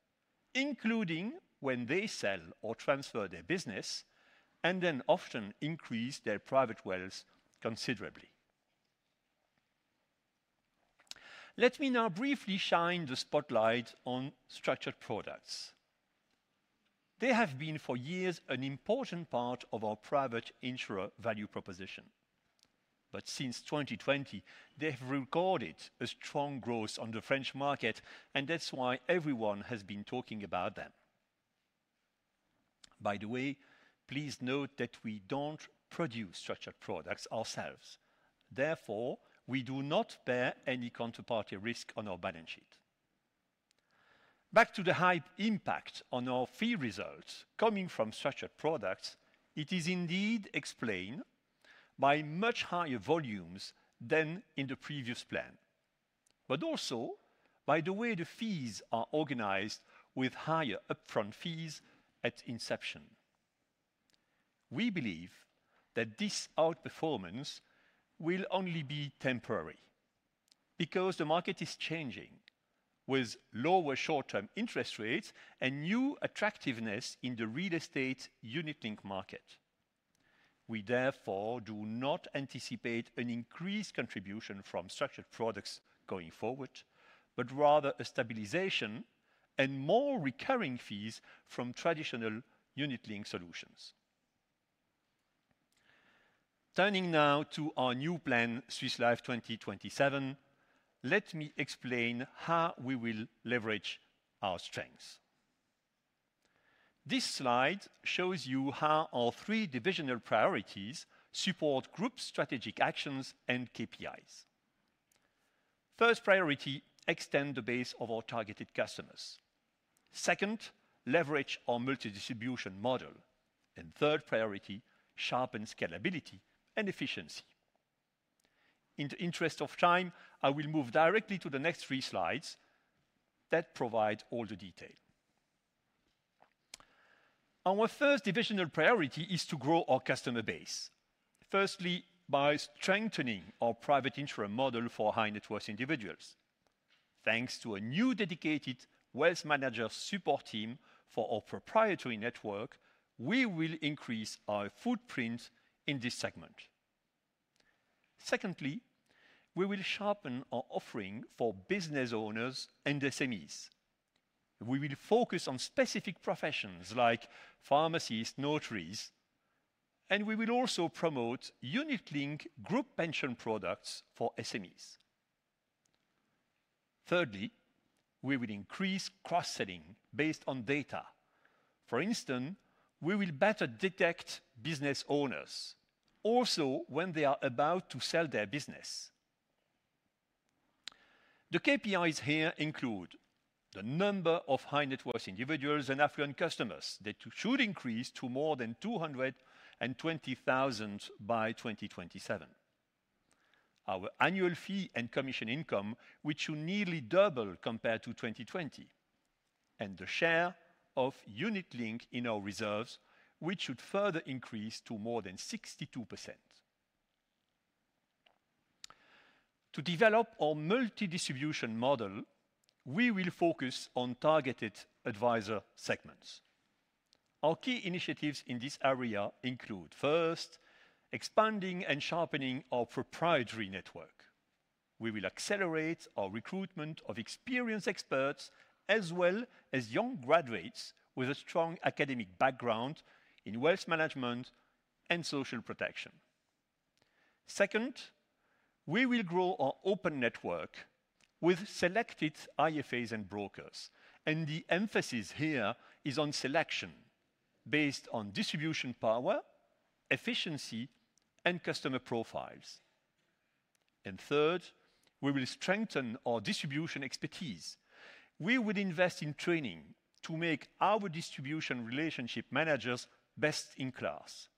including when they sell or transfer their business, and then often increase their private wealth considerably. Let me now briefly shine the spotlight on structured products. They have been for years an important part of our private insurer value proposition. But since 2020, they have recorded a strong growth on the French market, and that's why everyone has been talking about them. By the way, please note that we don't produce structured products ourselves. Therefore, we do not bear any counterparty risk on our balance sheet. Back to the high impact on our fee results coming from structured products, it is indeed explained by much higher volumes than in the previous plan, but also by the way the fees are organized with higher upfront fees at inception. We believe that this outperformance will only be temporary because the market is changing with lower short-term interest rates and new attractiveness in the real estate unit linked market. We therefore do not anticipate an increased contribution from structured products going forward, but rather a stabilization and more recurring fees from traditional unit linked solutions. Turning now to our new plan, Swiss Life 2027, let me explain how we will leverage our strengths. This slide shows you how our three divisional priorities support group strategic actions and KPIs. First priority, extend the base of our targeted customers. Second, leverage our multi-distribution model, and third priority, sharpen scalability and efficiency. In the interest of time, I will move directly to the next three slides that provide all the detail. Our first divisional priority is to grow our customer base, firstly by strengthening our private insurer model for high-net-worth individuals. Thanks to a new dedicated wealth manager support team for our proprietary network, we will increase our footprint in this segment. Secondly, we will sharpen our offering for business owners and SMEs. We will focus on specific professions like pharmacists, notaries, and we will also promote unit linked group pension products for SMEs. Thirdly, we will increase cross-selling based on data. For instance, we will better detect business owners also when they are about to sell their business. The KPIs here include the number of high-net-worth individuals and affluent customers that should increase to more than 220,000 by 2027, our annual fee and commission income, which should nearly double compared to 2020, and the share of unit linked in our reserves, which should further increase to more than 62%. To develop our multi-distribution model, we will focus on targeted advisor segments. Our key initiatives in this area include first, expanding and sharpening our proprietary network. We will accelerate our recruitment of experienced experts as well as young graduates with a strong academic background in wealth management and social protection. Second, we will grow our open network with selected IFAs and brokers, and the emphasis here is on selection based on distribution power, efficiency, and customer profiles, and third, we will strengthen our distribution expertise. We will invest in training to make our distribution relationship managers best in class.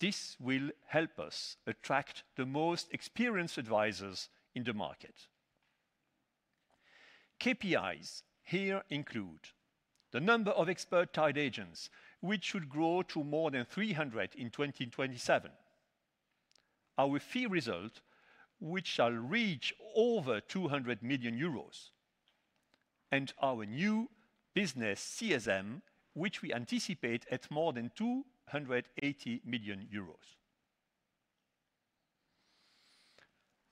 This will help us attract the most experienced advisors in the market. KPIs here include the number of expert tied agents, which should grow to more than 300 in 2027, our fee result, which shall reach over 200 million euros, and our new business CSM, which we anticipate at more than 280 million euros.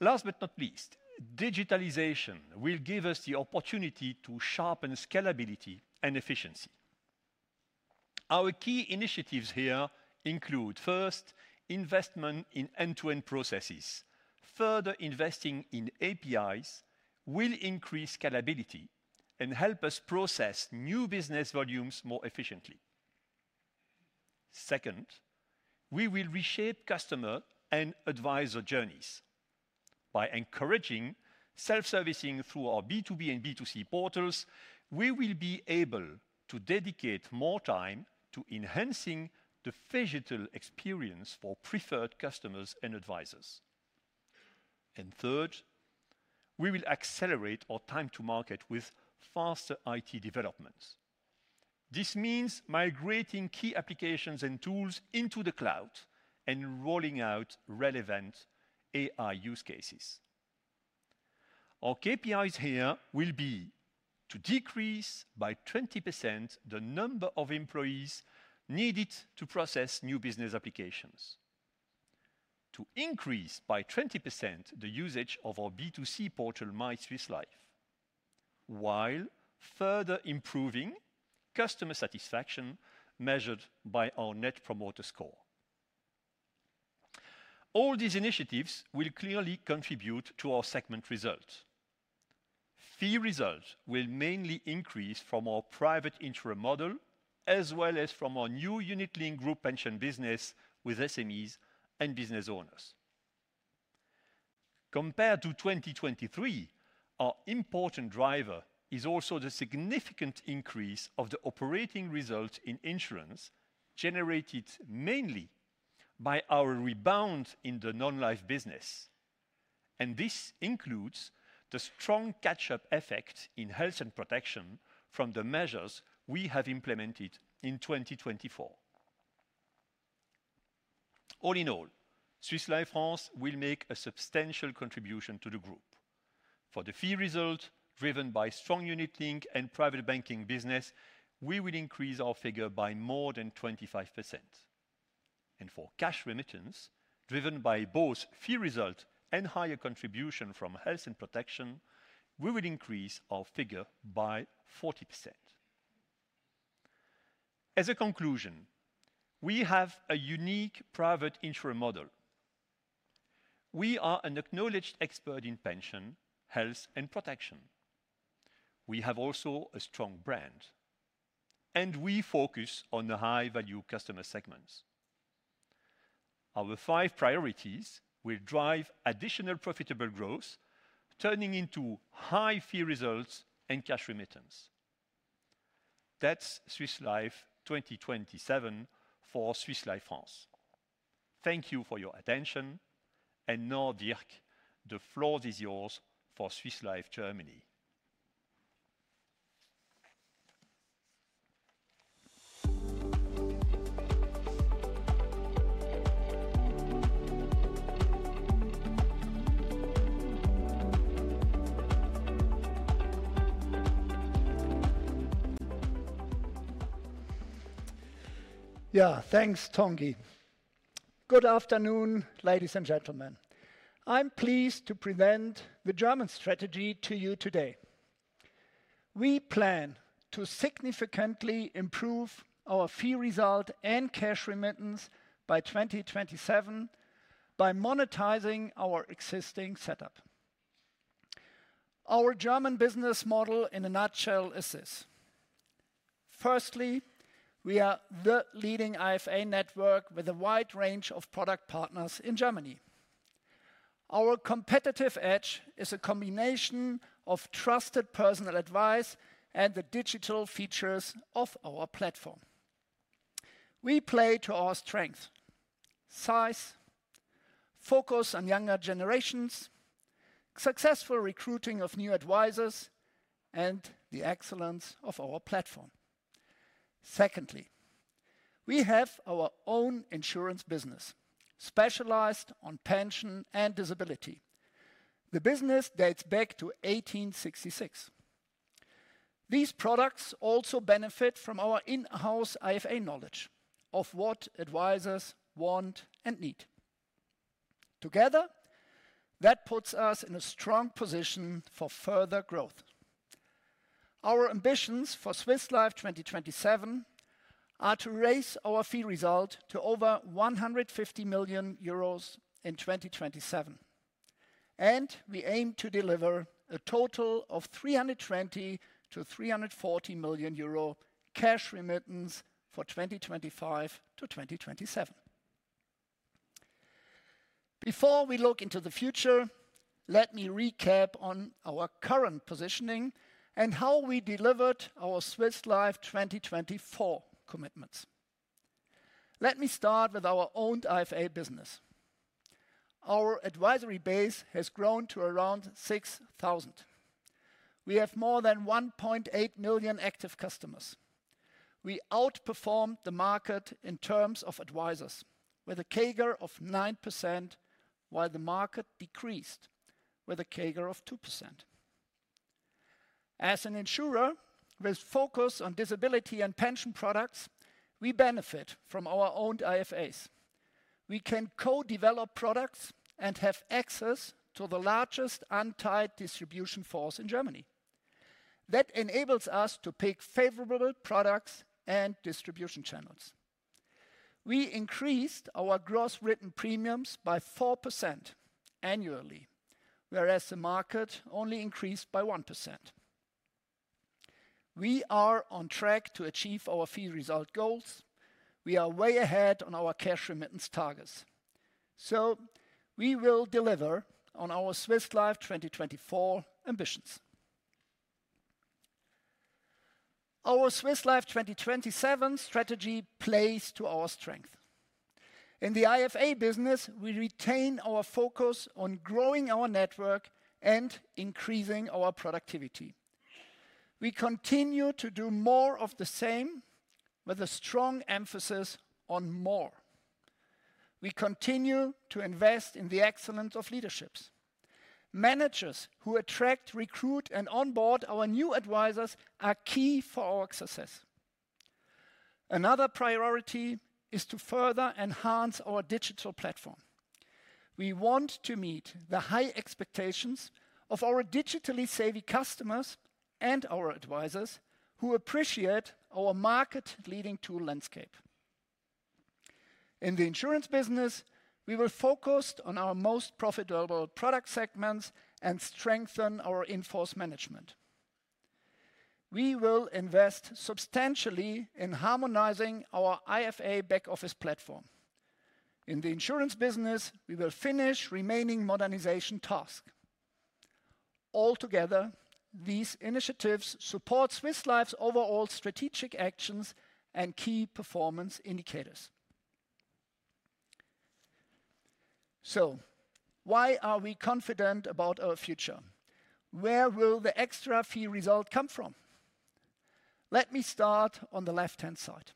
Last but not least, digitalization will give us the opportunity to sharpen scalability and efficiency. Our key initiatives here include first, investment in end-to-end processes. Further investing in APIs will increase scalability and help us process new business volumes more efficiently. Second, we will reshape customer and advisor journeys. By encouraging self-servicing through our B2B and B2C portals, we will be able to dedicate more time to enhancing the phygital experience for preferred customers and advisors. And third, we will accelerate our time to market with faster IT developments. This means migrating key applications and tools into the cloud and rolling out relevant AI use cases. Our KPIs here will be to decrease by 20% the number of employees needed to process new business applications, to increase by 20% the usage of our B2C portal MySwissLife, while further improving customer satisfaction measured by our Net Promoter Score. All these initiatives will clearly contribute to our segment results. Fee results will mainly increase from our private insurer model as well as from our new unit-linked group pension business with SMEs and business owners. Compared to 2023, our important driver is also the significant increase of the operating results in insurance generated mainly by our rebound in the non-life business, and this includes the strong catch-up effect in health and protection from the measures we have implemented in 2024. All in all, Swiss Life France will make a substantial contribution to the group. For the fee result driven by strong unit linked and private banking business, we will increase our figure by more than 25%, and for cash remittance driven by both fee result and higher contribution from health and protection, we will increase our figure by 40%. As a conclusion, we have a unique private insurer model. We are an acknowledged expert in pension, health, and protection. We have also a strong brand, and we focus on the high-value customer segments. Our five priorities will drive additional profitable growth, turning into high fee results and cash remittance. That's Swiss Life 2027 for Swiss Life France. Thank you for your attention, and now Dirk, the floor is yours for Swiss Life Germany. Yeah, thanks, Tanguy. Good afternoon, ladies and gentlemen. I'm pleased to present the German strategy to you today. We plan to significantly improve our fee result and cash remittance by 2027 by monetizing our existing setup. Our German business model in a nutshell is this. Firstly, we are the leading IFA network with a wide range of product partners in Germany. Our competitive edge is a combination of trusted personal advice and the digital features of our platform. We play to our strengths: size, focus on younger generations, successful recruiting of new advisors, and the excellence of our platform. Secondly, we have our own insurance business specialized on pension and disability. The business dates back to 1866. These products also benefit from our in-house IFA knowledge of what advisors want and need. Together, that puts us in a strong position for further growth. Our ambitions for Swiss Life 2027 are to raise our fee result to over 150 million euros in 2027. We aim to deliver a total of 320 million-340 million euro cash remittance for 2025 to 2027. Before we look into the future, let me recap on our current positioning and how we delivered our Swiss Life 2024 commitments. Let me start with our own IFA business. Our advisory base has grown to around 6,000. We have more than 1.8 million active customers. We outperformed the market in terms of advisors, with a CAGR of 9%, while the market decreased with a CAGR of 2%. As an insurer with focus on disability and pension products, we benefit from our own IFAs. We can co-develop products and have access to the largest untied distribution force in Germany. That enables us to pick favorable products and distribution channels. We increased our gross written premiums by 4% annually, whereas the market only increased by 1%. We are on track to achieve our fee result goals. We are way ahead on our cash remittance targets. So we will deliver on our Swiss Life 2024 ambitions. Our Swiss Life 2027 strategy plays to our strength. In the IFA business, we retain our focus on growing our network and increasing our productivity. We continue to do more of the same with a strong emphasis on more. We continue to invest in the excellence of leadership. Managers who attract, recruit, and onboard our new advisors are key for our success. Another priority is to further enhance our digital platform. We want to meet the high expectations of our digitally savvy customers and our advisors who appreciate our market-leading tool landscape. In the insurance business, we will focus on our most profitable product segments and strengthen our in-force management. We will invest substantially in harmonizing our IFA back office platform. In the insurance business, we will finish remaining modernization tasks. Altogether, these initiatives support Swiss Life's overall strategic actions and key performance indicators. So why are we confident about our future? Where will the extra fee result come from? Let me start on the left-hand side.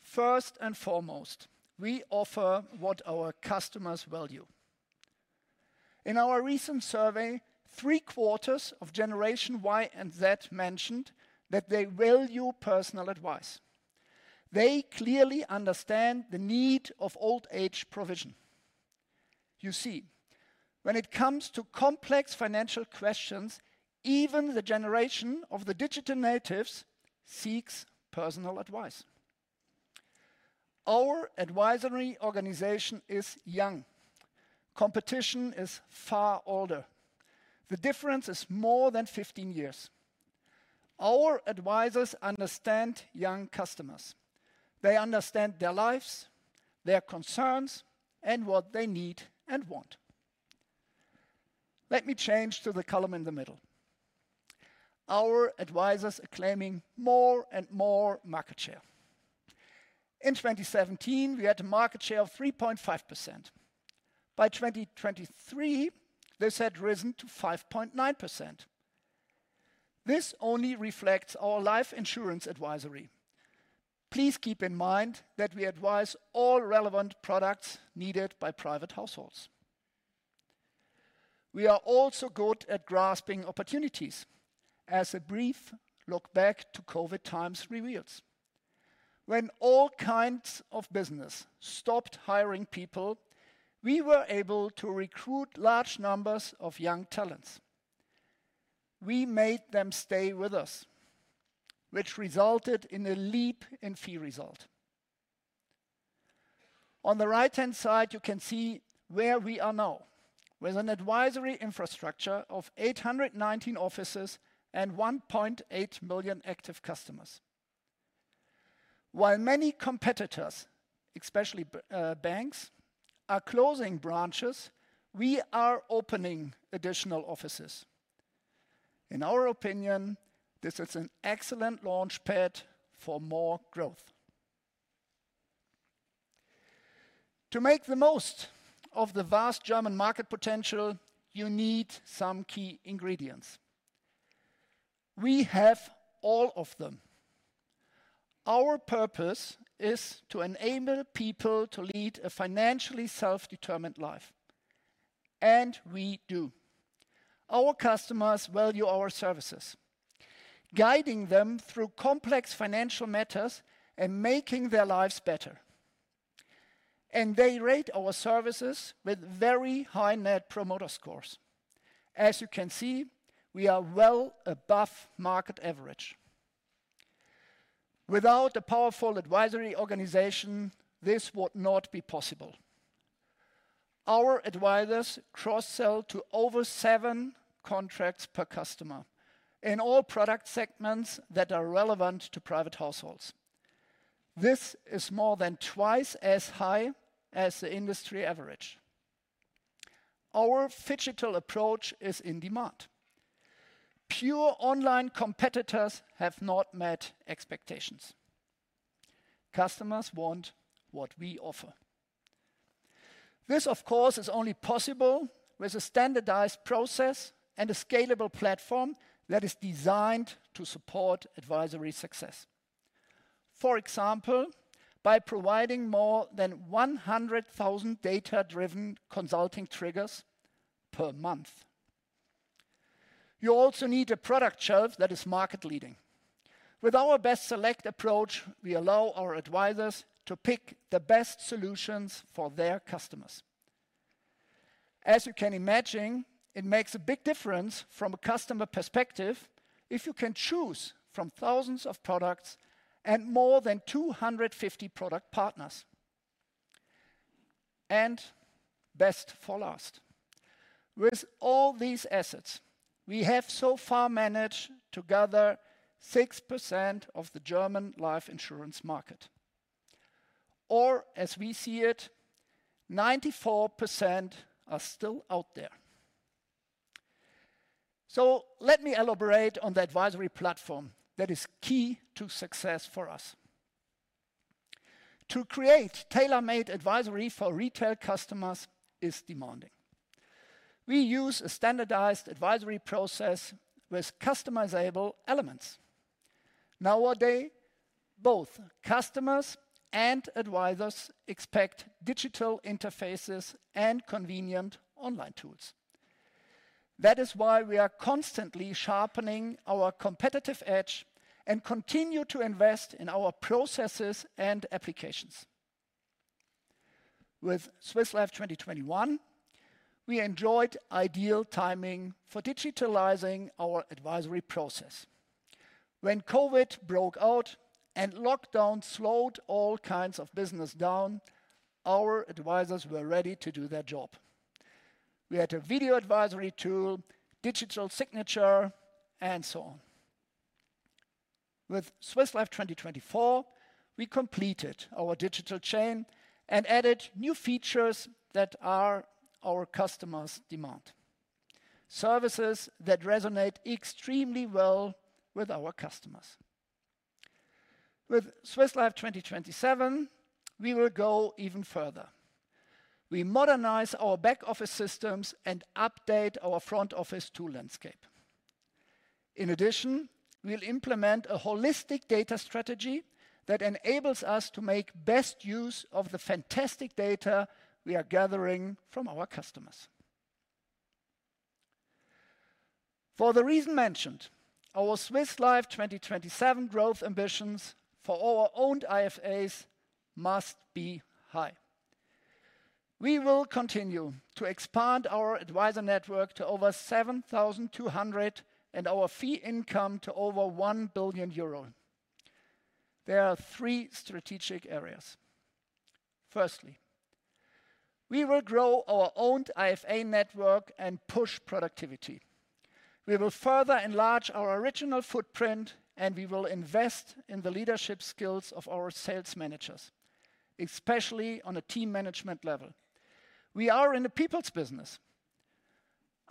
First and foremost, we offer what our customers value. In our recent survey, three quarters of Generation Y and Z mentioned that they value personal advice. They clearly understand the need of old-age provision. You see, when it comes to complex financial questions, even the generation of the digital natives seeks personal advice. Our advisory organization is young. Competition is far older. The difference is more than 15 years. Our advisors understand young customers. They understand their lives, their concerns, and what they need and want. Let me change to the column in the middle. Our advisors are claiming more and more market share. In 2017, we had a market share of 3.5%. By 2023, this had risen to 5.9%. This only reflects our life insurance advisory. Please keep in mind that we advise all relevant products needed by private households. We are also good at grasping opportunities, as a brief look back to COVID times reveals. When all kinds of business stopped hiring people, we were able to recruit large numbers of young talents. We made them stay with us, which resulted in a leap in fee result. On the right-hand side, you can see where we are now, with an advisory infrastructure of 819 offices and 1.8 million active customers. While many competitors, especially banks, are closing branches, we are opening additional offices. In our opinion, this is an excellent launchpad for more growth. To make the most of the vast German market potential, you need some key ingredients. We have all of them. Our purpose is to enable people to lead a financially self-determined life, and we do. Our customers value our services, guiding them through complex financial matters and making their lives better, and they rate our services with very high Net Promoter Scores. As you can see, we are well above market average. Without a powerful advisory organization, this would not be possible. Our advisors cross-sell to over seven contracts per customer in all product segments that are relevant to private households. This is more than twice as high as the industry average. Our phygital approach is in demand. Pure online competitors have not met expectations. Customers want what we offer. This, of course, is only possible with a standardized process and a scalable platform that is designed to support advisory success. For example, by providing more than 100,000 data-driven consulting triggers per month. You also need a product shelf that is market-leading. With our Best Select approach, we allow our advisors to pick the best solutions for their customers. As you can imagine, it makes a big difference from a customer perspective if you can choose from thousands of products and more than 250 product partners. And best for last. With all these assets, we have so far managed to gather 6% of the German life insurance market. Or, as we see it, 94% are still out there. So let me elaborate on the advisory platform that is key to success for us. To create tailor-made advisory for retail customers is demanding. We use a standardized advisory process with customizable elements. Nowadays, both customers and advisors expect digital interfaces and convenient online tools. That is why we are constantly sharpening our competitive edge and continue to invest in our processes and applications. With Swiss Life 2021, we enjoyed ideal timing for digitalizing our advisory process. When COVID broke out and lockdowns slowed all kinds of business down, our advisors were ready to do their job. We had a video advisory tool, digital signature, and so on. With Swiss Life 2024, we completed our digital chain and added new features that are our customers' demand. Services that resonate extremely well with our customers. With Swiss Life 2027, we will go even further. We modernize our back office systems and update our front office tool landscape. In addition, we will implement a holistic data strategy that enables us to make best use of the fantastic data we are gathering from our customers. For the reason mentioned, our Swiss Life 2027 growth ambitions for our own IFAs must be high. We will continue to expand our advisor network to over 7,200 and our fee income to over 1 billion euro. There are three strategic areas. Firstly, we will grow our own IFA network and push productivity. We will further enlarge our original footprint, and we will invest in the leadership skills of our sales managers, especially on a team management level. We are in a people's business.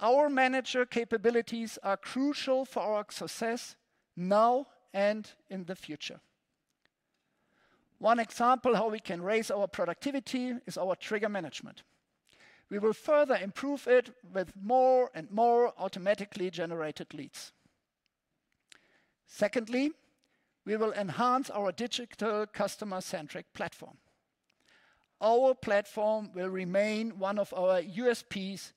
Our manager capabilities are crucial for our success now and in the future. One example of how we can raise our productivity is our trigger management. We will further improve it with more and more automatically generated leads. Secondly, we will enhance our digital customer-centric platform. Our platform will remain one of our USPs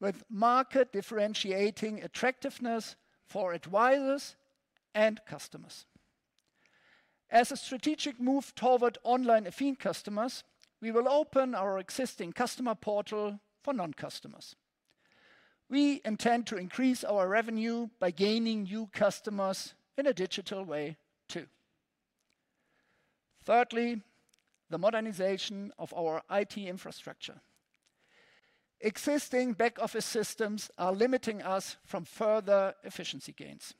with market differentiating attractiveness for advisors and customers. As a strategic move toward online-affined customers, we will open our existing customer portal for non-customers. We intend to increase our revenue by gaining new customers in a digital way too. Thirdly, the modernization of our IT infrastructure. Existing back office systems are limiting us from further efficiency gains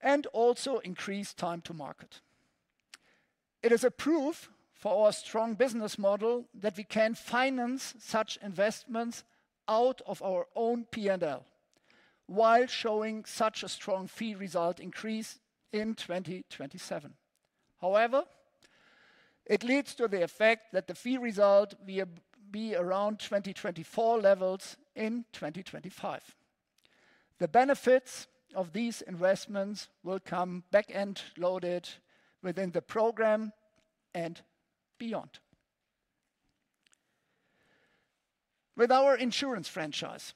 and also increased time to market. It is a proof for our strong business model that we can finance such investments out of our own P&L while showing such a strong fee result increase in 2027. However, it leads to the effect that the fee result will be around 2024 levels in 2025. The benefits of these investments will come back-end loaded within the program and beyond. With our insurance franchise,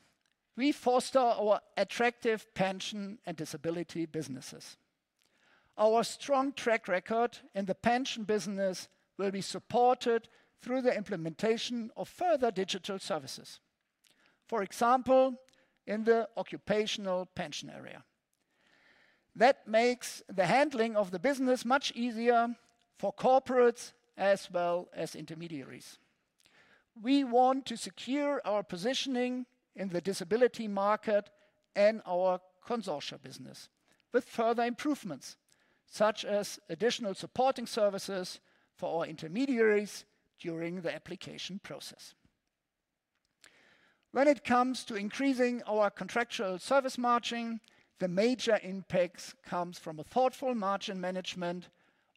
we foster our attractive pension and disability businesses. Our strong track record in the pension business will be supported through the implementation of further digital services, for example, in the occupational pension area. That makes the handling of the business much easier for corporates as well as intermediaries. We want to secure our positioning in the disability market and our consortia business with further improvements such as additional supporting services for our intermediaries during the application process. When it comes to increasing our contractual service margin, the major impacts come from a thoughtful margin management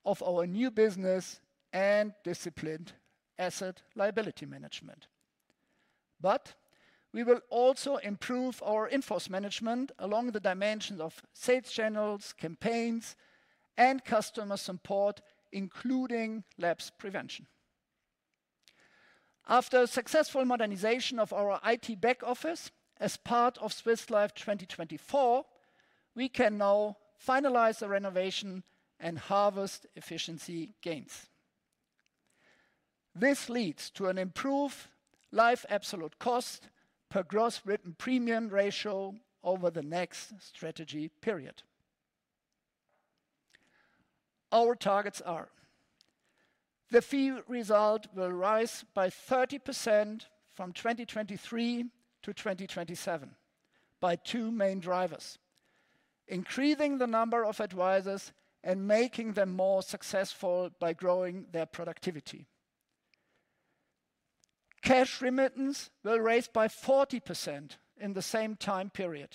of our new business and disciplined asset liability management. But we will also improve our insurance management along the dimensions of sales channels, campaigns, and customer support, including claims prevention. After a successful modernization of our IT back office as part of Swiss Life 2024, we can now finalize the renovation and harvest efficiency gains. This leads to an improved life absolute costs per gross written premium ratio over the next strategy period. Our targets are: the fee result will rise by 30% from 2023 to 2027 by two main drivers: increasing the number of advisors and making them more successful by growing their productivity. Cash remittance will rise by 40% in the same time period.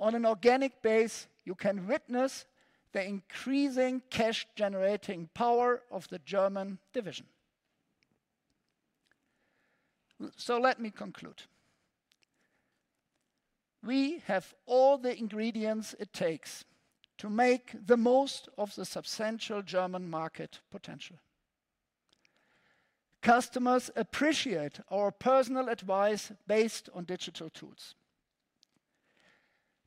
On an organic basis, you can witness the increasing cash generating power of the German division, so let me conclude. We have all the ingredients it takes to make the most of the substantial German market potential. Customers appreciate our personal advice based on digital tools.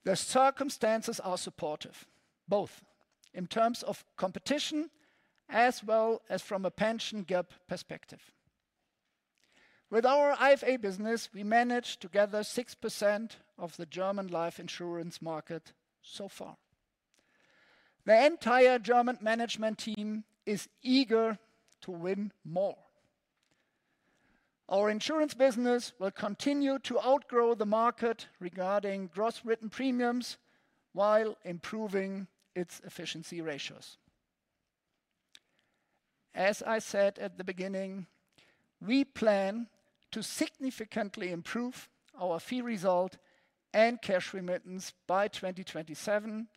The circumstances are supportive, both in terms of competition as well as from a pension gap perspective. With our IFA business, we managed to gather 6% of the German life insurance market so far. The entire German management team is eager to win more. Our insurance business will continue to outgrow the market regarding gross written premiums while improving its efficiency ratios. As I said at the beginning, we plan to significantly improve our fee result and cash remittance by 2027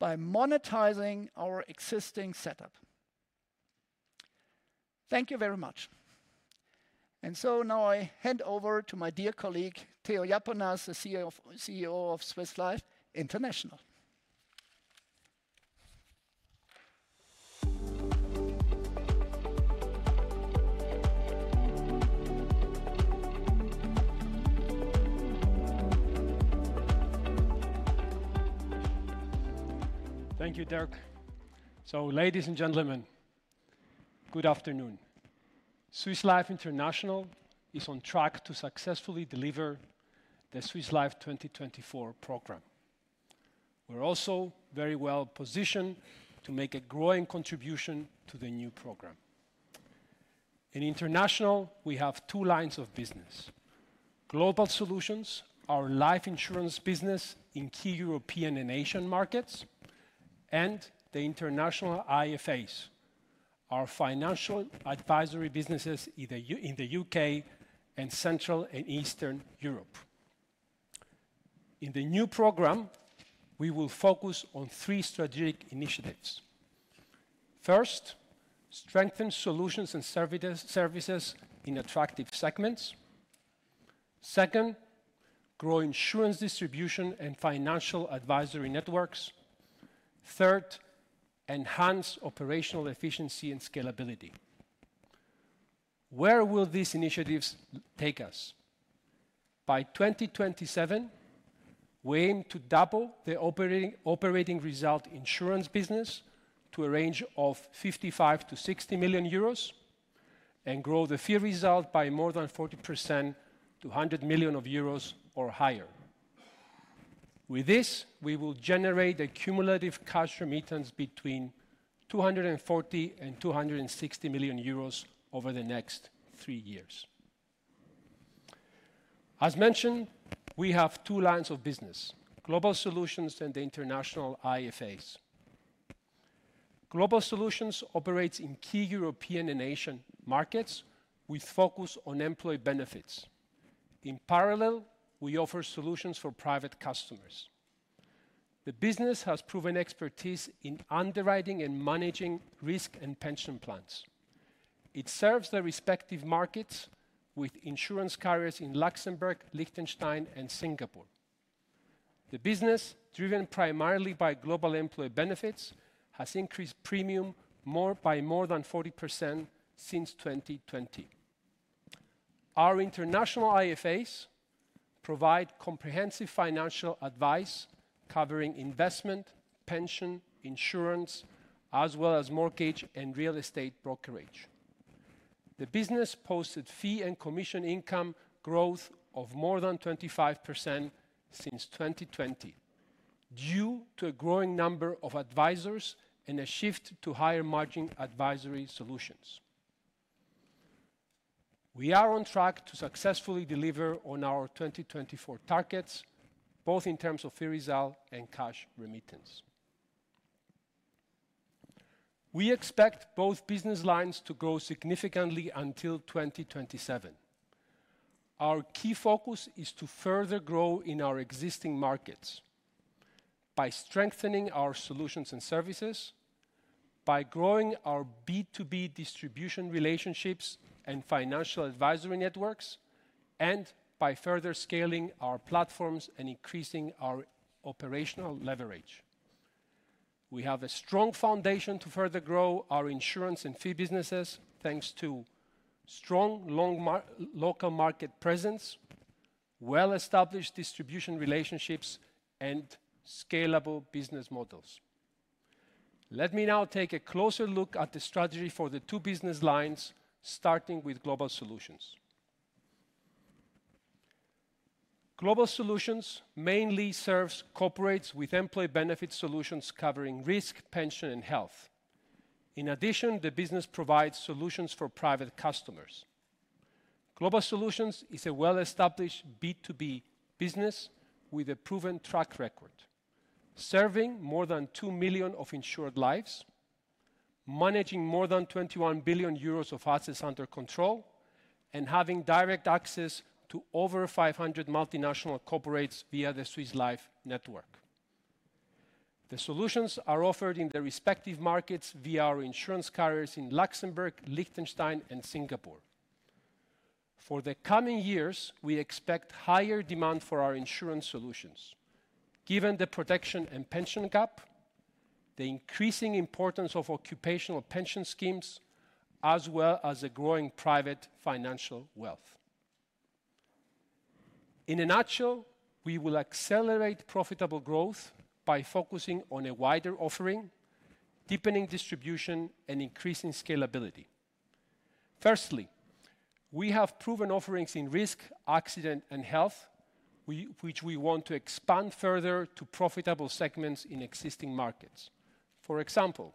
by monetizing our existing setup. Thank you very much, and so now I hand over to my dear colleague, Theo Iaponas, the CEO of Swiss Life International. Thank you, Dirk, so ladies and gentlemen, good afternoon. Swiss Life International is on track to successfully deliver the Swiss Life 2024 program. We're also very well positioned to make a growing contribution to the new program. In International, we have two lines of business: Global Solutions, our life insurance business in key European and Asian markets, and the International IFAs, our financial advisory businesses in the U.K. and Central and Eastern Europe. In the new program, we will focus on three strategic initiatives. First, strengthen solutions and services in attractive segments. Second, grow insurance distribution and financial advisory networks. Third, enhance operational efficiency and scalability. Where will these initiatives take us? By 2027, we aim to double the operating result insurance business to a range of 55 million-60 million euros and grow the fee result by more than 40% to 100 million euros or higher. With this, we will generate a cumulative cash remittance between 240 million and 260 million euros over the next three years. As mentioned, we have two lines of business: Global Solutions and the International IFAs. Global Solutions operates in key European and Asian markets with focus on employee benefits. In parallel, we offer solutions for private customers. The business has proven expertise in underwriting and managing risk and pension plans. It serves the respective markets with insurance carriers in Luxembourg, Liechtenstein, and Singapore. The business, driven primarily by global employee benefits, has increased premium by more than 40% since 2020. Our International IFAs provide comprehensive financial advice covering investment, pension, insurance, as well as mortgage and real estate brokerage. The business posted fee and commission income growth of more than 25% since 2020 due to a growing number of advisors and a shift to higher margin advisory solutions. We are on track to successfully deliver on our 2024 targets, both in terms of fee result and cash remittance. We expect both business lines to grow significantly until 2027. Our key focus is to further grow in our existing markets by strengthening our solutions and services, by growing our B2B distribution relationships and financial advisory networks, and by further scaling our platforms and increasing our operational leverage. We have a strong foundation to further grow our insurance and fee businesses thanks to strong local market presence, well-established distribution relationships, and scalable business models. Let me now take a closer look at the strategy for the two business lines, starting with Global Solutions. Global Solutions mainly serves corporates with employee benefit solutions covering risk, pension, and health. In addition, the business provides solutions for private customers. Global Solutions is a well-established B2B business with a proven track record, serving more than 2 million insured lives, managing more than 21 billion euros of assets under control, and having direct access to over 500 multinational corporates via the Swiss Life network. The solutions are offered in the respective markets via our insurance carriers in Luxembourg, Liechtenstein, and Singapore. For the coming years, we expect higher demand for our insurance solutions, given the protection and pension gap, the increasing importance of occupational pension schemes, as well as a growing private financial wealth. In a nutshell, we will accelerate profitable growth by focusing on a wider offering, deepening distribution, and increasing scalability. Firstly, we have proven offerings in risk, accident, and health, which we want to expand further to profitable segments in existing markets. For example,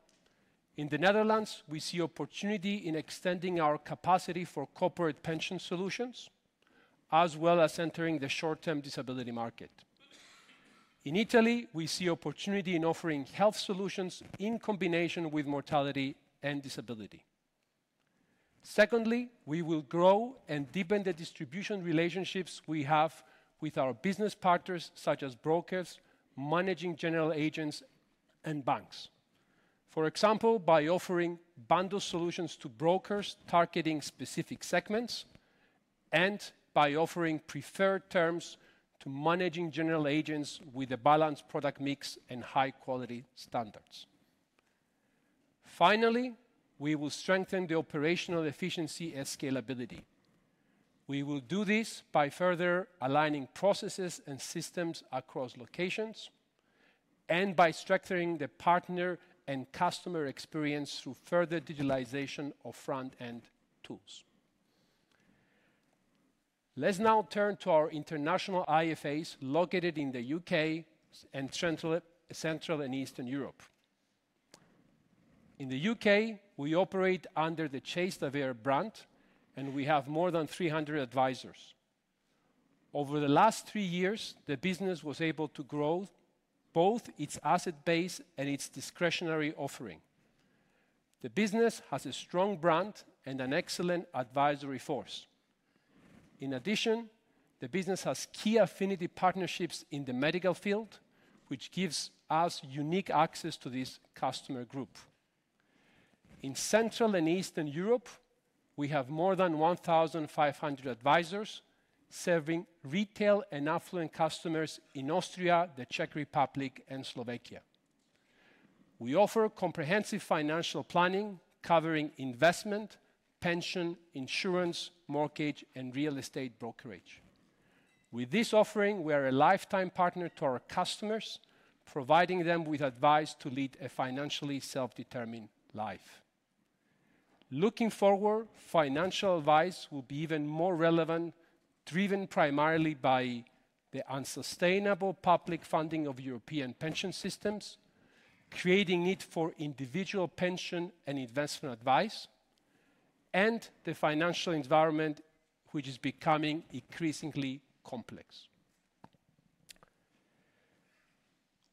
in the Netherlands, we see opportunity in extending our capacity for corporate pension solutions, as well as entering the short-term disability market. In Italy, we see opportunity in offering health solutions in combination with mortality and disability. Secondly, we will grow and deepen the distribution relationships we have with our business partners, such as brokers, managing general agents, and banks. For example, by offering bundled solutions to brokers targeting specific segments and by offering preferred terms to managing general agents with a balanced product mix and high-quality standards. Finally, we will strengthen the operational efficiency and scalability. We will do this by further aligning processes and systems across locations and by strengthening the partner and customer experience through further digitalization of front-end tools. Let's now turn to our International IFAs located in the U.K. and Central and Eastern Europe. In the U.K., we operate under the Chase de Vere brand, and we have more than 300 advisors. Over the last three years, the business was able to grow both its asset base and its discretionary offering. The business has a strong brand and an excellent advisory force. In addition, the business has key affinity partnerships in the medical field, which gives us unique access to this customer group. In Central and Eastern Europe, we have more than 1,500 advisors serving retail and affluent customers in Austria, the Czech Republic, and Slovakia. We offer comprehensive financial planning covering investment, pension, insurance, mortgage, and real estate brokerage. With this offering, we are a lifetime partner to our customers, providing them with advice to lead a financially self-determined life. Looking forward, financial advice will be even more relevant, driven primarily by the unsustainable public funding of European pension systems, creating need for individual pension and investment advice, and the financial environment, which is becoming increasingly complex.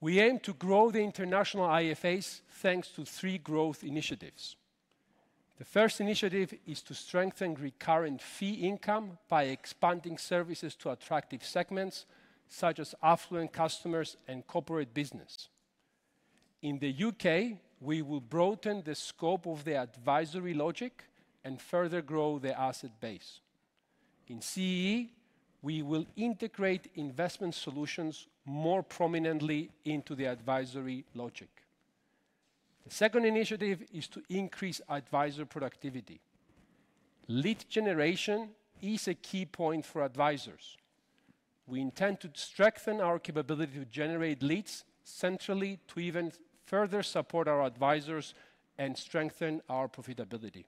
We aim to grow the International IFAs thanks to three growth initiatives. The first initiative is to strengthen recurrent fee income by expanding services to attractive segments such as affluent customers and corporate business. In the U.K., we will broaden the scope of the advisory logic and further grow the asset base. In CEE, we will integrate investment solutions more prominently into the advisory logic. The second initiative is to increase advisor productivity. Lead generation is a key point for advisors. We intend to strengthen our capability to generate leads centrally to even further support our advisors and strengthen our profitability.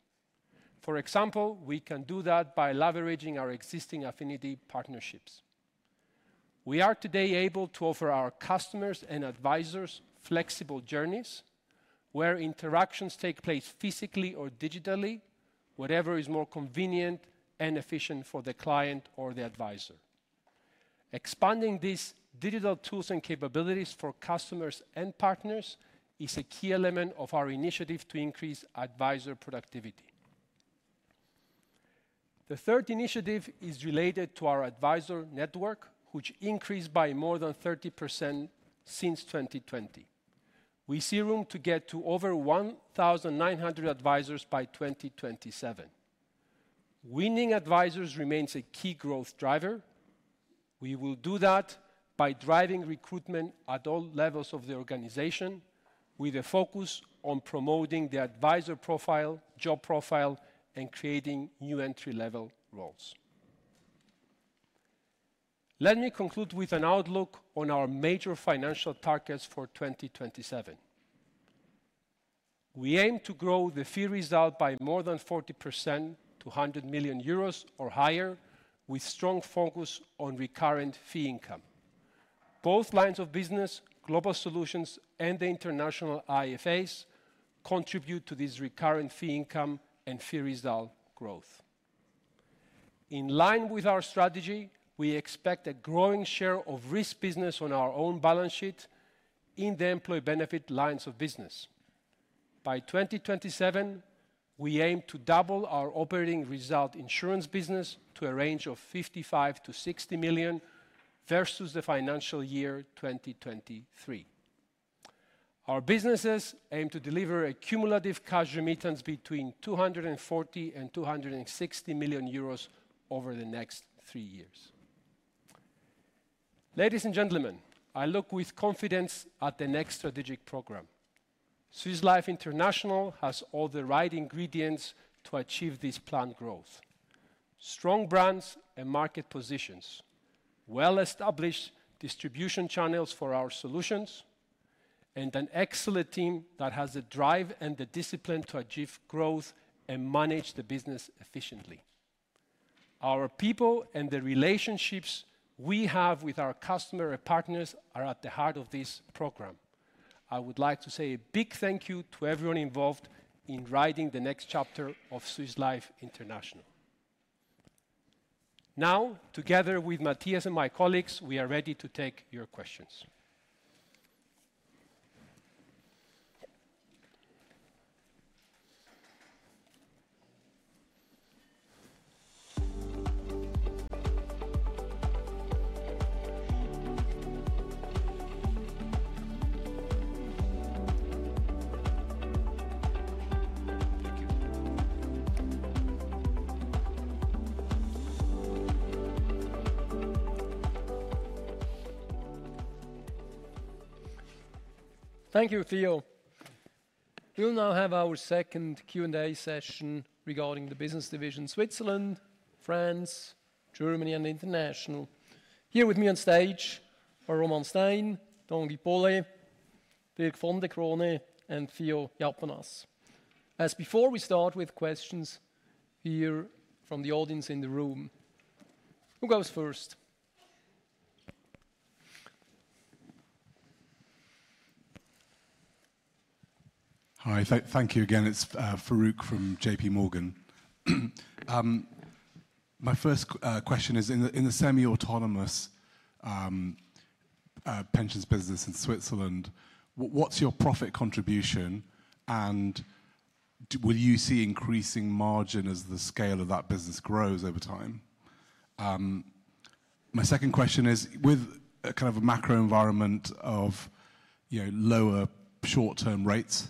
For example, we can do that by leveraging our existing affinity partnerships. We are today able to offer our customers and advisors flexible journeys where interactions take place physically or digitally, whatever is more convenient and efficient for the client or the advisor. Expanding these digital tools and capabilities for customers and partners is a key element of our initiative to increase advisor productivity. The third initiative is related to our advisor network, which increased by more than 30% since 2020. We see room to get to over 1,900 advisors by 2027. Winning advisors remains a key growth driver. We will do that by driving recruitment at all levels of the organization with a focus on promoting the advisor profile, job profile, and creating new entry-level roles. Let me conclude with an outlook on our major financial targets for 2027. We aim to grow the fee result by more than 40% to 100 million euros or higher, with strong focus on recurrent fee income. Both lines of business, Global Solutions and the International IFAs, contribute to this recurrent fee income and fee result growth. In line with our strategy, we expect a growing share of risk business on our own balance sheet in the employee benefit lines of business. By 2027, we aim to double our operating result insurance business to a range of 55-60 million versus the financial year 2023. Our businesses aim to deliver a cumulative cash remittance between 240 million and 260 million euros over the next three years. Ladies and gentlemen, I look with confidence at the next strategic program. Swiss Life International has all the right ingredients to achieve this planned growth: strong brands and market positions, well-established distribution channels for our solutions, and an excellent team that has the drive and the discipline to achieve growth and manage the business efficiently. Our people and the relationships we have with our customer and partners are at the heart of this program. I would like to say a big thank you to everyone involved in writing the next chapter of Swiss Life International. Now, together with Matthias and my colleagues, we are ready to take your questions. Thank you, Theo. We'll now have our second Q&A session regarding the business division Switzerland, France, Germany, and International. Here with me on stage are Roman Stein, Tanguy Paulet, Dirk von der Crone, and Theo Iaponas. As before, we start with questions here from the audience in the room. Who goes first? Hi, thank you again. It's Farooq from J.P. Morgan. My first question is, in the semi-autonomous pensions business in Switzerland, what's your profit contribution, and will you see increasing margin as the scale of that business grows over time? My second question is, with kind of a macro environment of lower short-term rates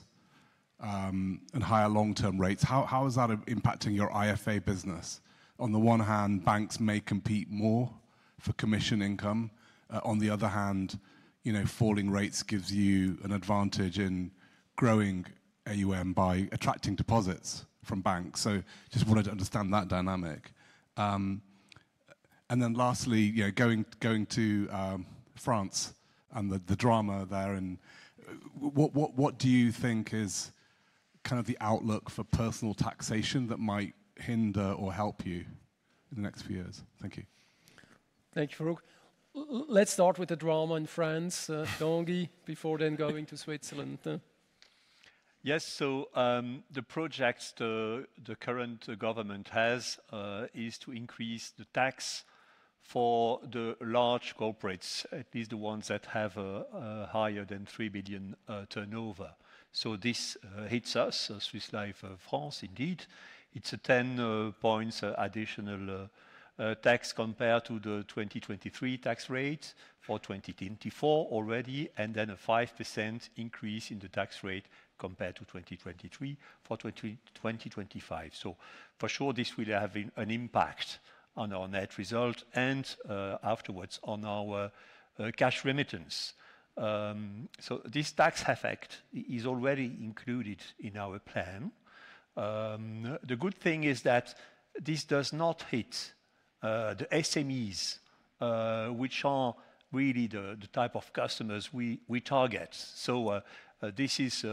and higher long-term rates, how is that impacting your IFA business? On the one hand, banks may compete more for commission income. On the other hand, falling rates gives you an advantage in growing AUM by attracting deposits from banks. So I just wanted to understand that dynamic. And then lastly, going to France and the drama there, what do you think is kind of the outlook for personal taxation that might hinder or help you in the next few years? Thank you. Thank you, Farooq. Let's start with the drama in France, Tanguy, before then going to Switzerland. Yes, so the project the current government has is to increase the tax for the large corporates, at least the ones that have a higher than 3 billion turnover. So this hits us, Swiss Life France indeed. It's a 10 points additional tax compared to the 2023 tax rate for 2024 already, and then a 5% increase in the tax rate compared to 2023 for 2025. So for sure, this will have an impact on our net result and afterwards on our cash remittance. So this tax effect is already included in our plan. The good thing is that this does not hit the SMEs, which are really the type of customers we target. So this is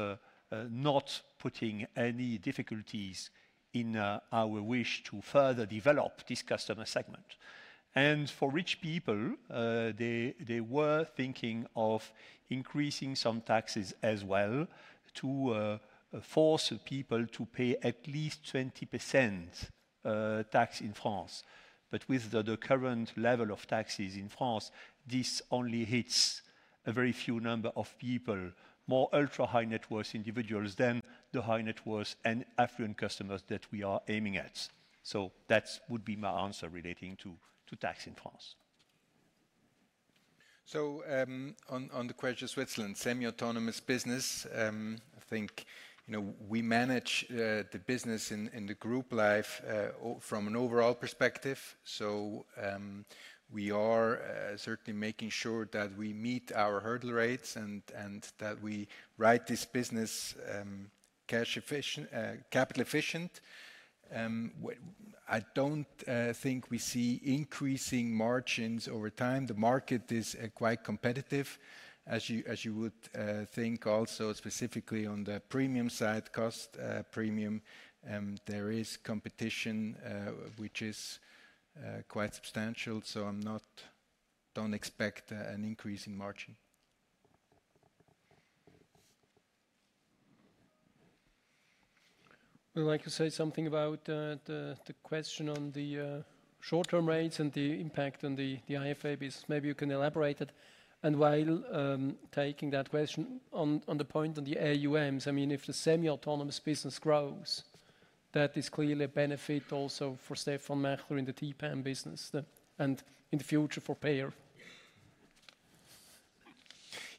not putting any difficulties in our wish to further develop this customer segment. And for rich people, they were thinking of increasing some taxes as well to force people to pay at least 20% tax in France. But with the current level of taxes in France, this only hits a very few number of people, more ultra-high net worth individuals than the high net worth and affluent customers that we are aiming at. So that would be my answer relating to tax in France. So on the question of Switzerland, semi-autonomous business, I think we manage the business in the group life from an overall perspective. So we are certainly making sure that we meet our hurdle rates and that we write this business capital efficient. I don't think we see increasing margins over time. The market is quite competitive, as you would think. Also, specifically on the premium side, cost premium, there is competition, which is quite substantial. So I don't expect an increase in margin. Would you like to say something about the question on the short-term rates and the impact on the IFA business? Maybe you can elaborate it. And while taking that question on the point on the AUMs, I mean, if the semi-autonomous business grows, that is clearly a benefit also for Stefan Mächler in the TPAM business and in the future for Per.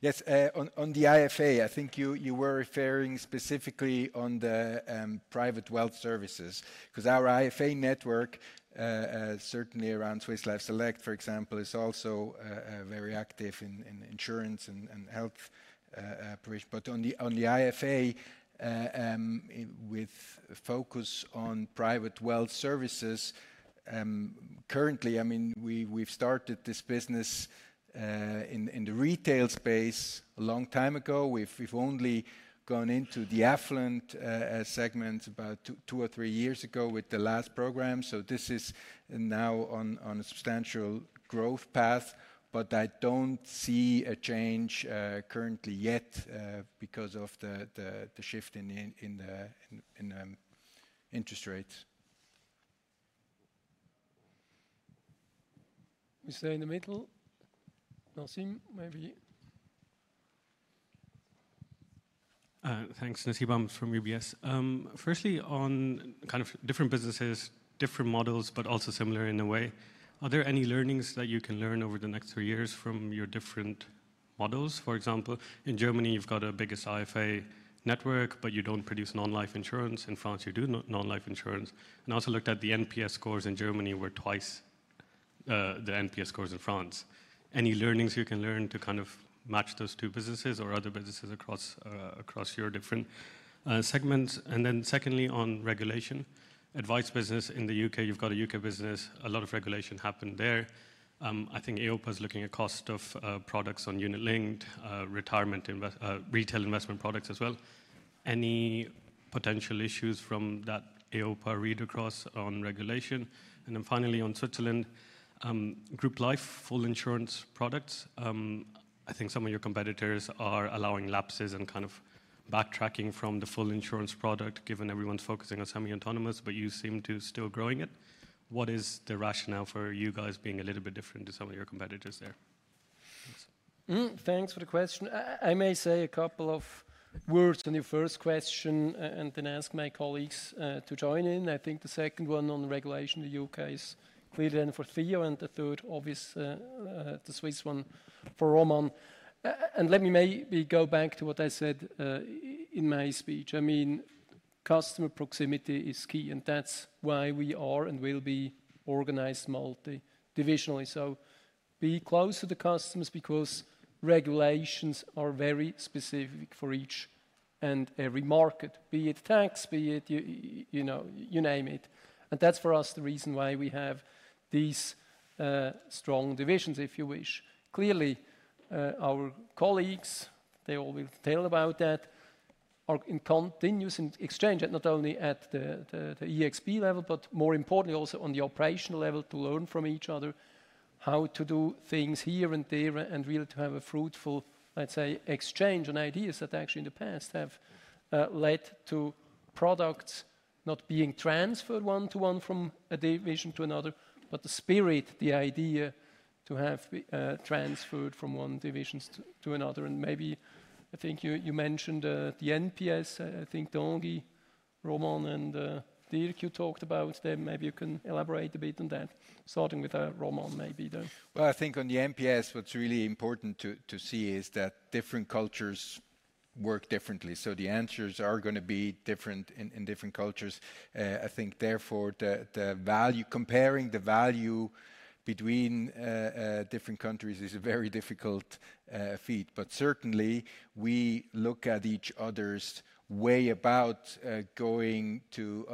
Yes, on the IFA, I think you were referring specifically on the private wealth services because our IFA network, certainly around Swiss Life Select, for example, is also very active in insurance and health. But on the IFA, with focus on private wealth services, currently, I mean, we've started this business in the retail space a long time ago. We've only gone into the affluent segment about two or three years ago with the last program. So this is now on a substantial growth path, but I don't see a change currently yet because of the shift in interest rates. We stay in the middle. [Nasib], maybe. Thanks, [Nasib] from UBS. Firstly, on kind of different businesses, different models, but also similar in a way, are there any learnings that you can learn over the next three years from your different models? For example, in Germany, you've got a biggest IFA network, but you don't produce non-life insurance. In France, you do non-life insurance. And also looked at the NPS scores in Germany were twice the NPS scores in France. Any learnings you can learn to kind of match those two businesses or other businesses across your different segments? And then secondly, on regulation, advice business in the U.K., you've got a U.K. business, a lot of regulation happened there. I think EIOPA is looking at cost of products on unit-linked retail investment products as well. Any potential issues from that EIOPA read across on regulation? And then finally, on Switzerland, group life full insurance products, I think some of your competitors are allowing lapses and kind of backtracking from the full insurance product given everyone's focusing on semi-autonomous, but you seem to still growing it. What is the rationale for you guys being a little bit different to some of your competitors there? Thanks for the question. I may say a couple of words on your first question and then ask my colleagues to join in. I think the second one on regulation in the U.K. is clearly for Theo and the third obvious, the Swiss one, for Roman. And let me maybe go back to what I said in my speech. I mean, customer proximity is key and that's why we are and will be organized multi-divisional. So be close to the customers because regulations are very specific for each and every market, be it tax, be it you name it. And that's for us the reason why we have these strong divisions, if you wish. Clearly, our colleagues, they all will tell about that, are in continuous exchange not only at the ExB level, but more importantly also on the operational level to learn from each other how to do things here and there and really to have a fruitful, let's say, exchange on ideas that actually in the past have led to products not being transferred one to one from a division to another, but the spirit, the idea to have transferred from one division to another. And maybe I think you mentioned the NPS. I think Tanguy, Roman, and Dirk, you talked about them. Maybe you can elaborate a bit on that, starting with Roman maybe though. Well, I think on the NPS, what's really important to see is that different cultures work differently. So the answers are going to be different in different cultures. I think therefore comparing the value between different countries is a very difficult feat. But certainly, we look at each other's way about going to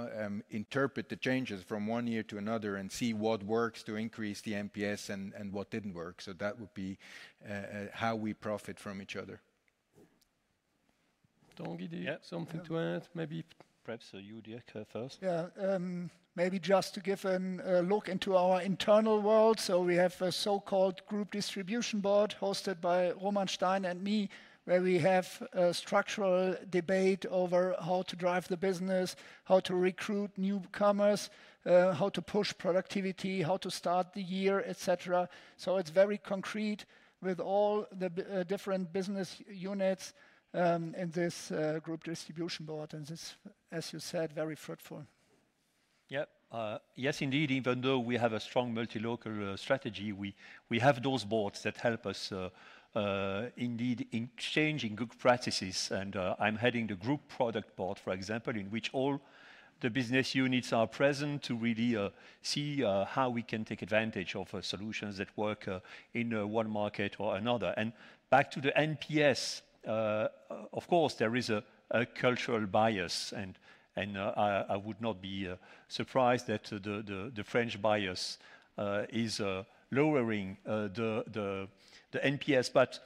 interpret the changes from one year to another and see what works to increase the NPS and what didn't work. So that would be how we profit from each other. Tanguy, do you have something to add, maybe? Perhaps you, Dirk, first. Yeah, maybe just to give a look into our internal world. So we have a so-called group distribution board hosted by Roman Stein and me, where we have a structural debate over how to drive the business, how to recruit newcomers, how to push productivity, how to start the year, etc. So it's very concrete with all the different business units in this group distribution board and this, as you said, very fruitful. Yep. Yes, indeed. Even though we have a strong multi-local strategy, we have those boards that help us indeed in exchanging good practices. And I'm heading the group product board, for example, in which all the business units are present to really see how we can take advantage of solutions that work in one market or another. And back to the NPS, of course, there is a cultural bias and I would not be surprised that the French bias is lowering the NPS. But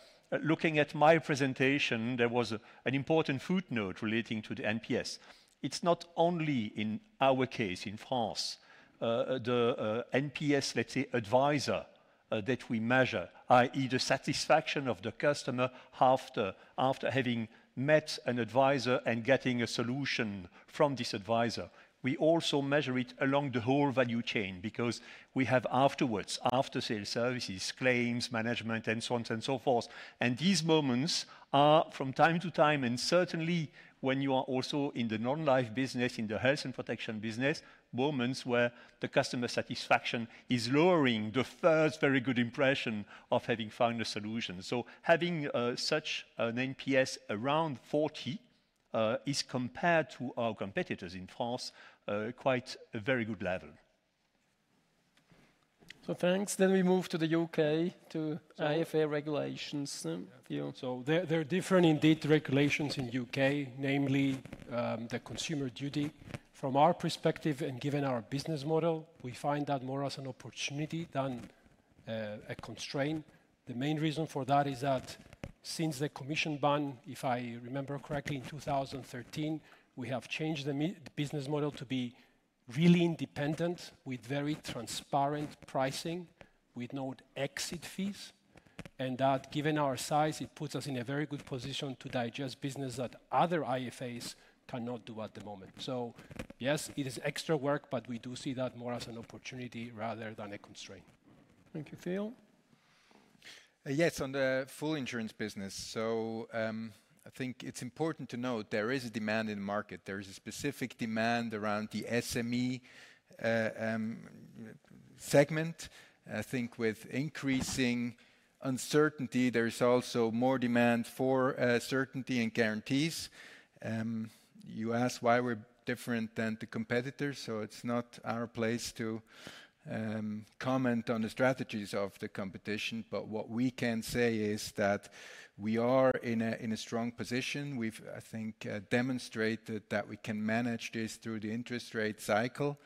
looking at my presentation, there was an important footnote relating to the NPS. It's not only in our case in France, the NPS, let's say, advisor that we measure, i.e., the satisfaction of the customer after having met an advisor and getting a solution from this advisor. We also measure it along the whole value chain because we have afterwards, after-sales services, claims, management, and so on and so forth. And these moments are from time to time and certainly when you are also in the non-life business, in the health and protection business, moments where the customer satisfaction is lowering the first very good impression of having found a solution. So having such an NPS around 40 is compared to our competitors in France, quite a very good level. So thanks. Then we move to the U.K. to IFA regulations. So there are different indeed regulations in the U.K., namely the Consumer Duty. From our perspective and given our business model, we find that more as an opportunity than a constraint. The main reason for that is that since the commission ban, if I remember correctly, in 2013, we have changed the business model to be really independent with very transparent pricing with no exit fees. And that given our size, it puts us in a very good position to digest business that other IFAs cannot do at the moment. So yes, it is extra work, but we do see that more as an opportunity rather than a constraint. Thank you, Theo. Yes, on the full insurance business. So I think it's important to note there is a demand in the market. There is a specific demand around the SME segment. I think with increasing uncertainty, there is also more demand for certainty and guarantees. You ask why we're different than the competitors. So it's not our place to comment on the strategies of the competition, but what we can say is that we are in a strong position. We've, I think, demonstrated that we can manage this through the interest rate cycle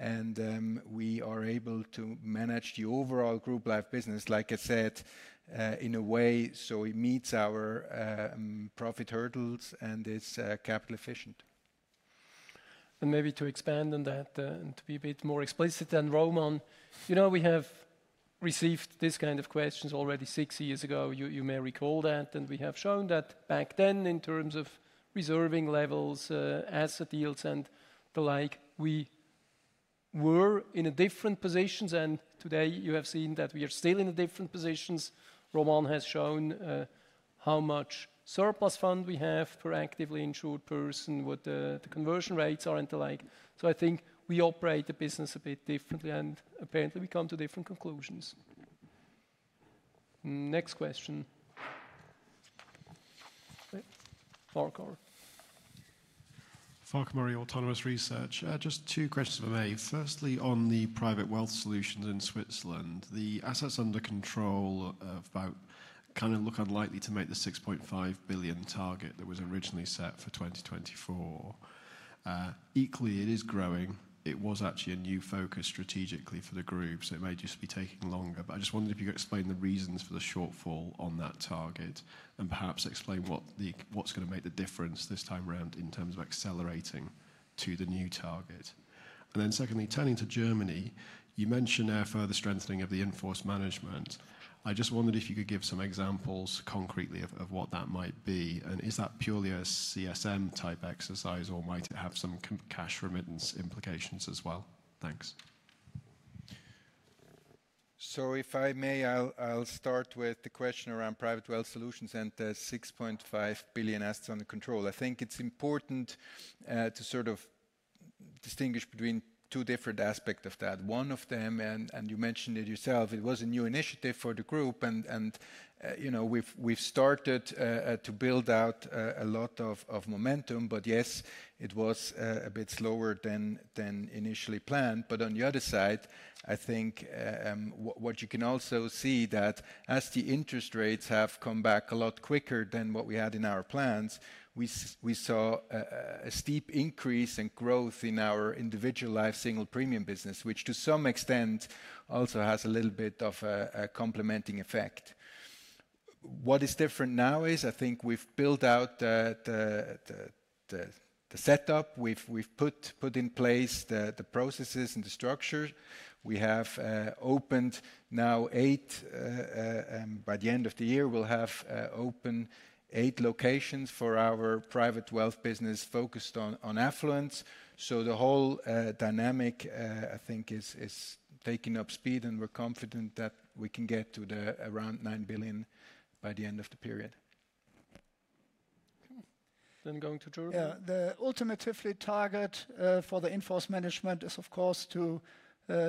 and we are able to manage the overall group life business, like I said, in a way so it meets our profit hurdles and it's capital efficient. And maybe to expand on that and to be a bit more explicit than Roman, you know we have received this kind of questions already six years ago. You may recall that and we have shown that back then in terms of reserving levels, asset deals and the like, we were in different positions. And today you have seen that we are still in different positions. Roman has shown how much surplus fund we have for actively insured person, what the conversion rates are and the like. So I think we operate the business a bit differently and apparently we come to different conclusions. Next question. Farquhar. Farquhar Murray, Autonomous Research. Just two questions for me. Firstly, on the private wealth solutions in Switzerland, the assets under control about kind of look unlikely to make the 6.5 billion target that was originally set for 2024. Equally, it is growing. It was actually a new focus strategically for the group, so it may just be taking longer. But I just wondered if you could explain the reasons for the shortfall on that target and perhaps explain what's going to make the difference this time around in terms of accelerating to the new target. Then secondly, turning to Germany, you mentioned there further strengthening of the in-force management. I just wondered if you could give some examples concretely of what that might be. And is that purely a CSM type exercise or might it have some cash remittance implications as well? Thanks. If I may, I'll start with the question around private wealth solutions and the 6.5 billion assets under control. I think it's important to sort of distinguish between two different aspects of that. One of them, and you mentioned it yourself, it was a new initiative for the group and we've started to build out a lot of momentum, but yes, it was a bit slower than initially planned. But on the other side, I think what you can also see that as the interest rates have come back a lot quicker than what we had in our plans, we saw a steep increase in growth in our individual life single premium business, which to some extent also has a little bit of a complementing effect. What is different now is I think we've built out the setup, we've put in place the processes and the structure. We have opened now eight, by the end of the year, we'll have open eight locations for our private wealth business focused on affluence. So the whole dynamic, I think, is taking up speed and we're confident that we can get to around 9 billion by the end of the period. Then going to Dirk. Yeah, the ultimate target for the insurance management is of course to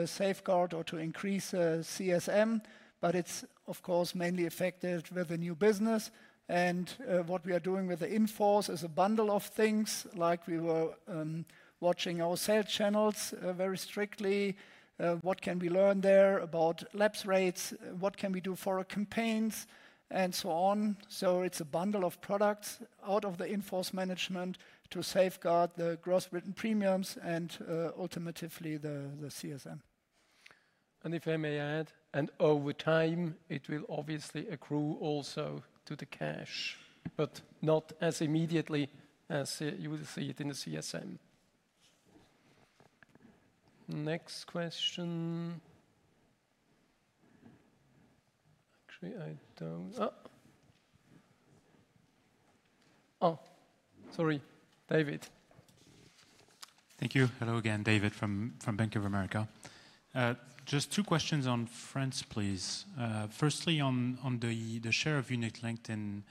safeguard or to increase CSM, but it's of course mainly affected with the new business. And what we are doing with the insurance is a bundle of things like we were watching our sales channels very strictly. What can we learn there about lapse rates? What can we do for our campaigns and so on? So it's a bundle of products out of the insurance management to safeguard the gross written premiums and ultimately the CSM. And if I may add, and over time it will obviously accrue also to the cash, but not as immediately as you will see it in the CSM. Next question. Actually, I don't. Oh, sorry, David. Thank you. Hello again, David from Bank of America. Just two questions on France, please. Firstly, on the share of unit-linked in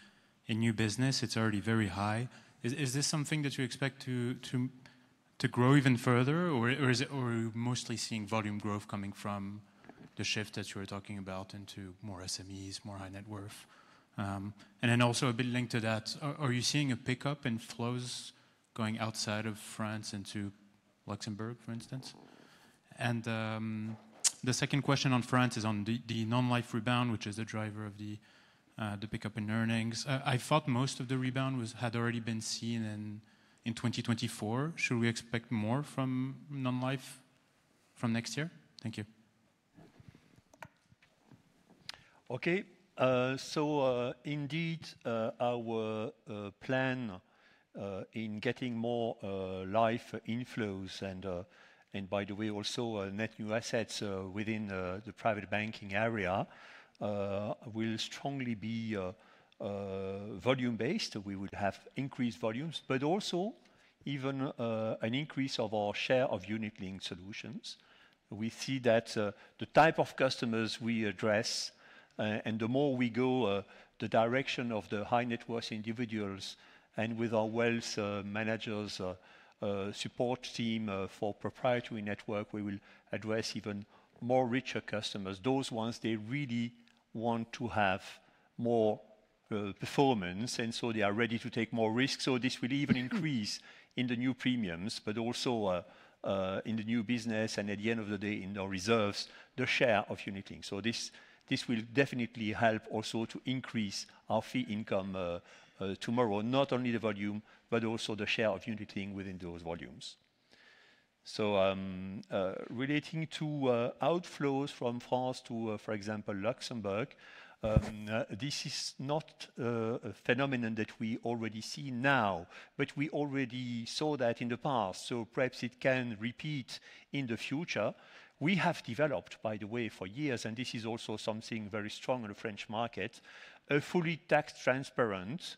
new business, it's already very high. Is this something that you expect to grow even further or are you mostly seeing volume growth coming from the shift that you were talking about into more SMEs, more high net worth? And then also a bit linked to that, are you seeing a pickup in flows going outside of France into Luxembourg, for instance? And the second question on France is on the non-life rebound, which is the driver of the pickup in earnings. I thought most of the rebound had already been seen in 2024. Should we expect more from non-life from next year? Thank you. Okay, so indeed our plan in getting more life inflows and by the way, also net new assets within the private banking area will strongly be volume-based. We would have increased volumes, but also even an increase of our share of unit-linked solutions. We see that the type of customers we address and the more we go the direction of the high net worth individuals and with our wealth managers' support team for proprietary network, we will address even more richer customers. Those ones, they really want to have more performance and so they are ready to take more risk. This will even increase in the new premiums, but also in the new business and at the end of the day in our reserves, the share of unit-linked. This will definitely help also to increase our fee income tomorrow, not only the volume, but also the share of unit-linked within those volumes. So relating to outflows from France to, for example, Luxembourg, this is not a phenomenon that we already see now, but we already saw that in the past. So perhaps it can repeat in the future. We have developed, by the way, for years, and this is also something very strong in the French market, a fully tax transparent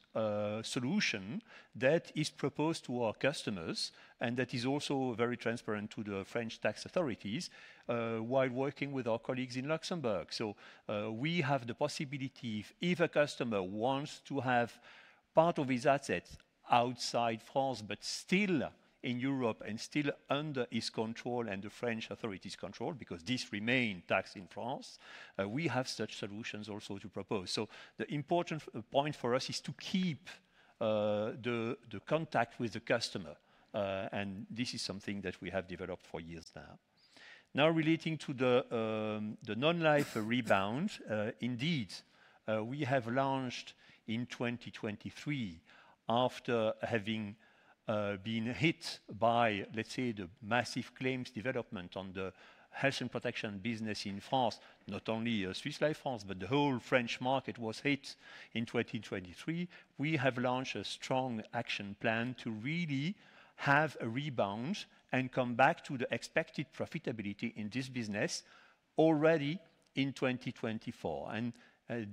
solution that is proposed to our customers and that is also very transparent to the French tax authorities while working with our colleagues in Luxembourg. So we have the possibility if a customer wants to have part of his assets outside France, but still in Europe and still under his control and the French authorities' control because this remains taxed in France, we have such solutions also to propose. So the important point for us is to keep the contact with the customer. And this is something that we have developed for years now. Now, relating to the non-life rebound, indeed, we have launched in 2023 after having been hit by, let's say, the massive claims development on the health and protection business in France, not only Swiss Life France, but the whole French market was hit in 2023. We have launched a strong action plan to really have a rebound and come back to the expected profitability in this business already in 2024. And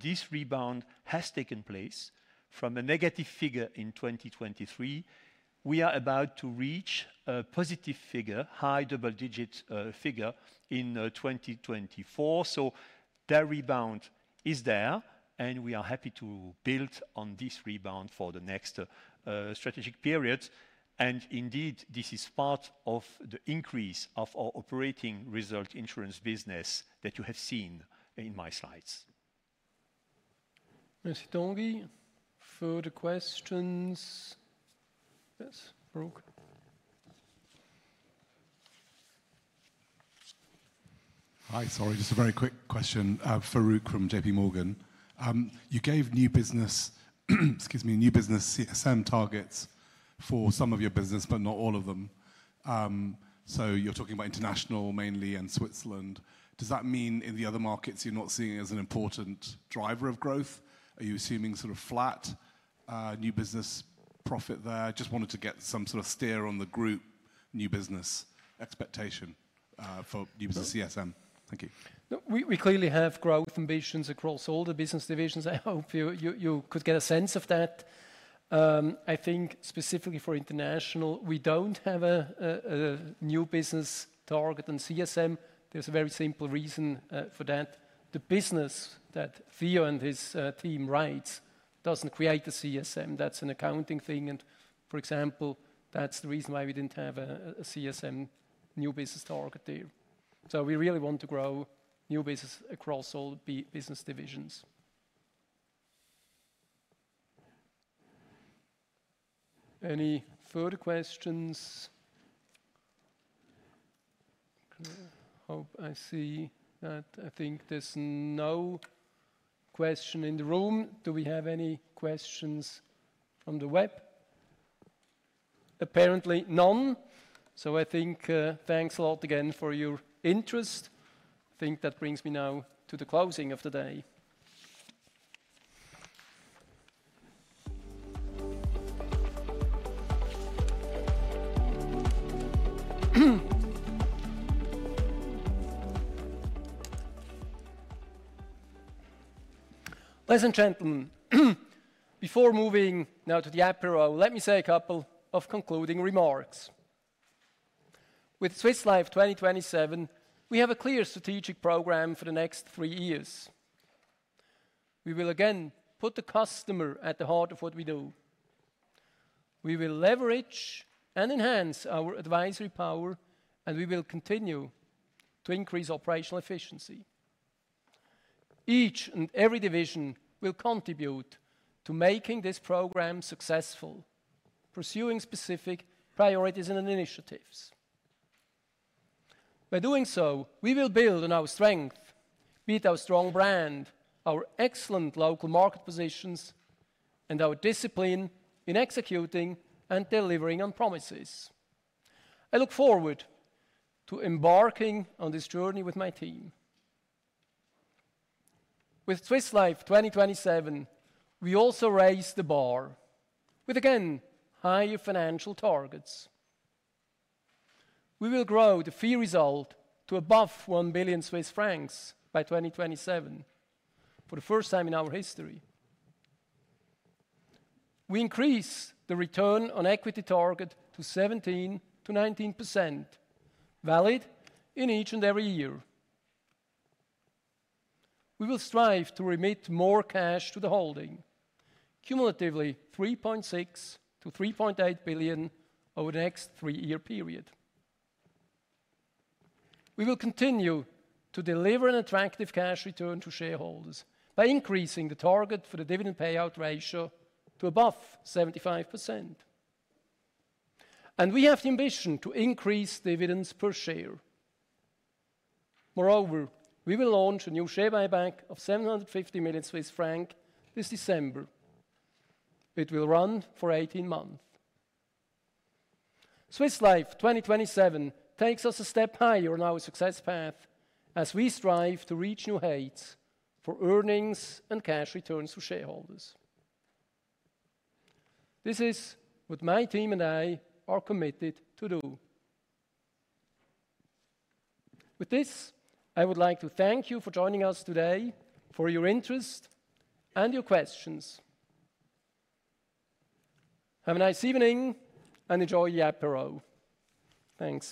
this rebound has taken place from a negative figure in 2023. We are about to reach a positive figure, high double-digit figure in 2024. So that rebound is there and we are happy to build on this rebound for the next strategic period. And indeed, this is part of the increase of our operating result insurance business that you have seen in my slides. Merci, Tanguy. Further questions? Yes, Farooq. Hi, sorry, just a very quick question for Farooq from J.P. Morgan. You gave new business, excuse me, new business CSM targets for some of your business, but not all of them. So you're talking about International mainly and Switzerland. Does that mean in the other markets you're not seeing it as an important driver of growth? Are you assuming sort of flat new business profit there? Just wanted to get some sort of steer on the group new business expectation for new business CSM. Thank you. We clearly have growth ambitions across all the business divisions. I hope you could get a sense of that. I think specifically for International, we don't have a new business target on CSM. There's a very simple reason for that. The business that Theo and his team writes doesn't create a CSM. That's an accounting thing. And for example, that's the reason why we didn't have a CSM new business target there. So we really want to grow new business across all business divisions. Any further questions? I hope I see that. I think there's no question in the room. Do we have any questions from the web? Apparently none. So I think thanks a lot again for your interest. I think that brings me now to the closing of the day. Ladies and gentlemen, before moving now to the apero, let me say a couple of concluding remarks. With Swiss Life 2027, we have a clear strategic program for the next three years. We will again put the customer at the heart of what we do. We will leverage and enhance our advisory power, and we will continue to increase operational efficiency. Each and every division will contribute to making this program successful, pursuing specific priorities and initiatives. By doing so, we will build on our strength, be it our strong brand, our excellent local market positions, and our discipline in executing and delivering on promises. I look forward to embarking on this journey with my team. With Swiss Life 2027, we also raise the bar with, again, higher financial targets. We will grow the fee result to above 1 billion Swiss francs by 2027 for the first time in our history. We increase the return on equity target to 17%-19%, valid in each and every year. We will strive to remit more cash to the holding, cumulatively 3.6 billion-3.8 billion over the next three-year period. We will continue to deliver an attractive cash return to shareholders by increasing the target for the dividend payout ratio to above 75%. We have the ambition to increase dividends per share. Moreover, we will launch a new share buyback of 750 million Swiss francs this December. It will run for 18 months. Swiss Life 2027 takes us a step higher on our success path as we strive to reach new heights for earnings and cash returns to shareholders. This is what my team and I are committed to do. With this, I would like to thank you for joining us today for your interest and your questions. Have a nice evening and enjoy the apero. Thanks.